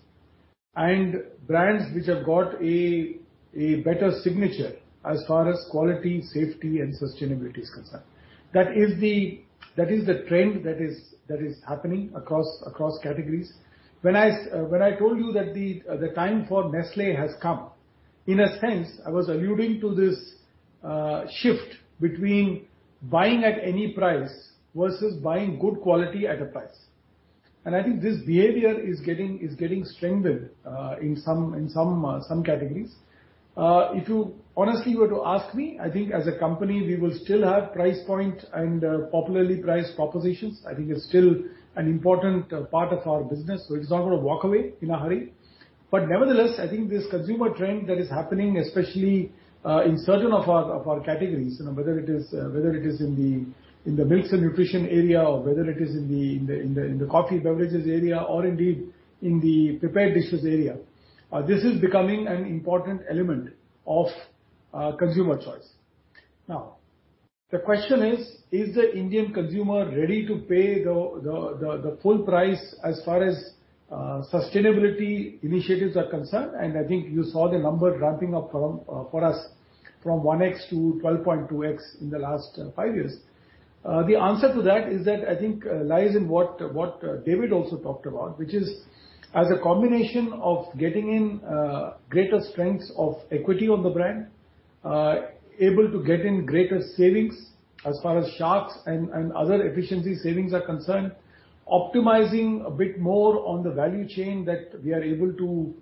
and brands which have got a better signature as far as quality, safety and sustainability is concerned. That is the trend that is happening across categories. When I told you that the time for Nestlé has come, in a sense, I was alluding to this shift between buying at any price versus buying good quality at a price. I think this behavior is getting strengthened in some categories. If you honestly were to ask me, I think as a company, we will still have price point and popularly priced propositions. I think it's still an important part of our business, so it's not gonna walk away in a hurry. Nevertheless, I think this consumer trend that is happening, especially, in certain of our categories, you know, whether it is in the milks and nutrition area or whether it is in the coffee beverages area or indeed in the prepared dishes area, this is becoming an important element of consumer choice. Now, the question is the Indian consumer ready to pay the full price as far as sustainability initiatives are concerned? I think you saw the number ramping up, for us, from 1x to 12.2x in the last 5 years. The answer to that is that I think lies in what David also talked about, which is as a combination of getting in greater strengths of equity on the brand, able to get in greater savings as far as Shark and other efficiency savings are concerned, optimizing a bit more on the value chain that we are able to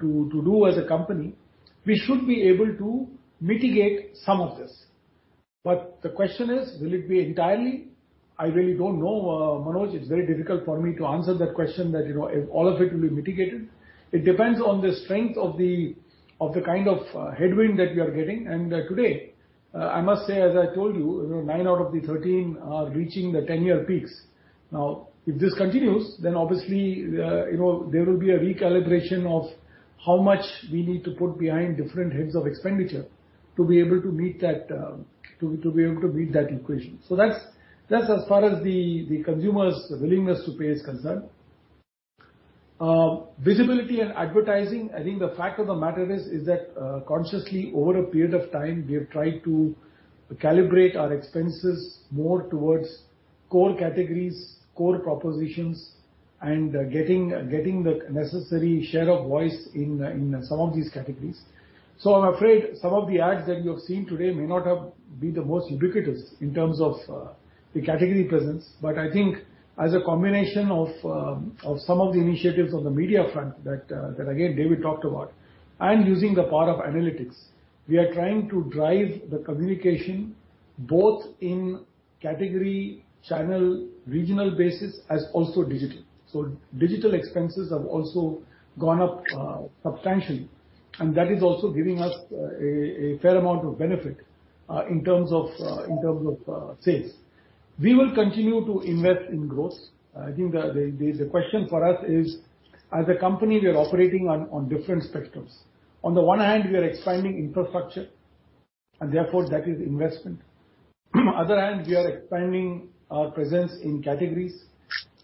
to do as a company, we should be able to mitigate some of this. But the question is, will it be entirely? I really don't know, Manoj. It's very difficult for me to answer that question that, you know, if all of it will be mitigated. It depends on the strength of the kind of headwind that we are getting. Today, I must say, as I told you know, 9 out of the 13 are reaching the 10-year peaks. Now, if this continues, then obviously, you know, there will be a recalibration of how much we need to put behind different heads of expenditure to be able to meet that equation. That's as far as the consumer's willingness to pay is concerned. Visibility and advertising, I think the fact of the matter is that consciously over a period of time, we have tried to calibrate our expenses more towards core categories, core propositions, and getting the necessary share of voice in some of these categories. I'm afraid some of the ads that you have seen today may not have been the most ubiquitous in terms of the category presence. I think as a combination of some of the initiatives on the media front that again David talked about, and using the power of analytics, we are trying to drive the communication both in category, channel, regional basis as also digital. Digital expenses have also gone up substantially, and that is also giving us a fair amount of benefit in terms of sales. We will continue to invest in growth. I think the question for us is, as a company, we are operating on different spectrums. On the one hand, we are expanding infrastructure, and therefore that is investment. other hand, we are expanding our presence in categories.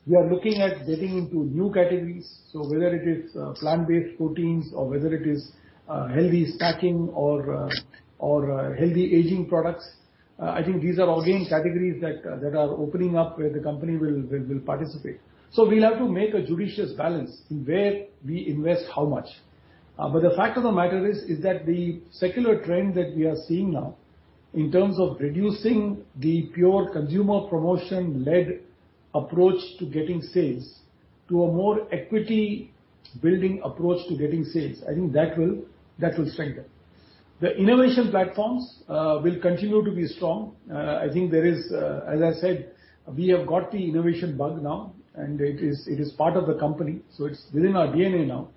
We are looking at getting into new categories, so whether it is plant-based proteins or whether it is healthy snacking or healthy aging products, I think these are again categories that are opening up where the company will participate. We'll have to make a judicious balance in where we invest how much. The fact of the matter is that the secular trend that we are seeing now in terms of reducing the pure consumer promotion-led approach to getting sales to a more equity building approach to getting sales, I think that will strengthen. The innovation platforms will continue to be strong. I think there is, as I said, we have got the innovation bug now, and it is part of the company, so it's within our DNA now,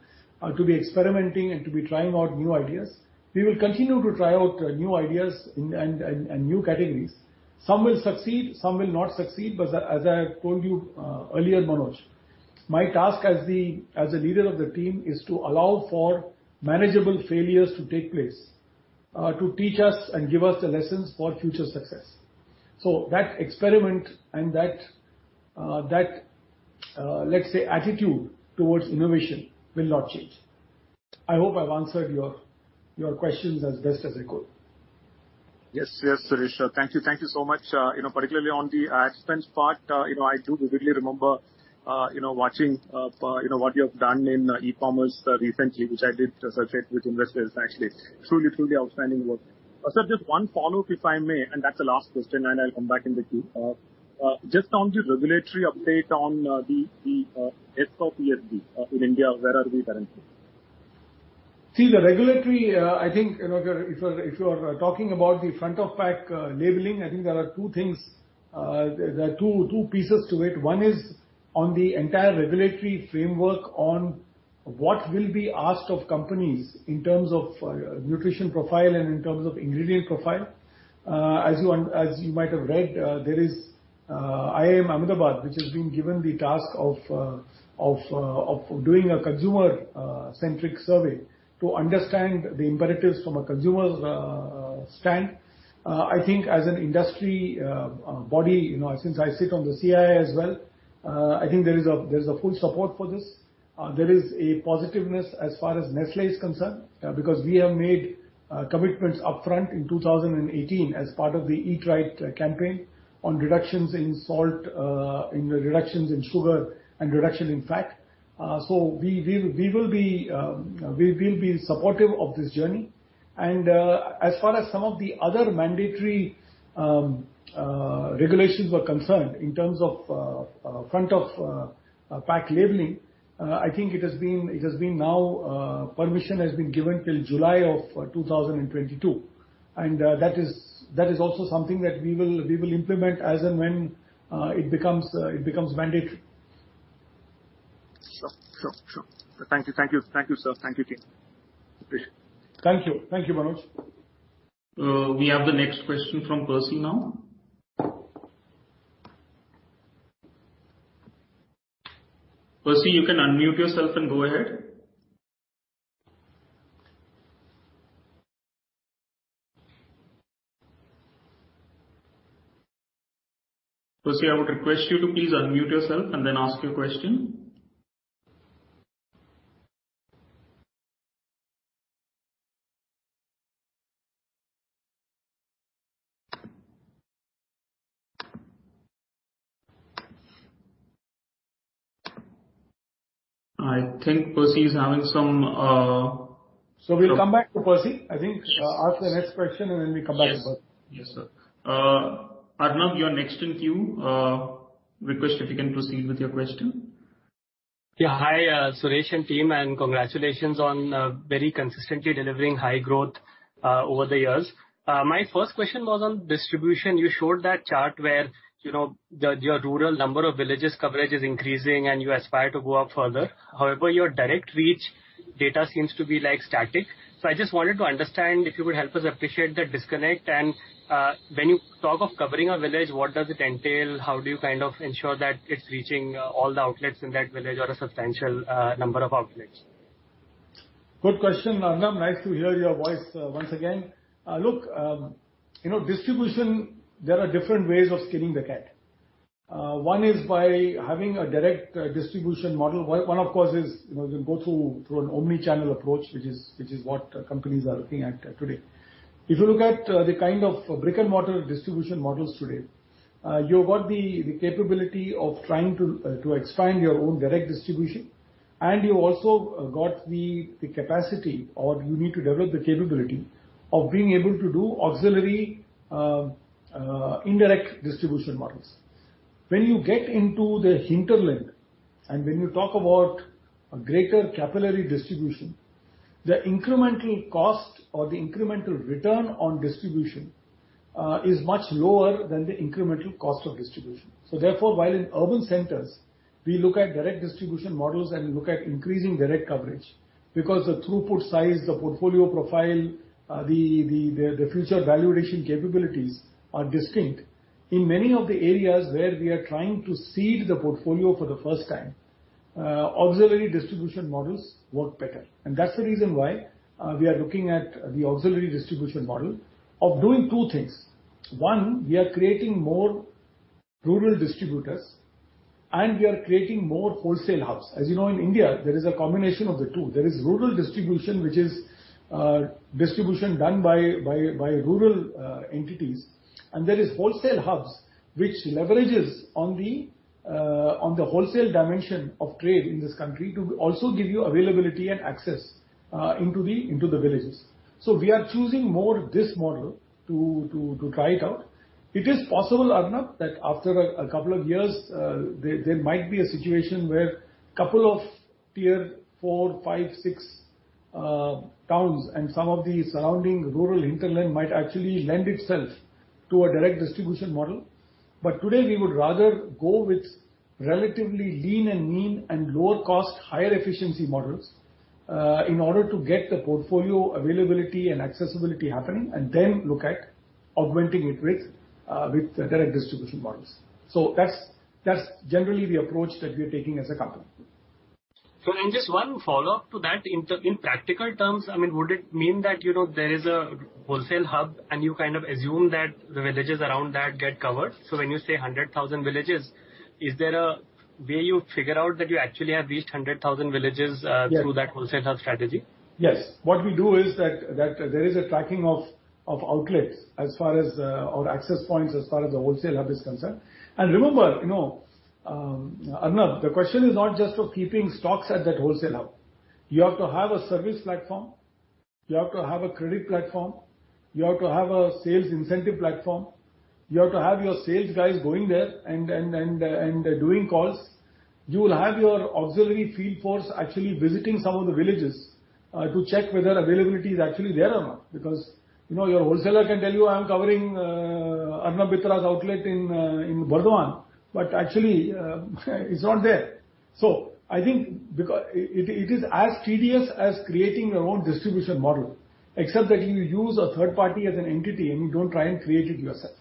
to be experimenting and to be trying out new ideas. We will continue to try out new ideas and new categories. Some will succeed, some will not succeed. As I told you earlier, Manoj, my task as the leader of the team is to allow for manageable failures to take place, to teach us and give us the lessons for future success. That experiment and that, let's say attitude towards innovation will not change. I hope I've answered your questions as best as I could. Yes, Suresh. Thank you so much. You know, particularly on the ad spend part, you know, I do vividly remember, you know, watching, you know, what you have done in e-commerce recently, which I did circulate with investors actually. Truly outstanding work. Sir, just 1 follow-up, if I may, and that's the last question, and I'll come back in the queue. Just on the regulatory update on the FOPNL in India, where are we currently? See the regulatory. I think, you know, if you are talking about the front-of-pack labeling, I think there are 2 things, there are 2 pieces to it. 1 is on the entire regulatory framework on what will be asked of companies in terms of nutrition profile and in terms of ingredient profile. As you might have read, there is IIM Ahmedabad, which has been given the task of doing a consumer-centric survey to understand the imperatives from a consumer's standpoint. I think as an industry body, you know, since I sit on the CII as well, I think there is full support for this. There is a positiveness as far as Nestlé is concerned, because we have made commitments upfront in 2018 as part of the Eat Right campaign on reductions in salt, in reductions in sugar and reduction in fat. We will be supportive of this journey. As far as some of the other mandatory regulations were concerned in terms of front-of-pack labeling, I think it has been now permission has been given till July 2022. That is also something that we will implement as and when it becomes mandatory. Sure. Thank you, sir. Thank you, team. Appreciate it. Thank you. Thank you, Manoj. We have the next question from Percy now. Percy, you can unmute yourself and go ahead. Percy, I would request you to please unmute yourself and then ask your question. I think Percy is having some, We'll come back to Percy. I think, ask the next question and then we come back to Percy. Yes. Yes, sir. Arnab, you're next in queue. Request that you can proceed with your question. Yeah. Hi, Suresh and team, and congratulations on very consistently delivering high growth over the years. My first question was on distribution. You showed that chart where, you know, your rural number of villages coverage is increasing and you aspire to go up further. However, your direct reach data seems to be, like, static. I just wanted to understand, if you would help us appreciate the disconnect and when you talk of covering a village, what does it entail? How do you kind of ensure that it's reaching all the outlets in that village or a substantial number of outlets? Good question, Arnab. Nice to hear your voice once again. Look, you know, distribution, there are different ways of skinning the cat. One is by having a direct distribution model. One of course is, you know, you can go through an omni-channel approach, which is what companies are looking at today. If you look at the kind of brick-and-mortar distribution models today, you've got the capability of trying to expand your own direct distribution, and you also got the capacity or you need to develop the capability of being able to do auxiliary indirect distribution models. When you get into the hinterland, and when you talk about a greater capillary distribution, the incremental cost or the incremental return on distribution is much lower than the incremental cost of distribution. Therefore, while in urban centers we look at direct distribution models and look at increasing direct coverage, because the throughput size, the portfolio profile, the future value addition capabilities are distinct. In many of the areas where we are trying to seed the portfolio for the first time, auxiliary distribution models work better. That's the reason why we are looking at the auxiliary distribution model of doing 2 things. One, we are creating more rural distributors and we are creating more wholesale hubs. As you know, in India, there is a combination of the two. There is rural distribution, which is distribution done by rural entities, and there is wholesale hubs which leverages on the wholesale dimension of trade in this country to also give you availability and access into the villages. We are choosing more this model to try it out. It is possible, Arnab, that after a couple of years, there might be a situation where couple of tier 4, 5, 6 towns and some of the surrounding rural hinterland might actually lend itself to a direct distribution model. Today we would rather go with relatively lean and mean and lower cost, higher efficiency models in order to get the portfolio availability and accessibility happening, and then look at augmenting it with direct distribution models. That's generally the approach that we're taking as a company. Just 1 follow-up to that. In practical terms, I mean, would it mean that, you know, there is a wholesale hub and you kind of assume that the villages around that get covered? When you say 100,000 villages, is there a way you figure out that you actually have reached 100,000 villages? Yes. through that wholesale hub strategy? Yes. What we do is that there is a tracking of outlets as far as or access points as far as the wholesale hub is concerned. Remember, Arnab, the question is not just of keeping stocks at that wholesale hub. You have to have a service platform, you have to have a credit platform, you have to have a sales incentive platform, you have to have your sales guys going there and doing calls. You will have your auxiliary field force actually visiting some of the villages to check whether availability is actually there or not. Because your wholesaler can tell you, "I'm covering Arnab Mitra's outlet in Burdwan," but actually, it's not there. It is as tedious as creating your own distribution model, except that you use a third party as an entity and you don't try and create it yourself.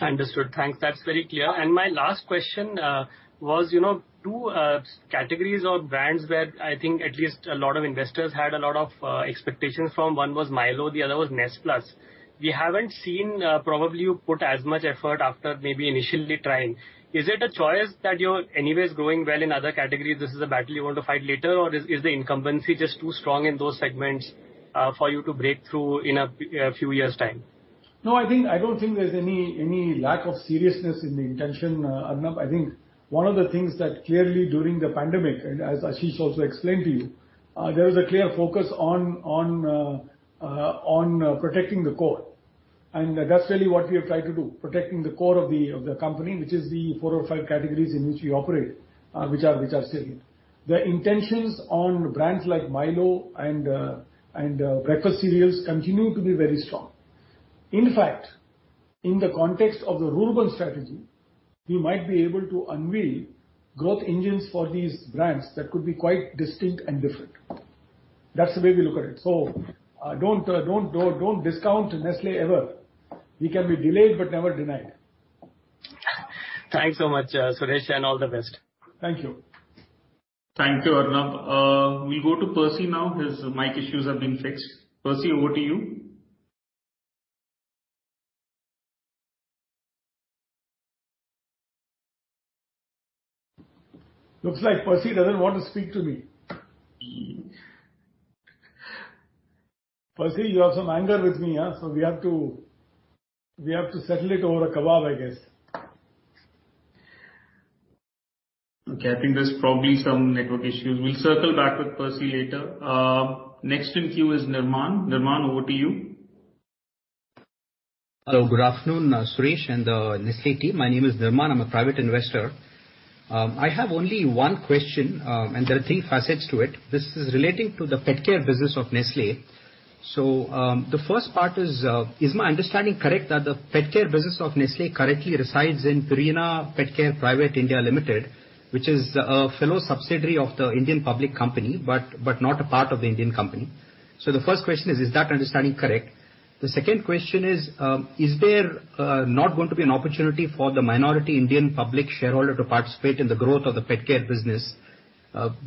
Understood. Thanks. That's very clear. My last question was, you know, 2 categories or brands where I think at least a lot of investors had a lot of expectations from. One was Milo, the other was NESTLÉ a+. We haven't seen probably you put as much effort after maybe initially trying. Is it a choice that you're anyways growing well in other categories, this is a battle you want to fight later? Or is the incumbency just too strong in those segments for you to break through in a few years' time? No, I think I don't think there's any lack of seriousness in the intention, Arnab. I think one of the things that clearly during the pandemic, and as Ashish also explained to you, there was a clear focus on protecting the core. That's really what we have tried to do, protecting the core of the company, which is the 4 or 5 categories in which we operate, which are stable. The intentions on brands like Milo and breakfast cereals continue to be very strong. In fact, in the context of the rural strategy, we might be able to unveil growth engines for these brands that could be quite distinct and different. That's the way we look at it. Don't discount Nestlé ever. We can be delayed but never denied. Thanks so much, Suresh, and all the best. Thank you. Thank you, Arnab. We'll go to Percy now. His mic issues have been fixed. Percy, over to you. Looks like Percy doesn't want to speak to me. Percy, you have some anger with me, huh? We have to settle it over a kebab, I guess. Okay, I think there's probably some network issues. We'll circle back with Percy later. Next in queue is Nirman. Nirman, over to you. Hello. Good afternoon, Suresh and the Nestlé team. My name is Nirman. I'm a private investor. I have only 1 question, and there are 3 facets to it. This is relating to the pet care business of Nestlé. The first part is my understanding correct that the pet care business of Nestlé currently resides in Purina PetCare Private India Limited, which is a fellow subsidiary of the Indian public company, but not a part of the Indian company? The first question is that understanding correct? The second question is there not going to be an opportunity for the minority Indian public shareholder to participate in the growth of the pet care business,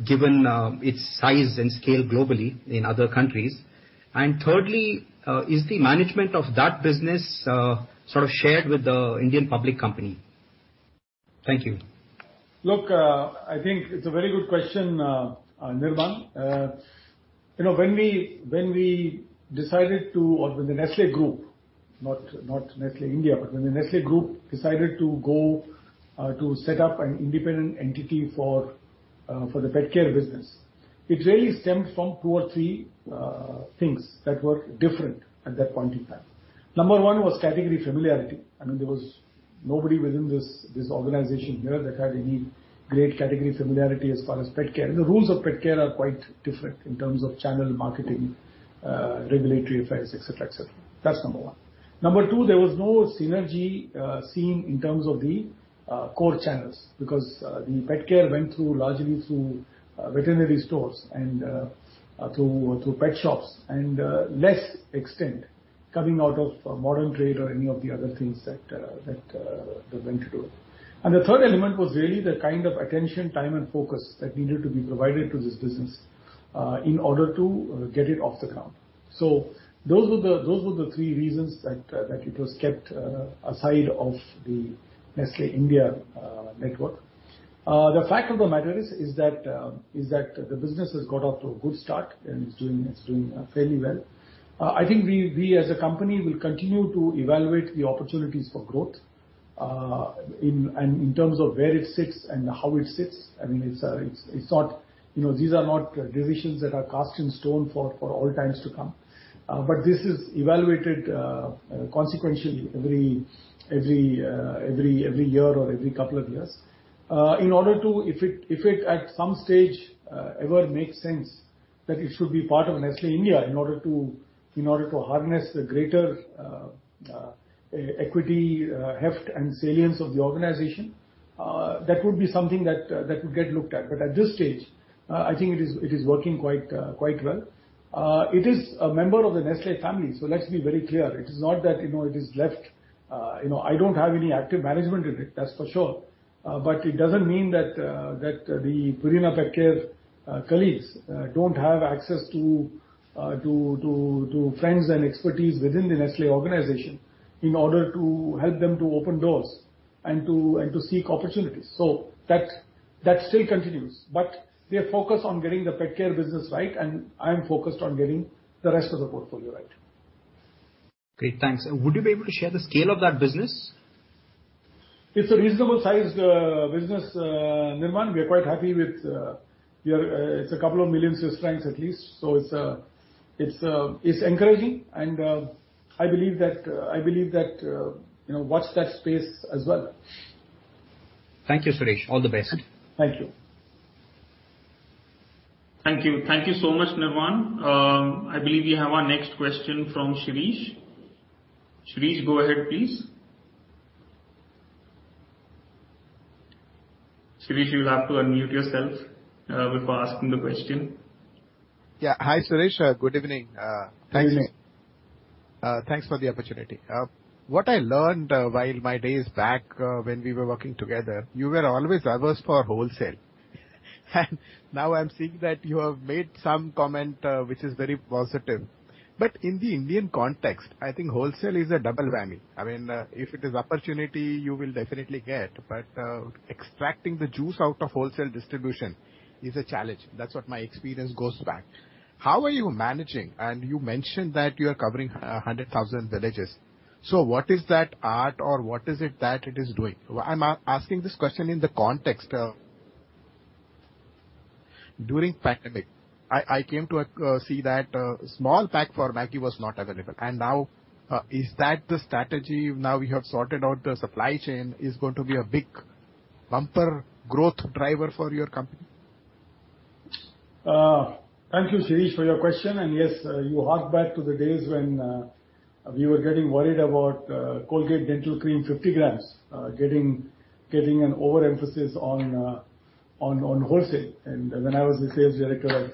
given its size and scale globally in other countries? Thirdly, is the management of that business, sort of shared with the Indian public company? Thank you. Look, I think it's a very good question, Nirman. You know, when the Nestlé Group, not Nestlé India, but when the Nestlé Group decided to go to set up an independent entity for the pet care business, it really stemmed from 2 or 3 things that were different at that point in time. Number 1 was category familiarity. I mean, there was nobody within this organization here that had any great category familiarity as far as pet care. The rules of pet care are quite different in terms of channel marketing, regulatory affairs, et cetera, et cetera. That's number 1. Number 2, there was no synergy seen in terms of the core channels because the pet care went through, largely through, veterinary stores and through pet shops and less extent coming out of modern trade or any of the other things that they went through. The third element was really the kind of attention, time and focus that needed to be provided to this business in order to get it off the ground. Those were the 3 reasons that it was kept aside from the Nestlé India network. The fact of the matter is that the business has got off to a good start and it's doing fairly well. I think we as a company will continue to evaluate the opportunities for growth. In terms of where it sits and how it sits, I mean, it's not, you know, these are not decisions that are cast in stone for all times to come, but this is evaluated periodically every year or every couple of years, if it at some stage ever makes sense that it should be part of Nestlé India in order to harness the greater equity heft and salience of the organization, that would be something that would get looked at. At this stage, I think it is working quite well. It is a member of the Nestlé family, so let's be very clear. It is not that, you know, it is left. I don't have any active management in it, that's for sure. It doesn't mean that that the Purina PetCare colleagues don't have access to to friends and expertise within the Nestlé organization in order to help them to open doors and to seek opportunities. That still continues. We are focused on getting the pet care business right, and I am focused on getting the rest of the portfolio right. Great. Thanks. Would you be able to share the scale of that business? It's a reasonable sized business, Nirman. It's 2 million at least. It's encouraging and I believe that, you know, watch that space as well. Thank you, Suresh. All the best. Thank you. Thank you. Thank you so much, Nirman. I believe we have our next question from Shirish. Shirish, go ahead please. Shirish, you'll have to unmute yourself, before asking the question. Yeah. Hi, Suresh. Good evening. Good evening. Thanks for the opportunity. What I learned while my days back, when we were working together, you were always averse for wholesale. Now I'm seeing that you have made some comment, which is very positive. In the Indian context, I think wholesale is a double whammy. I mean, if it is opportunity you will definitely get, but extracting the juice out of wholesale distribution is a challenge. That's what my experience goes back. How are you managing? You mentioned that you are covering 100,000 villages. What is that art or what is it that it is doing? I'm asking this question in the context, during pandemic, I came to see that small pack for MAGGI was not available. Now, is that the strategy now we have sorted out the supply chain is going to be a big bumper growth driver for your company? Thank you, Shirish, for your question. Yes, you hark back to the days when we were getting worried about Colgate Dental Cream 50 grams getting an overemphasis on wholesale and when I was the sales director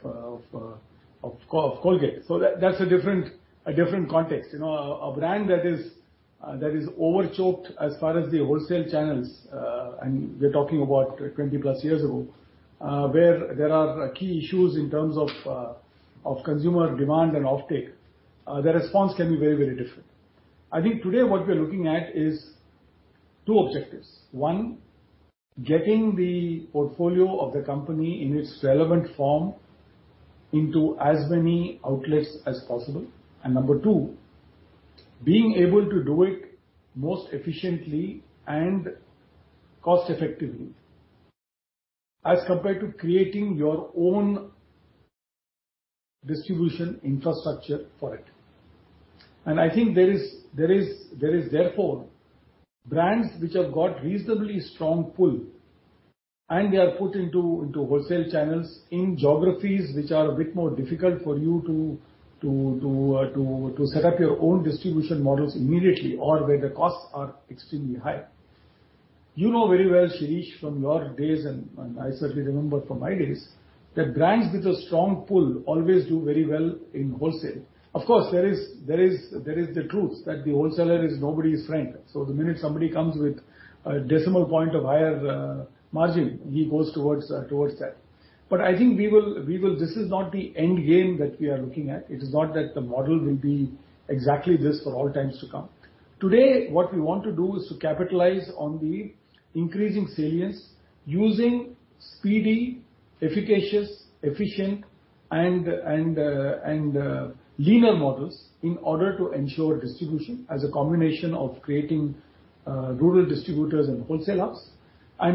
of Colgate. That's a different context. You know, a brand that is overstocked as far as the wholesale channels, and we're talking about 20+ years ago, where there are key issues in terms of consumer demand and offtake, the response can be very different. I think today what we're looking at is 2 objectives. One, getting the portfolio of the company in its relevant form into as many outlets as possible. Number 2, being able to do it most efficiently and cost-effectively as compared to creating your own distribution infrastructure for it. I think there is therefore brands which have got reasonably strong pull and they are put into wholesale channels in geographies which are a bit more difficult for you to set up your own distribution models immediately or where the costs are extremely high. You know very well, Shirish, from your days, and I certainly remember from my days, that brands with a strong pull always do very well in wholesale. Of course, there is the truth that the wholesaler is nobody's friend. The minute somebody comes with a decimal point of higher margin, he goes towards that. I think we will. This is not the end game that we are looking at. It is not that the model will be exactly this for all times to come. Today, what we want to do is to capitalize on the increasing salience using speedy, efficacious, efficient and leaner models in order to ensure distribution as a combination of creating rural distributors and wholesale hubs.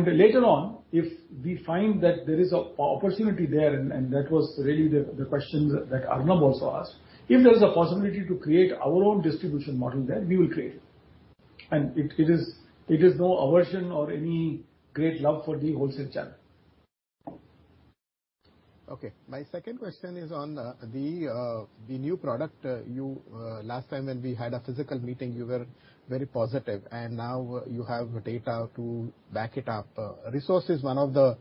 Later on, if we find that there is opportunity there, and that was really the question that Arnab also asked, if there is a possibility to create our own distribution model there, we will create it. It is no aversion or any great love for the wholesale channel. Okay. My second question is on the new product. Last time when we had a physical meeting, you were very positive and now you have data to back it up. Resource is one of the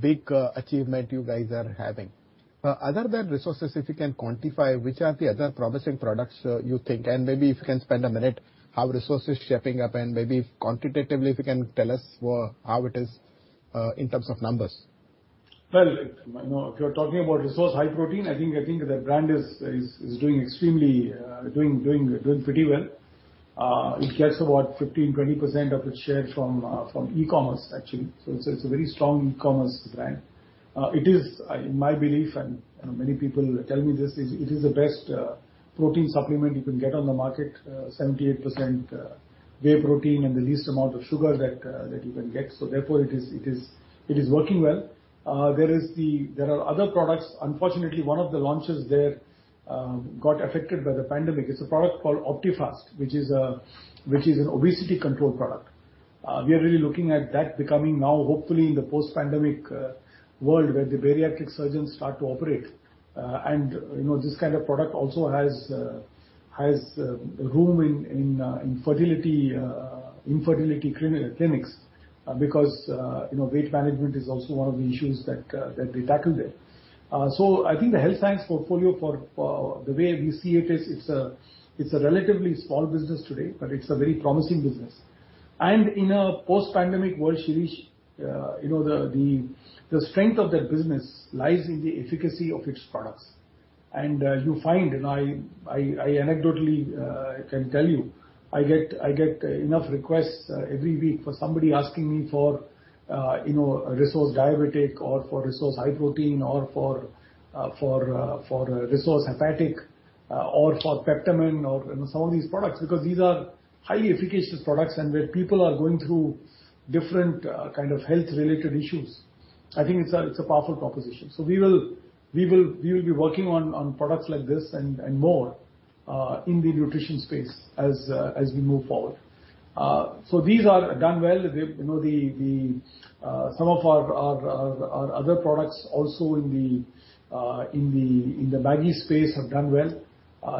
big achievement you guys are having. Other than Resource, if you can quantify which are the other promising products you think, and maybe if you can spend a minute how Resource is shaping up, and maybe quantitatively if you can tell us how it is in terms of numbers. Well, you know, if you're talking about RESOURCE High Protein, I think the brand is doing pretty well. It gets about 15% to 20% of its share from e-commerce, actually. So it's a very strong e-commerce brand. It is, in my belief, and, you know, many people tell me this, the best protein supplement you can get on the market, 78% whey protein and the least amount of sugar that you can get. So therefore, it is working well. There are other products. Unfortunately, one of the launches there got affected by the pandemic. It's a product called OPTIFAST, which is an obesity control product. We are really looking at that becoming now hopefully in the post-pandemic world where the bariatric surgeons start to operate. You know, this kind of product also has room in infertility clinics, because, you know, weight management is also one of the issues that they tackle there. I think the health science portfolio for the way we see it is. It's a relatively small business today, but it's a very promising business. In a post-pandemic world, Shirish, you know, the strength of that business lies in the efficacy of its products. You find, and I anecdotally can tell you, I get enough requests every week for somebody asking me for, you know, RESOURCE Diabetic or for RESOURCE High Protein or for RESOURCE Hepatic, or for Peptamen or, you know, some of these products, because these are highly efficacious products and where people are going through different kind of health-related issues, I think it's a powerful proposition. We will be working on products like this and more in the nutrition space as we move forward. These are done well. You know, some of our other products also in the Maggi space have done well.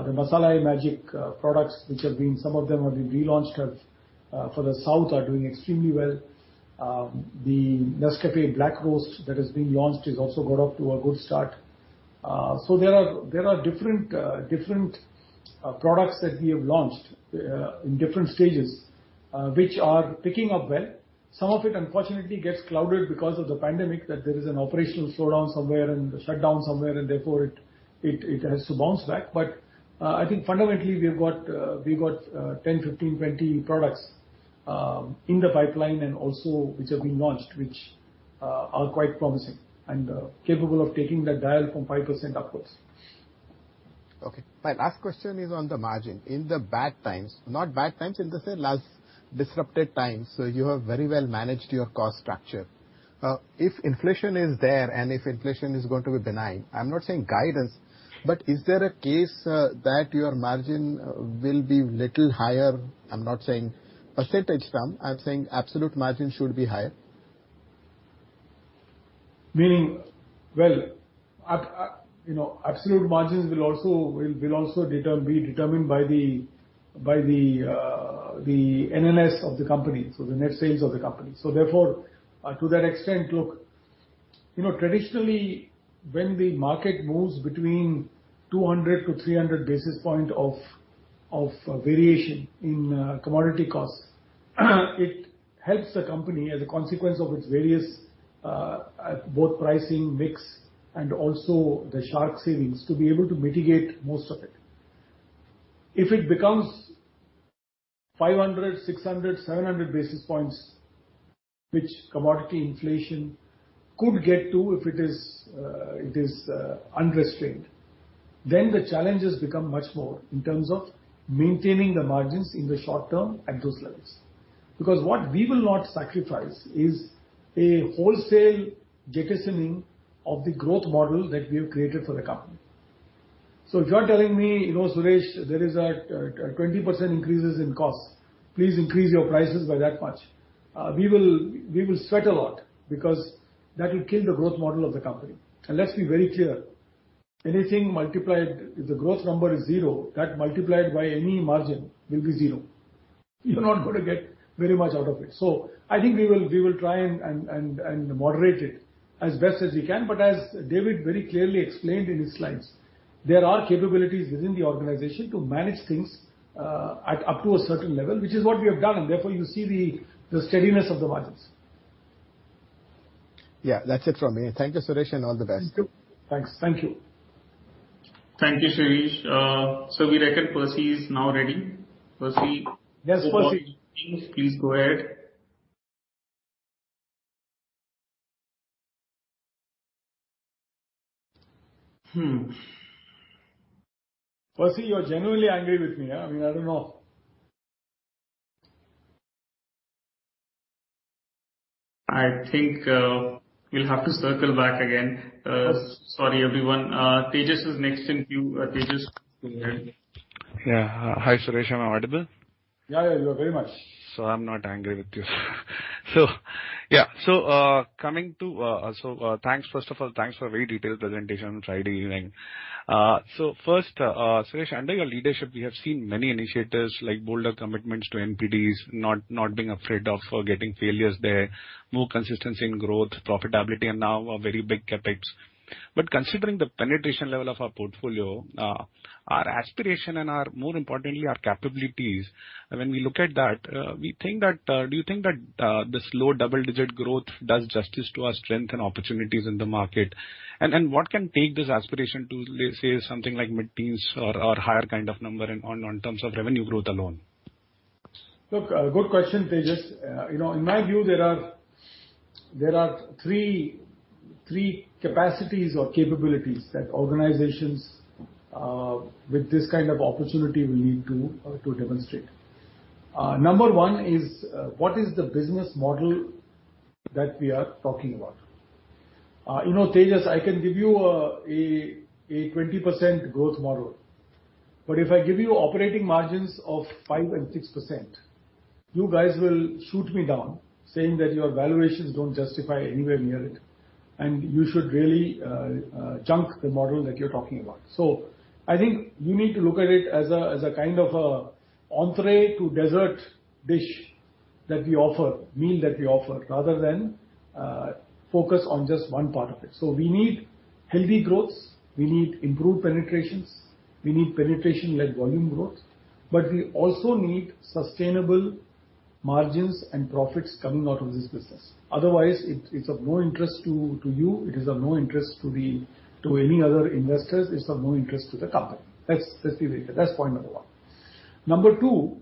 The Masala-ae-Magic products, which have been, some of them have been relaunched as for the South, are doing extremely well. The NESCAFÉ Black Roast that has been launched has also got off to a good start. There are different products that we have launched in different stages which are picking up well. Some of it, unfortunately, gets clouded because of the pandemic, that there is an operational slowdown somewhere and shutdown somewhere, and therefore it has to bounce back. I think fundamentally we've got 10, 15, 20 products in the pipeline and also which have been launched, which are quite promising and capable of taking that dial from 5% upwards. Okay. My last question is on the margin. In the bad times, not bad times, in the sense last disrupted times, you have very well managed your cost structure. If inflation is there and if inflation is going to be benign, I'm not saying guidance, but is there a case that your margin will be little higher? I'm not saying percentage term, I'm saying absolute margin should be higher. Meaning, you know, absolute margins will also be determined by the NNS of the company, so the net sales of the company. Therefore, to that extent, look, you know, traditionally, when the market moves between 200 to 300 basis points of variation in commodity costs, it helps the company as a consequence of its various both pricing mix and also the SHARK savings to be able to mitigate most of it. If it becomes 500, 600, 700 basis points, which commodity inflation could get to if it is unrestrained, then the challenges become much more in terms of maintaining the margins in the short term at those levels. What we will not sacrifice is a wholesale jettisoning of the growth model that we have created for the company. If you're telling me, "You know, Suresh, there is a 20% increase in costs, please increase your prices by that much." We will sweat a lot because that will kill the growth model of the company. Let's be very clear. Anything multiplied. If the growth number is 0, that multiplied by any margin will be 0. You're not gonna get very much out of it. I think we will try and moderate it as best as we can. As David very clearly explained in his slides, there are capabilities within the organization to manage things at up to a certain level, which is what we have done, and therefore you see the steadiness of the margins. Yeah. That's it from me. Thank you, Suresh, and all the best. Thank you. Thanks. Thank you. Thank you, Suresh. We reckon Percy is now ready. Percy- Yes, Percy. Please go ahead. Percy, you're genuinely angry with me, huh? I mean, I don't know. I think we'll have to circle back again. Sorry, everyone. Tejas is next in queue. Tejas, go ahead. Yeah. Hi, Suresh. Am I audible? Yeah, yeah. You are, very much. I'm not angry with you. Yeah. Coming to, thanks first of all, thanks for a very detailed presentation on Friday evening. First, Suresh, under your leadership, we have seen many initiatives like bolder commitments to NPDs, not being afraid of failure there, more consistency in growth, profitability, and now a very big CapEx. Considering the penetration level of our portfolio, our aspiration and, more importantly, our capabilities, when we look at that, we think that, do you think that the slow double-digit growth does justice to our strength and opportunities in the market? And what can take this aspiration to say something like mid-teens or higher kind of number in terms of revenue growth alone? Look, good question, Tejas. You know, in my view, there are 3 capacities or capabilities that organizations with this kind of opportunity will need to demonstrate. Number 1 is what is the business model that we are talking about? You know, Tejas, I can give you a 20% growth model, but if I give you operating margins of 5% and 6%, you guys will shoot me down saying that your valuations do not justify anywhere near it, and you should really junk the model that you are talking about. I think you need to look at it as a kind of an entrée to dessert dish that we offer, meal that we offer, rather than focus on just one part of it. We need healthy growths, we need improved penetrations, we need penetration-led volume growth, but we also need sustainable margins and profits coming out of this business. Otherwise, it's of no interest to you, it is of no interest to any other investors, it's of no interest to the company. That's the way. That's point number 1. Number 2,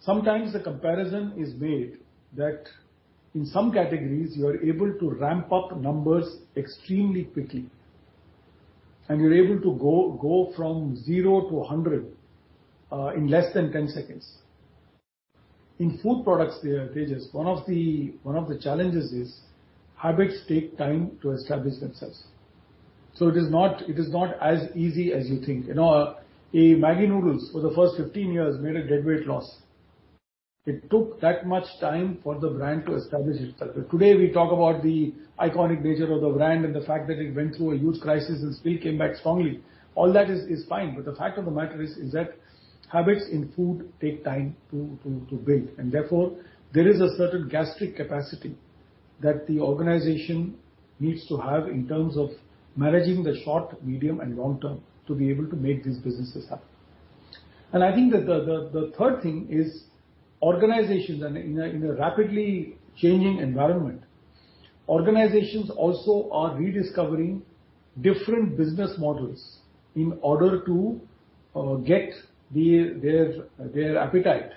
sometimes the comparison is made that in some categories, you are able to ramp up numbers extremely quickly, and you're able to go from 0 to 100 in less than 10 seconds. In food products, Tejas, one of the challenges is habits take time to establish themselves. It is not as easy as you think. You know, a MAGGI noodles for the first 15 years made a deadweight loss. It took that much time for the brand to establish itself. Today, we talk about the iconic nature of the brand and the fact that it went through a huge crisis and still came back strongly. All that is fine, but the fact of the matter is that habits in food take time to build. Therefore, there is a certain gastric capacity that the organization needs to have in terms of managing the short, medium, and long term to be able to make these businesses happen. I think the third thing is organizations in a rapidly changing environment are also rediscovering different business models in order to get their appetite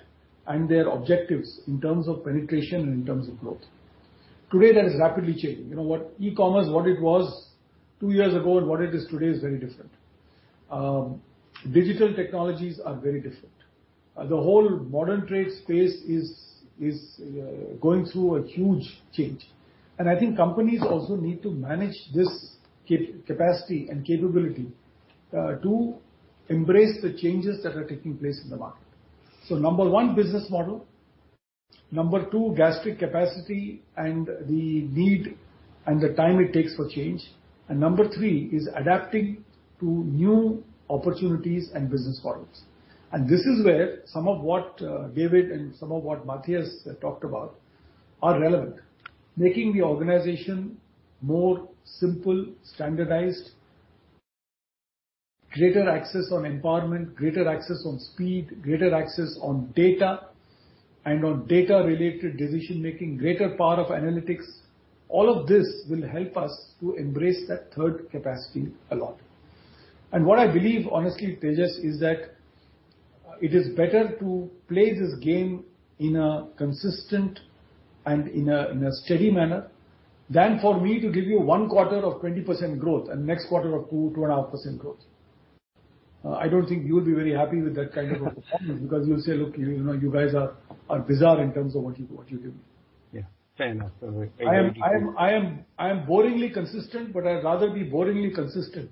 and their objectives in terms of penetration and in terms of growth. Today, that is rapidly changing. You know what? E-commerce, what it was 2 years ago and what it is today is very different. Digital technologies are very different. The whole modern trade space is going through a huge change. I think companies also need to manage this capacity and capability to embrace the changes that are taking place in the market. Number 1, business model. Number 2, capacity and the need and the time it takes for change. Number 3 is adapting to new opportunities and business models. This is where some of what David and some of what Matthias have talked about are relevant. Making the organization more simple, standardized, greater access on empowerment, greater access on speed, greater access on data and on data-related decision-making, greater power of analytics. All of this will help us to embrace that third capacity a lot. What I believe, honestly, Tejas, is that it is better to play this game in a consistent and steady manner than for me to give you 1 quarter of 20% growth and next quarter of 2.5% growth. I don't think you would be very happy with that kind of a performance because you'll say, "Look, you know, you guys are bizarre in terms of what you give me. Yeah, fair enough. I am boringly consistent, but I'd rather be boringly consistent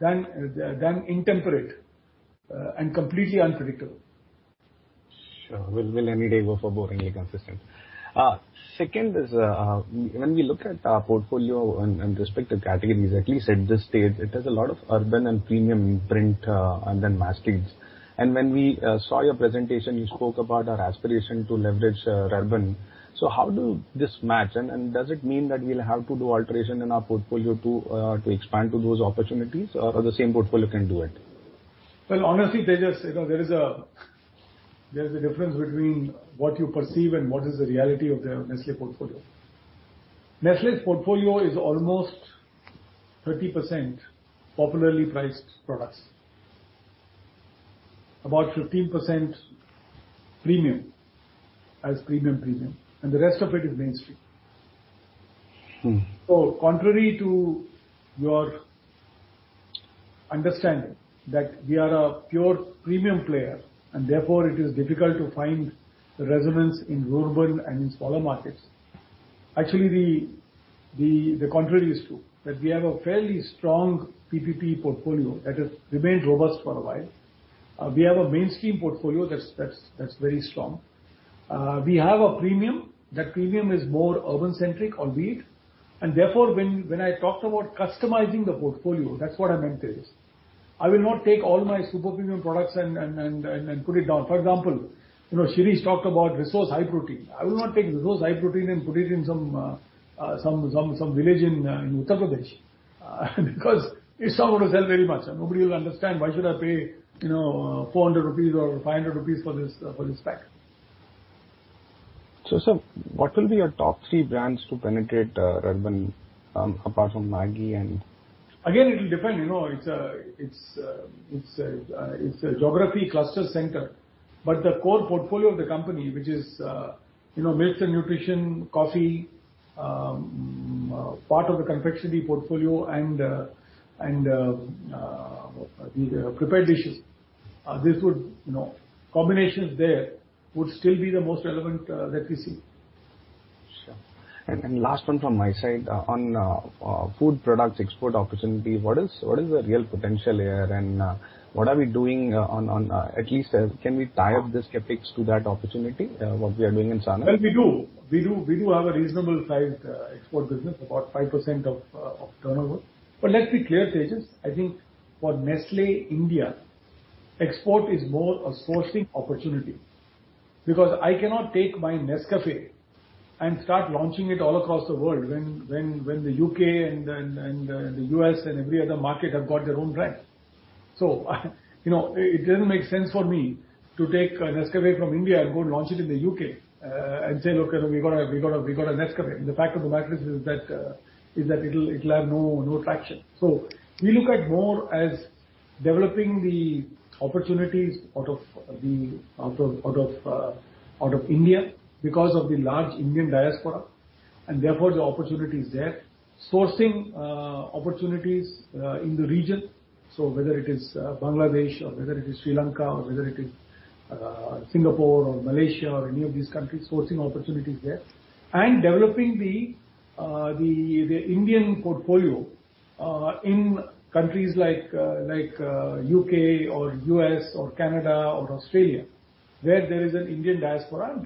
than intemperate and completely unpredictable. Sure. We'll any day go for boringly consistent. Second is, when we look at our portfolio and respective categories, at least at this stage, it has a lot of urban and premium print, and then mastheads. When we saw your presentation, you spoke about our aspiration to leverage urban. How does this match, and does it mean that we'll have to do alteration in our portfolio to expand to those opportunities, or the same portfolio can do it? Well, honestly, Tejas, you know, there is a difference between what you perceive and what is the reality of the Nestlé portfolio. Nestlé's portfolio is almost 30% popularly priced products. About 15% premium, and the rest of it is mainstream. Mm-hmm. Contrary to your understanding that we are a pure premium player, and therefore it is difficult to find resonance in rural and in smaller markets. Actually, the contrary is true, that we have a fairly strong PPP portfolio that has remained robust for a while. We have a mainstream portfolio that's very strong. We have a premium. That premium is more urban-centric, albeit. Therefore, when I talked about customizing the portfolio, that's what I meant, Tejas. I will not take all my super premium products and put it down. For example, you know, Shirish talked about Resource High Protein. I will not take Resource High Protein and put it in some village in Uttar Pradesh, because it's not gonna sell very much. Nobody will understand why should I pay, you know, 400 rupees or 500 rupees for this, for this pack. Sir, what will be your top 3 brands to penetrate urban apart from Maggi and- Again, it'll depend. You know, it's a geographical cluster center. The core portfolio of the company, which is you know Milk and Nutrition, coffee, part of the Confectionery portfolio and the Prepared Dishes, this would you know combinations there would still be the most relevant that we see. Sure. Last one from my side. On food products export opportunity, what is the real potential here and what are we doing on at least can we tie up the CapEx to that opportunity, what we are doing in Sanand? Well, we do have a reasonably sized export business, about 5% of turnover. Let's be clear, Tejas, I think for Nestlé India, export is more a sourcing opportunity. Because I cannot take my Nescafé and start launching it all across the world when the U.K. and the U.S. and every other market have got their own brand. You know, it didn't make sense for me to take a Nescafé from India and go launch it in the U.K. and say, "Look, you know, we got a Nescafé." The fact of the matter is that it'll have no traction. We look at more as developing the opportunities out of India because of the large Indian diaspora, and therefore, the opportunity is there. Sourcing opportunities in the region, whether it is Bangladesh or whether it is Sri Lanka or whether it is Singapore or Malaysia or any of these countries, sourcing opportunities there. Developing the Indian portfolio in countries like U.K. or U.S. or Canada or Australia, where there is an Indian diaspora and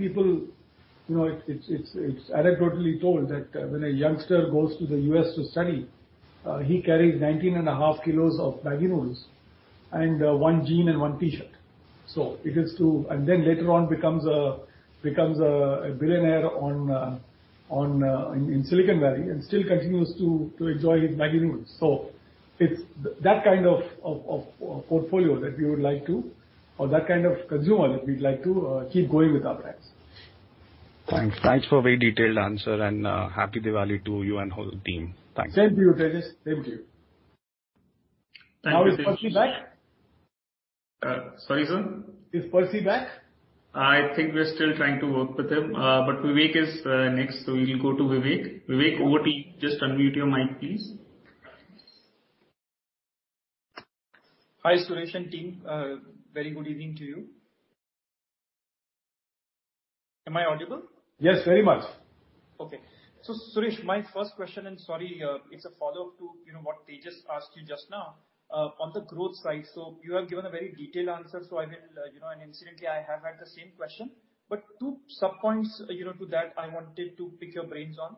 people. You know, it's anecdotally told that when a youngster goes to the U.S. to study, he carries 19.5 kilos of MAGGI noodles and 1 jean and 1 T-shirt. It is to- Later on becomes a billionaire in Silicon Valley and still continues to enjoy his MAGGI noodles. It's that kind of consumer that we'd like to keep going with our brands. Thanks. Thanks for very detailed answer and happy Diwali to you and whole team. Thanks. Same to you, Tejas. Same to you. Thank you, Tejas. Now is Percy back? Sorry, sir? Is Percy back? I think we're still trying to work with him. Vivek is next. We will go to Vivek. Vivek, over to you. Just unmute your mic, please. Hi, Suresh and team. Very good evening to you. Am I audible? Yes, very much. Okay. Suresh, my first question, and sorry, it's a follow-up to, you know, what Tejas asked you just now, on the growth side. You have given a very detailed answer, so I will, you know, and incidentally, I have had the same question. 2 sub points, you know, to that I wanted to pick your brains on.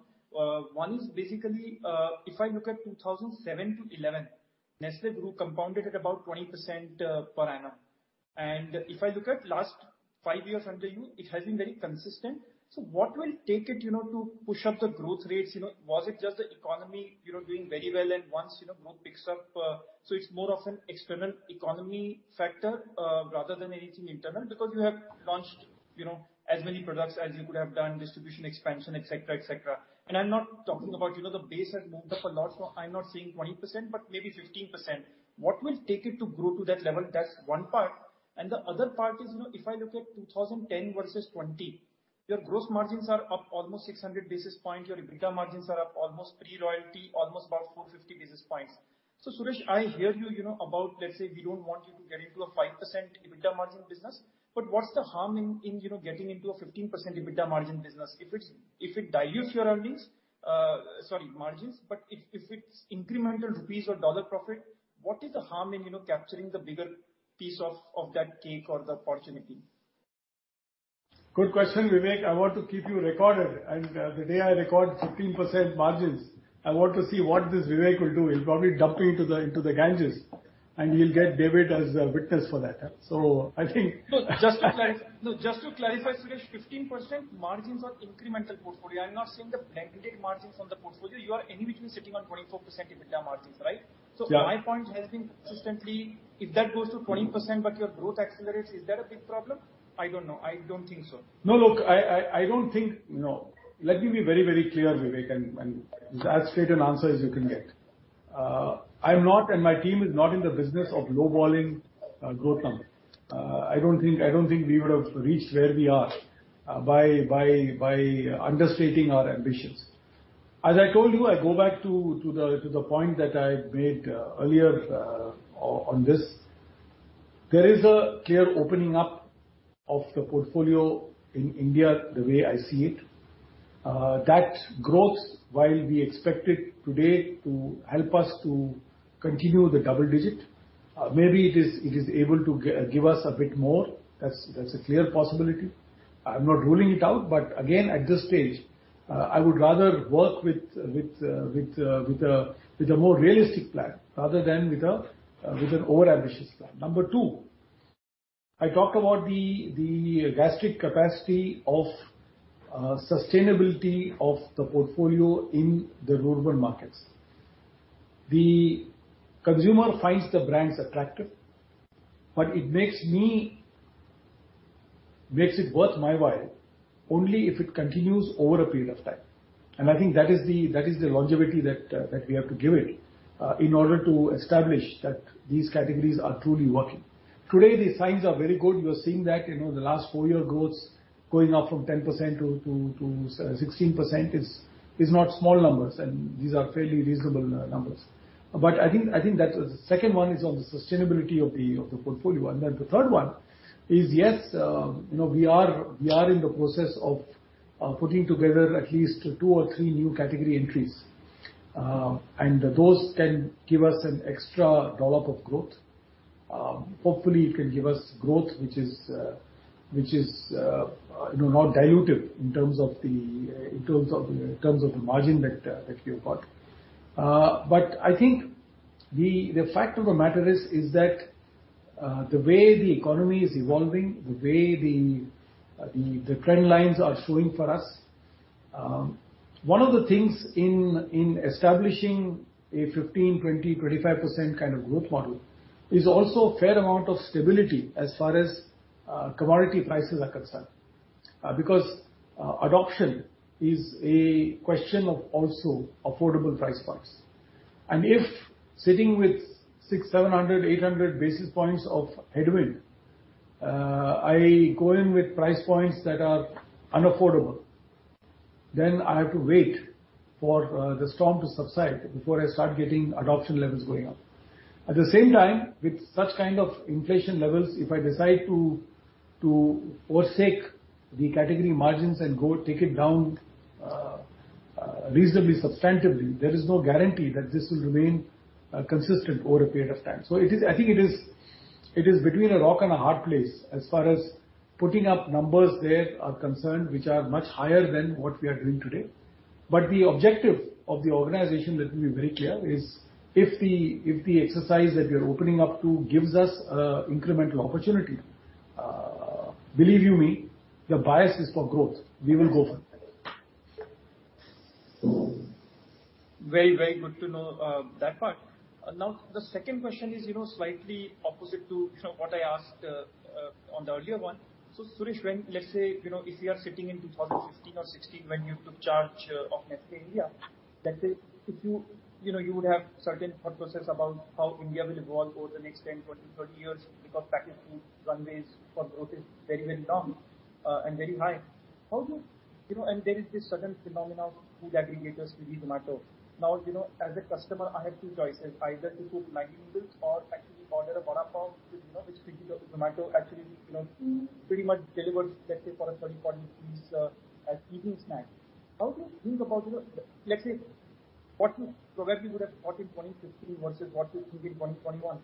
One is basically, if I look at 2007 to 2011, Nestlé grew compounded at about 20% per annum. If I look at last 5 years under you, it has been very consistent. What will take it, you know, to push up the growth rates, you know? Was it just the economy, you know, doing very well and once, you know, growth picks up? It's more of an external economy factor, rather than anything internal? Because you have launched, you know, as many products as you could have done, distribution expansion, et cetera, et cetera. I'm not talking about, you know, the base has moved up a lot, so I'm not saying 20%, but maybe 15%. What will take it to grow to that level? That's one part. The other part is, you know, if I look at 2010 versus 2020, your gross margins are up almost 600 basis points. Your EBITDA margins are up almost pre-royalty, almost about 450 basis points. Suresh, I hear you know about let's say we don't want you to get into a 5% EBITDA margin business, but what's the harm in, you know, getting into a 15% EBITDA margin business? If it dilutes your earnings, sorry, margins, but if it's incremental rupees or dollar profit, what is the harm in, you know, capturing the bigger piece of that cake or the opportunity? Good question, Vivek. I want to keep you recorded. And the day I record 15% margins, I want to see what this Vivek will do. He'll probably dump into the Ganges, and he'll get David as a witness for that. I think. No, just to clarify, Suresh, 15% margins on incremental portfolio. I'm not saying the blanket margins on the portfolio. You are anyway sitting on 24% EBITDA margins, right? Yeah. My point has been consistently, if that goes to 20% but your growth accelerates, is that a big problem? I don't know. I don't think so. No, look, I don't think. No. Let me be very, very clear, Vivek, and it's as straight an answer as you can get. I'm not, and my team is not in the business of lowballing growth numbers. I don't think we would have reached where we are by understating our ambitions. As I told you, I go back to the point that I made earlier on this. There is a clear opening up of the portfolio in India, the way I see it. That growth, while we expect it today to help us to continue the double-digit, maybe it is able to give us a bit more. That's a clear possibility. I'm not ruling it out. Again, at this stage, I would rather work with a more realistic plan rather than with an overambitious plan. Number 2, I talked about the capacity of sustainability of the portfolio in the rural markets. The consumer finds the brands attractive, but it makes it worth my while only if it continues over a period of time. I think that is the longevity that we have to give it in order to establish that these categories are truly working. Today, the signs are very good. You are seeing that, you know, the last 4-year growth going up from 10% to 16% is not small numbers, and these are fairly reasonable numbers. I think that's The second one is on the sustainability of the portfolio. Then the third one is, yes, you know, we are in the process of putting together at least 2 or 3 new category entries. Those can give us an extra dollop of growth. Hopefully it can give us growth which is, you know, not diluted in terms of the margin that we have got. I think the fact of the matter is that the way the economy is evolving, the trend lines are showing for us, one of the things in establishing a 15% to 25% kind of growth model is also a fair amount of stability as far as commodity prices are concerned. Because adoption is a question of also affordable price points. If sitting with 600 to 800 basis points of headwind, I go in with price points that are unaffordable, then I have to wait for the storm to subside before I start getting adoption levels going up. At the same time, with such kind of inflation levels, if I decide to forsake the category margins and go take it down, reasonably substantively, there is no guarantee that this will remain consistent over a period of time. I think it is between a rock and a hard place as far as putting up numbers there are concerned, which are much higher than what we are doing today. The objective of the organization, let me be very clear, is if the exercise that we are opening up to gives us incremental opportunity, believe you me, the bias is for growth. We will go for that. Very, very good to know, that part. Now, the second question is, you know, slightly opposite to, you know, what I asked, on the earlier one. Suresh, when, let's say, you know, if you are sitting in 2015 or 2016 when you took charge, of Nestlé India, let's say if you know, you would have certain thought process about how India will evolve over the next 10, 20, 30 years because packaged food runways for growth is very, very long, and very high. You know, and there is this sudden phenomenon of food aggregators, Swiggy, Zomato. Now, as a customer, I have 2 choices, either to cook Maggi noodles or actually order a vada pav, you know, which Swiggy or Zomato actually, you know, pretty much delivers, let's say, for INR 30 to INR 40 as evening snack. How do you think about, you know, let's say what you probably would have thought in 2015 versus what you think in 2021?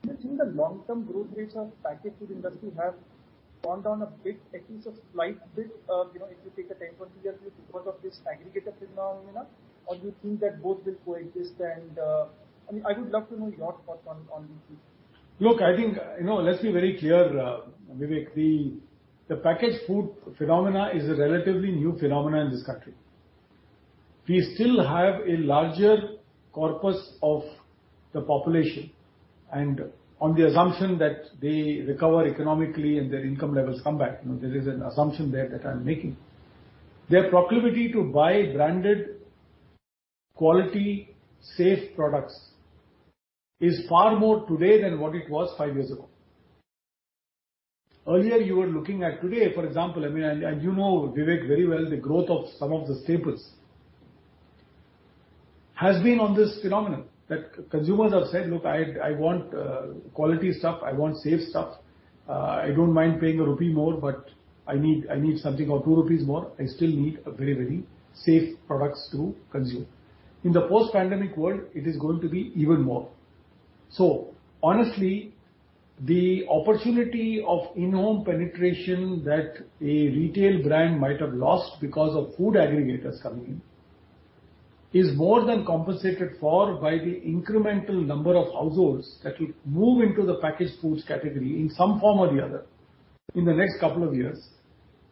Do you think the long-term growth rates of packaged food industry have gone down a bit, at least a slight bit, you know, if you take a 10, 20-year view because of this aggregator phenomena? Or do you think that both will coexist and I mean, I would love to know your thoughts on these things. Look, I think, you know, let's be very clear, Vivek. The packaged food phenomenon is a relatively new phenomenon in this country. We still have a larger corpus of the population, and on the assumption that they recover economically and their income levels come back, you know, there is an assumption there that I'm making. Their proclivity to buy branded, quality, safe products is far more today than what it was 5 years ago. Earlier you were looking at today, for example, I mean, and you know, Vivek, very well the growth of some of the staples has been on this phenomenon that consumers have said, "Look, I want quality stuff. I want safe stuff. I don't mind paying INR 1 more, but I need something or 2 rupees more. I still need a very, very safe products to consume." In the post-pandemic world it is going to be even more. Honestly, the opportunity of in-home penetration that a retail brand might have lost because of food aggregators coming in is more than compensated for by the incremental number of households that will move into the packaged foods category in some form or the other in the next couple of years,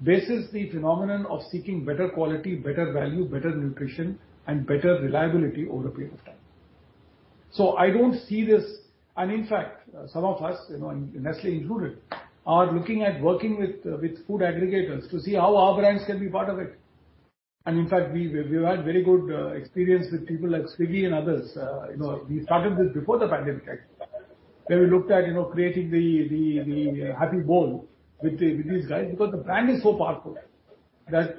versus the phenomenon of seeking better quality, better value, better nutrition and better reliability over a period of time. I don't see this. In fact, some of us, you know, and Nestlé included, are looking at working with food aggregators to see how our brands can be part of it. In fact, we've had very good experience with people like Swiggy and others. You know, we started this before the pandemic actually, where we looked at creating the Happy Bowl with these guys because the brand is so powerful that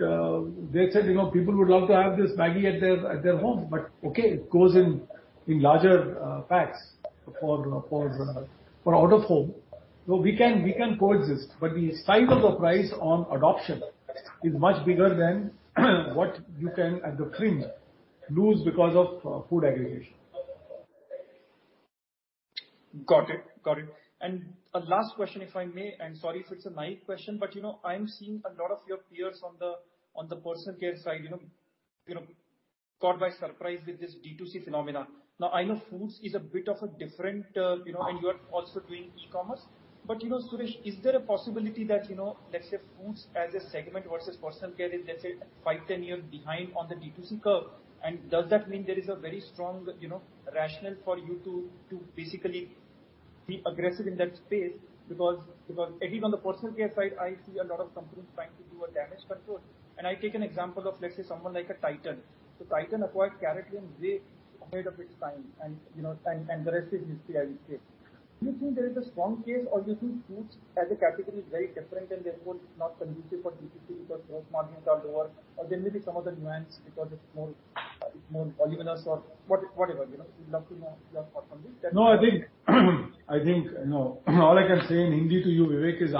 they said, you know, people would love to have this MAGGI at their home, but okay, it goes in larger packs for out of home. We can coexist, but the size of the prize on adoption is much bigger than what you can at the fringe lose because of food aggregation. Got it. Got it. A last question, if I may. I'm sorry if it's a naive question, but you know, I'm seeing a lot of your peers on the personal care side, you know, caught by surprise with this D2C phenomena. Now, I know foods is a bit of a different, you know, and you are also doing e-commerce. You know, Suresh, is there a possibility that, you know, let's say foods as a segment versus personal care is, let's say 5 to 10 years behind on the D2C curve, and does that mean there is a very strong, you know, rationale for you to basically be aggressive in that space? Because at least on the personal care side, I see a lot of companies trying to do a damage control. I take an example of, let's say, someone like a Titan. Titan acquired CaratLane, they ahead of its time and, you know, and the rest is history, I would say. Do you think there is a strong case or you think foods as a category is very different and therefore it's not conducive for D2C because growth margins are lower or there may be some other nuance because it's more voluminous or whatever, you know. We'd love to know your thoughts on this. No, I think, you know, all I can say in Hindi to you, Vivek, is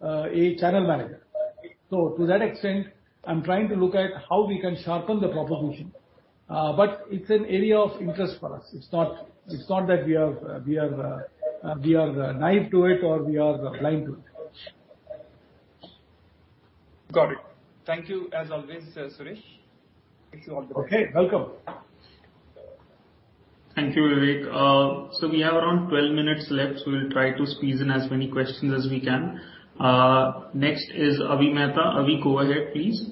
Got it. Thank you as always, Suresh. Thank you all- Okay, welcome. Thank you, Vivek. We have around 12 minutes left, so we'll try to squeeze in as many questions as we can. Next is Avi Mehta. Avi, go ahead please.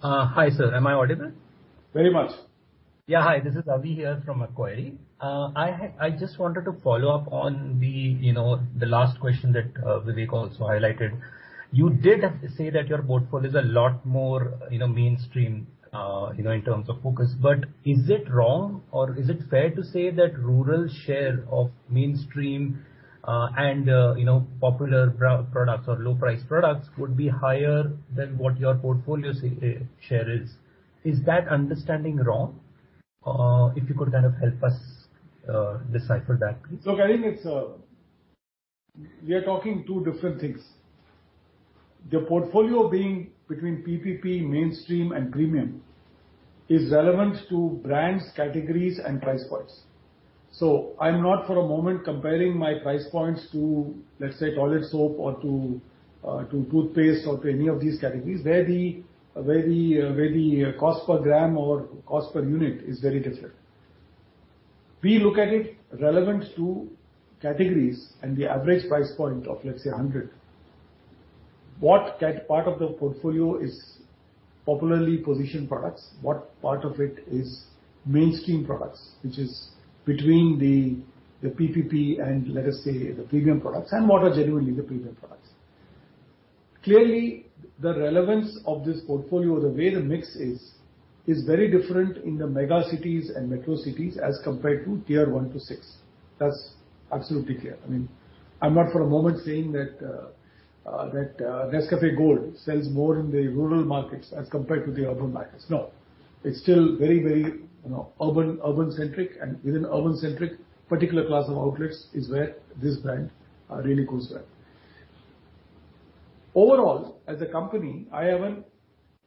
Hi sir, am I audible? Very much. Yeah, hi. This is Avi Mehta from Macquarie. I just wanted to follow up on the, you know, the last question that Vivek also highlighted. You did say that your portfolio is a lot more, you know, mainstream, you know, in terms of focus. But is it wrong or is it fair to say that rural share of mainstream, and, you know, popular products or low price products would be higher than what your portfolio share is? Is that understanding wrong? If you could kind of help us decipher that please. Look, I think it's. We are talking two different things. The portfolio being between PPP, mainstream and premium is relevant to brands, categories and price points. I'm not for a moment comparing my price points to, let's say, toilet soap or to toothpaste or to any of these categories, where the cost per gram or cost per unit is very different. We look at it relevant to categories and the average price point of, let's say, 100. What part of the portfolio is popularly positioned products, what part of it is mainstream products, which is between the PPP and let us say the premium products, and what are genuinely the premium products. Clearly, the relevance of this portfolio, the way the mix is very different in the mega cities and metro cities as compared to tier 1 to 6. That's absolutely clear. I mean, I'm not for a moment saying that NESCAFÉ Gold sells more in the rural markets as compared to the urban markets. No. It's still very, you know, urban-centric, and within urban-centric, particular class of outlets is where this brand really goes well. Overall, as a company, I have a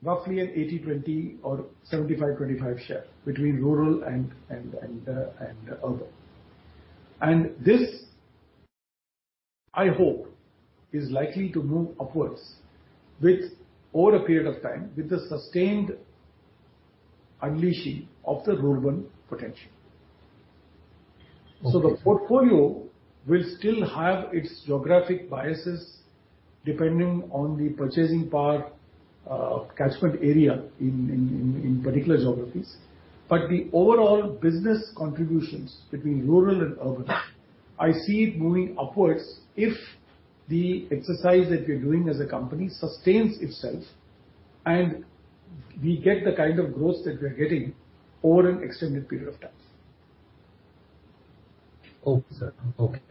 roughly an 80/20 or 75/25 share between rural and urban. This, I hope, is likely to move upwards with over a period of time, with the sustained unleashing of the rural potential. Okay. The portfolio will still have its geographic biases depending on the purchasing power, catchment area in particular geographies. The overall business contributions between rural and urban, I see it moving upwards if the exercise that we're doing as a company sustains itself and we get the kind of growth that we're getting over an extended period of time. Okay, sir. Okay.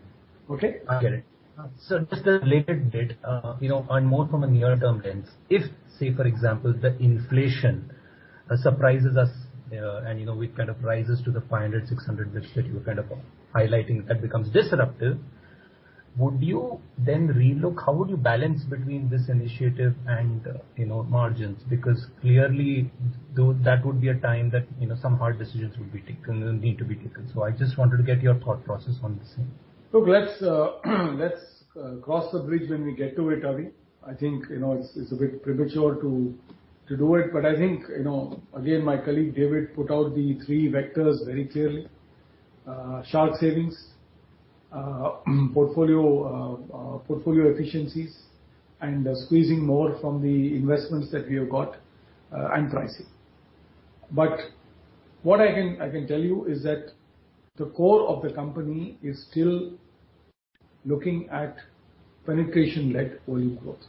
Okay? I get it. Just a related bit, you know, and more from a near-term lens. If, say, for example, the inflation surprises us, and you know, it kind of rises to the 500 to 600 basis points that you were kind of highlighting, that becomes disruptive, would you then relook how would you balance between this initiative and, you know, margins? Because clearly though, that would be a time that, you know, some hard decisions would be taken and need to be taken. I just wanted to get your thought process on the same. Look, let's cross the bridge when we get to it, Avi. I think, you know, it's a bit premature to do it. I think, you know, again, my colleague, David, put out the 3 vectors very clearly. SHARK savings, portfolio efficiencies and squeezing more from the investments that we have got, and pricing. What I can tell you is that the core of the company is still looking at penetration-led volume growth.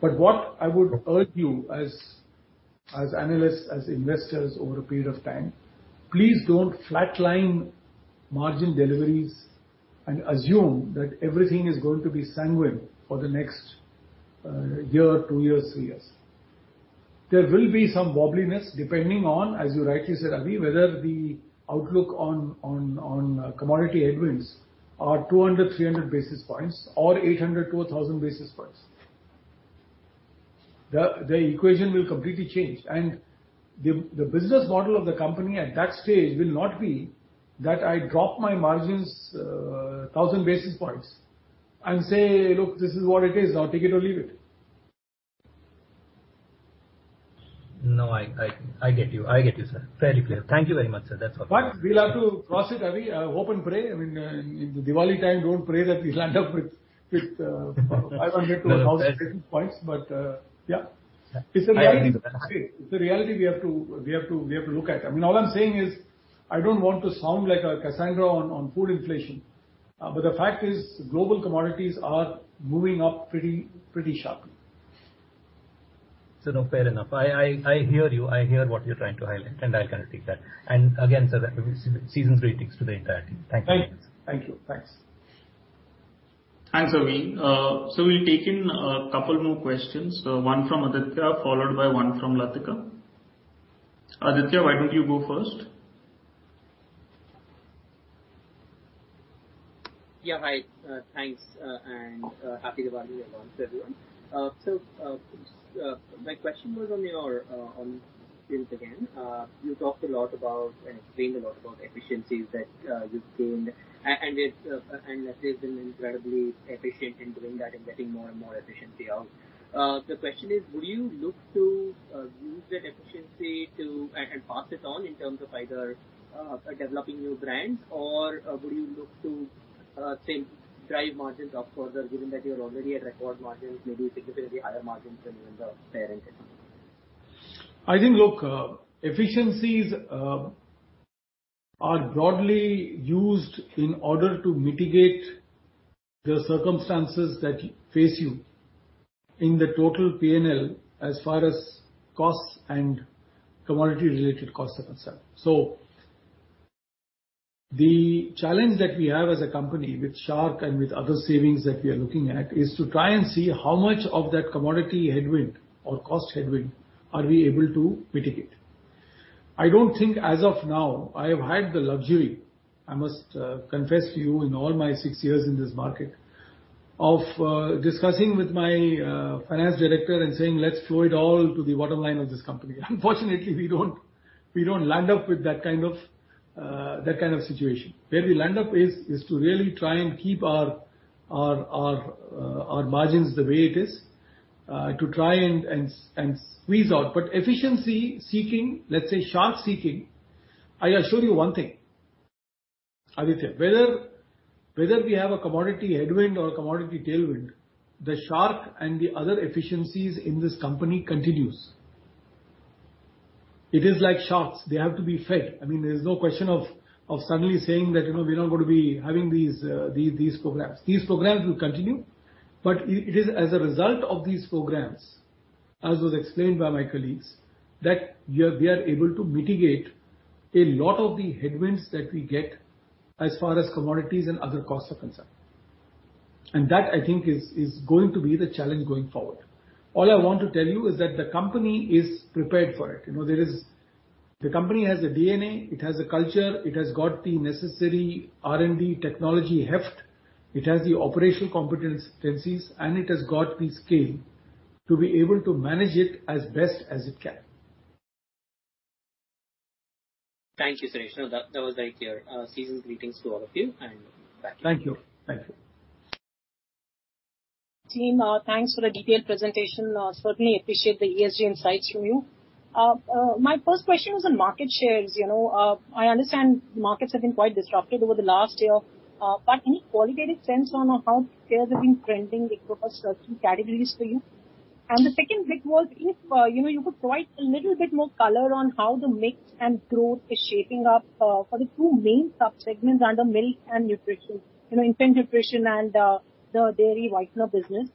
What I would urge you as analysts, as investors over a period of time, please don't flatline margin deliveries and assume that everything is going to be sanguine for the next year, 2 years, 3 years. There will be some wobbliness, depending on, as you rightly said, Avi, whether the outlook on commodity headwinds are 200 to 300 basis points or 800 to 1,000 basis points. The equation will completely change. The business model of the company at that stage will not be that I drop my margins thousand basis points and say, "Look, this is what it is. Now take it or leave it. No, I get you. I get you, sir. Fairly clear. Thank you very much, sir. That's all. We'll have to cross it, Avi. I hope and pray. I mean, in the Diwali time, don't pray that we'll end up with 500 to 1,000 basis points. Yeah. Yeah. It's a reality. It's a reality we have to look at. I mean, all I'm saying is, I don't want to sound like a Cassandra on food inflation, but the fact is global commodities are moving up pretty sharply. No, fair enough. I hear you. I hear what you're trying to highlight, and I kind of take that. Again, sir, seasons greetings to the entire team. Thank you. Thank you. Thanks. Thanks, Avi. We'll take in a couple more questions. 1 from Aditya, followed by 1 from Latika. Aditya, why don't you go first? Hi, thanks. Happy Diwali, everyone. My question was on your on this again. You talked a lot about and explained a lot about efficiencies that you've gained. And it's that there's been incredibly efficient in doing that and getting more and more efficiency out. The question is, would you look to use that efficiency to and pass it on in terms of either developing new brands, or would you look to say, drive margins up further, given that you're already at record margins, maybe significantly higher margins than even the parent company? I think, look, efficiencies are broadly used in order to mitigate the circumstances that face you in the total P&L as far as costs and commodity-related costs are concerned. The challenge that we have as a company with Shark and with other savings that we are looking at is to try and see how much of that commodity headwind or cost headwind are we able to mitigate. I don't think as of now I have had the luxury. I must confess to you in all my 6 years in this market of discussing with my finance director and saying, "Let's flow it all to the bottom line of this company." Unfortunately, we don't land up with that kind of situation. Where we land up is to really try and keep our margins the way it is, to try and squeeze out. But efficiency seeking, let's say Shark seeking, I assure you 1 thing, Aditya, whether we have a commodity headwind or a commodity tailwind, the Shark and the other efficiencies in this company continues. It is like sharks. They have to be fed. I mean, there is no question of suddenly saying that, you know, we're not gonna be having these programs. These programs will continue, but it is as a result of these programs, as was explained by my colleagues, that we are able to mitigate a lot of the headwinds that we get as far as commodities and other costs are concerned. That, I think, is going to be the challenge going forward. All I want to tell you is that the company is prepared for it. You know, the company has the DNA, it has the culture, it has got the necessary R&D technology heft, it has the operational competencies, and it has got the scale to be able to manage it as best as it can. Thank you, Suresh. No, that was very clear. Season's greetings to all of you, and bye. Thank you. Thank you. Team, thanks for the detailed presentation. Certainly appreciate the ESG insights from you. My first question was on market shares. You know, I understand markets have been quite disrupted over the last year, but any qualitative sense on how shares have been trending across key categories for you? The second bit was if you know, you could provide a little bit more color on how the mix and growth is shaping up for the 2 main sub-segments under milk and nutrition, you know, infant nutrition and the dairy whitener business.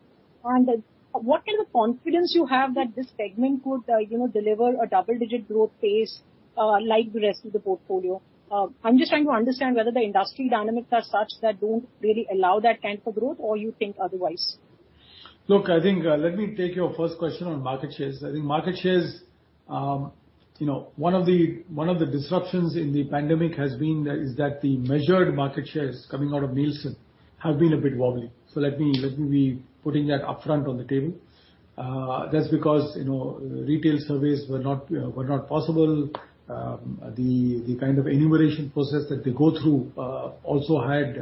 What kind of confidence you have that this segment could you know, deliver a double-digit growth pace like the rest of the portfolio? I'm just trying to understand whether the industry dynamics are such that don't really allow that kind of growth or you think otherwise? Look, I think, let me take your first question on market shares. I think market shares, you know, one of the disruptions in the pandemic is that the measured market shares coming out of Nielsen have been a bit wobbly. Let me be putting that upfront on the table. That's because, you know, retail surveys were not possible. The kind of enumeration process that they go through also had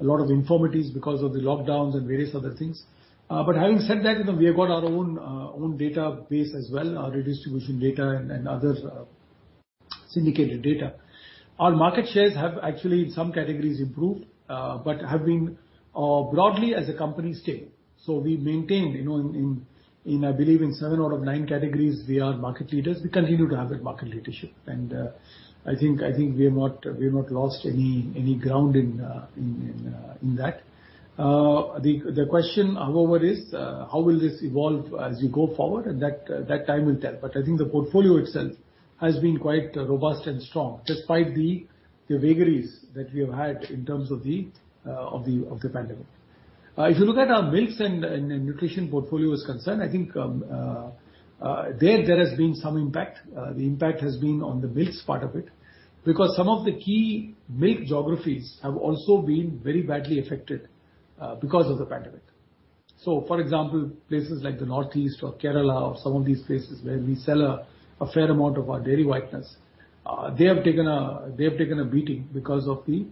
a lot of infirmities because of the lockdowns and various other things. Having said that, you know, we have got our own database as well, our redistribution data and other syndicated data. Our market shares have actually in some categories improved, but have been broadly as a company stable. We maintained, you know, I believe in 7 out of 9 categories we are market leaders. We continue to have that market leadership. I think we have not lost any ground in that. The question, however, is how will this evolve as we go forward? That time will tell. I think the portfolio itself has been quite robust and strong, despite the vagaries that we have had in terms of the pandemic. If you look at our milk and nutrition portfolio as far as it is concerned, I think there has been some impact. The impact has been on the milks part of it, because some of the key milk geographies have also been very badly affected, because of the pandemic. For example, places like the Northeast or Kerala or some of these places where we sell a fair amount of our dairy whiteners, they have taken a beating because of the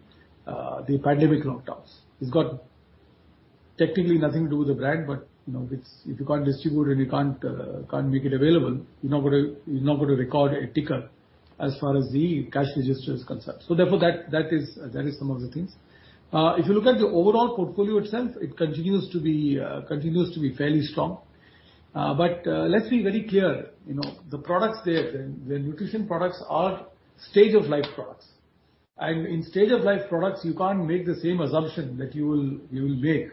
pandemic lockdowns. It's got technically nothing to do with the brand, but, you know, it's if you can't distribute and you can't make it available, you're not gonna record a ticker as far as the cash register is concerned. Therefore, that is some of the things. If you look at the overall portfolio itself, it continues to be fairly strong. Let's be very clear, you know, the products there, the nutrition products are stage of life products. In stage of life products, you can't make the same assumption that you will make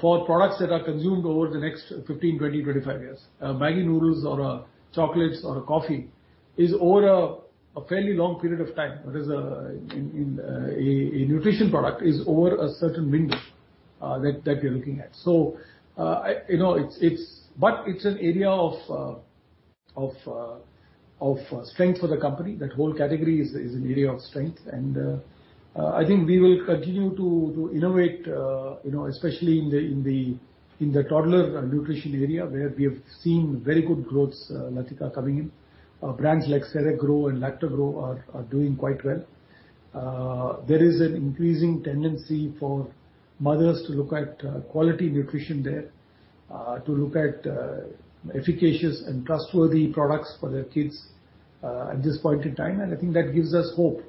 for products that are consumed over the next 15, 20, 25 years. MAGGI noodles or chocolates or coffee is over a fairly long period of time. Whereas a nutrition product is over a certain window that you're looking at. You know, it's an area of strength for the company. That whole category is an area of strength. I think we will continue to innovate, you know, especially in the toddler nutrition area, where we have seen very good growth, Latika, coming in. Brands like CERELAC and LACTOGROW are doing quite well. There is an increasing tendency for mothers to look at quality nutrition there, to look at efficacious and trustworthy products for their kids at this point in time. I think that gives us hope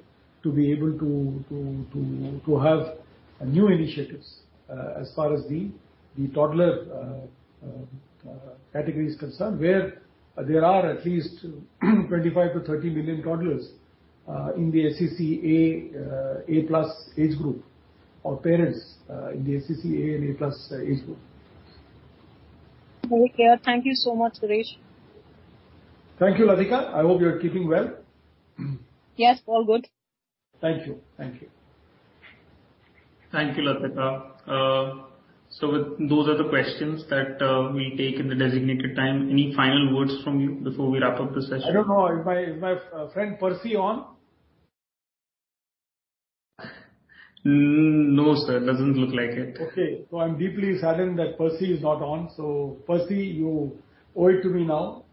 to be able to have new initiatives as far as the toddler category is concerned, where there are at least 25 to 30 million toddlers in the SEC A and A+ age group, or parents in the SEC A and A+ age group. Okay. Thank you so much, Suresh. Thank you, Latika. I hope you're keeping well. Yes, all good. Thank you. Thank you. Thank you, Latika. With those are the questions that we take in the designated time. Any final words from you before we wrap up the session? I don't know. Is my friend Percy on? No, sir. Doesn't look like it. Okay. I'm deeply saddened that Percy is not on. Percy, you owe it to me now.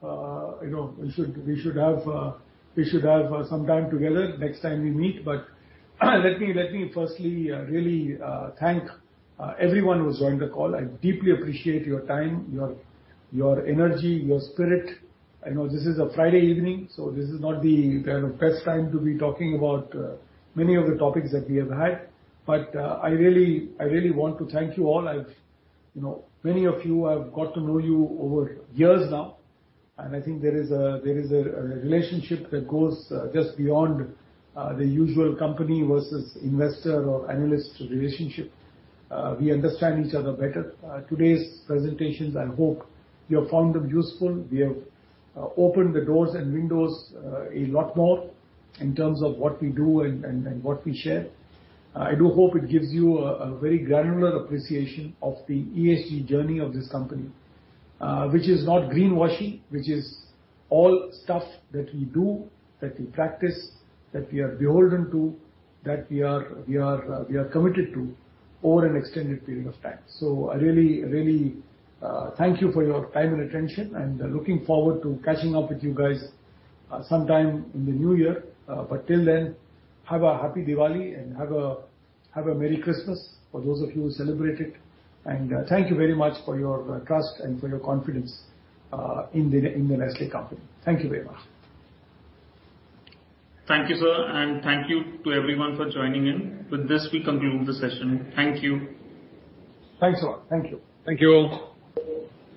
You know, we should have some time together next time we meet. Let me firstly really thank everyone who's joined the call. I deeply appreciate your time, your energy, your spirit. I know this is a Friday evening, so this is not the best time to be talking about many of the topics that we have had. I really want to thank you all. You know, many of you, I've got to know you over years now, and I think there is a relationship that goes just beyond the usual company versus investor or analyst relationship. We understand each other better. Today's presentations, I hope you have found them useful. We have opened the doors and windows a lot more in terms of what we do and what we share. I do hope it gives you a very granular appreciation of the ESG journey of this company, which is not greenwashing, which is all stuff that we do, that we practice, that we are beholden to, that we are committed to over an extended period of time. I really thank you for your time and attention, and looking forward to catching up with you guys sometime in the new year. Till then, have a happy Diwali, and have a merry Christmas for those of you who celebrate it. Thank you very much for your trust and for your confidence in the Nestlé company. Thank you very much. Thank you, sir, and thank you to everyone for joining in. With this, we conclude the session. Thank you. Thanks a lot. Thank you. Thank you all.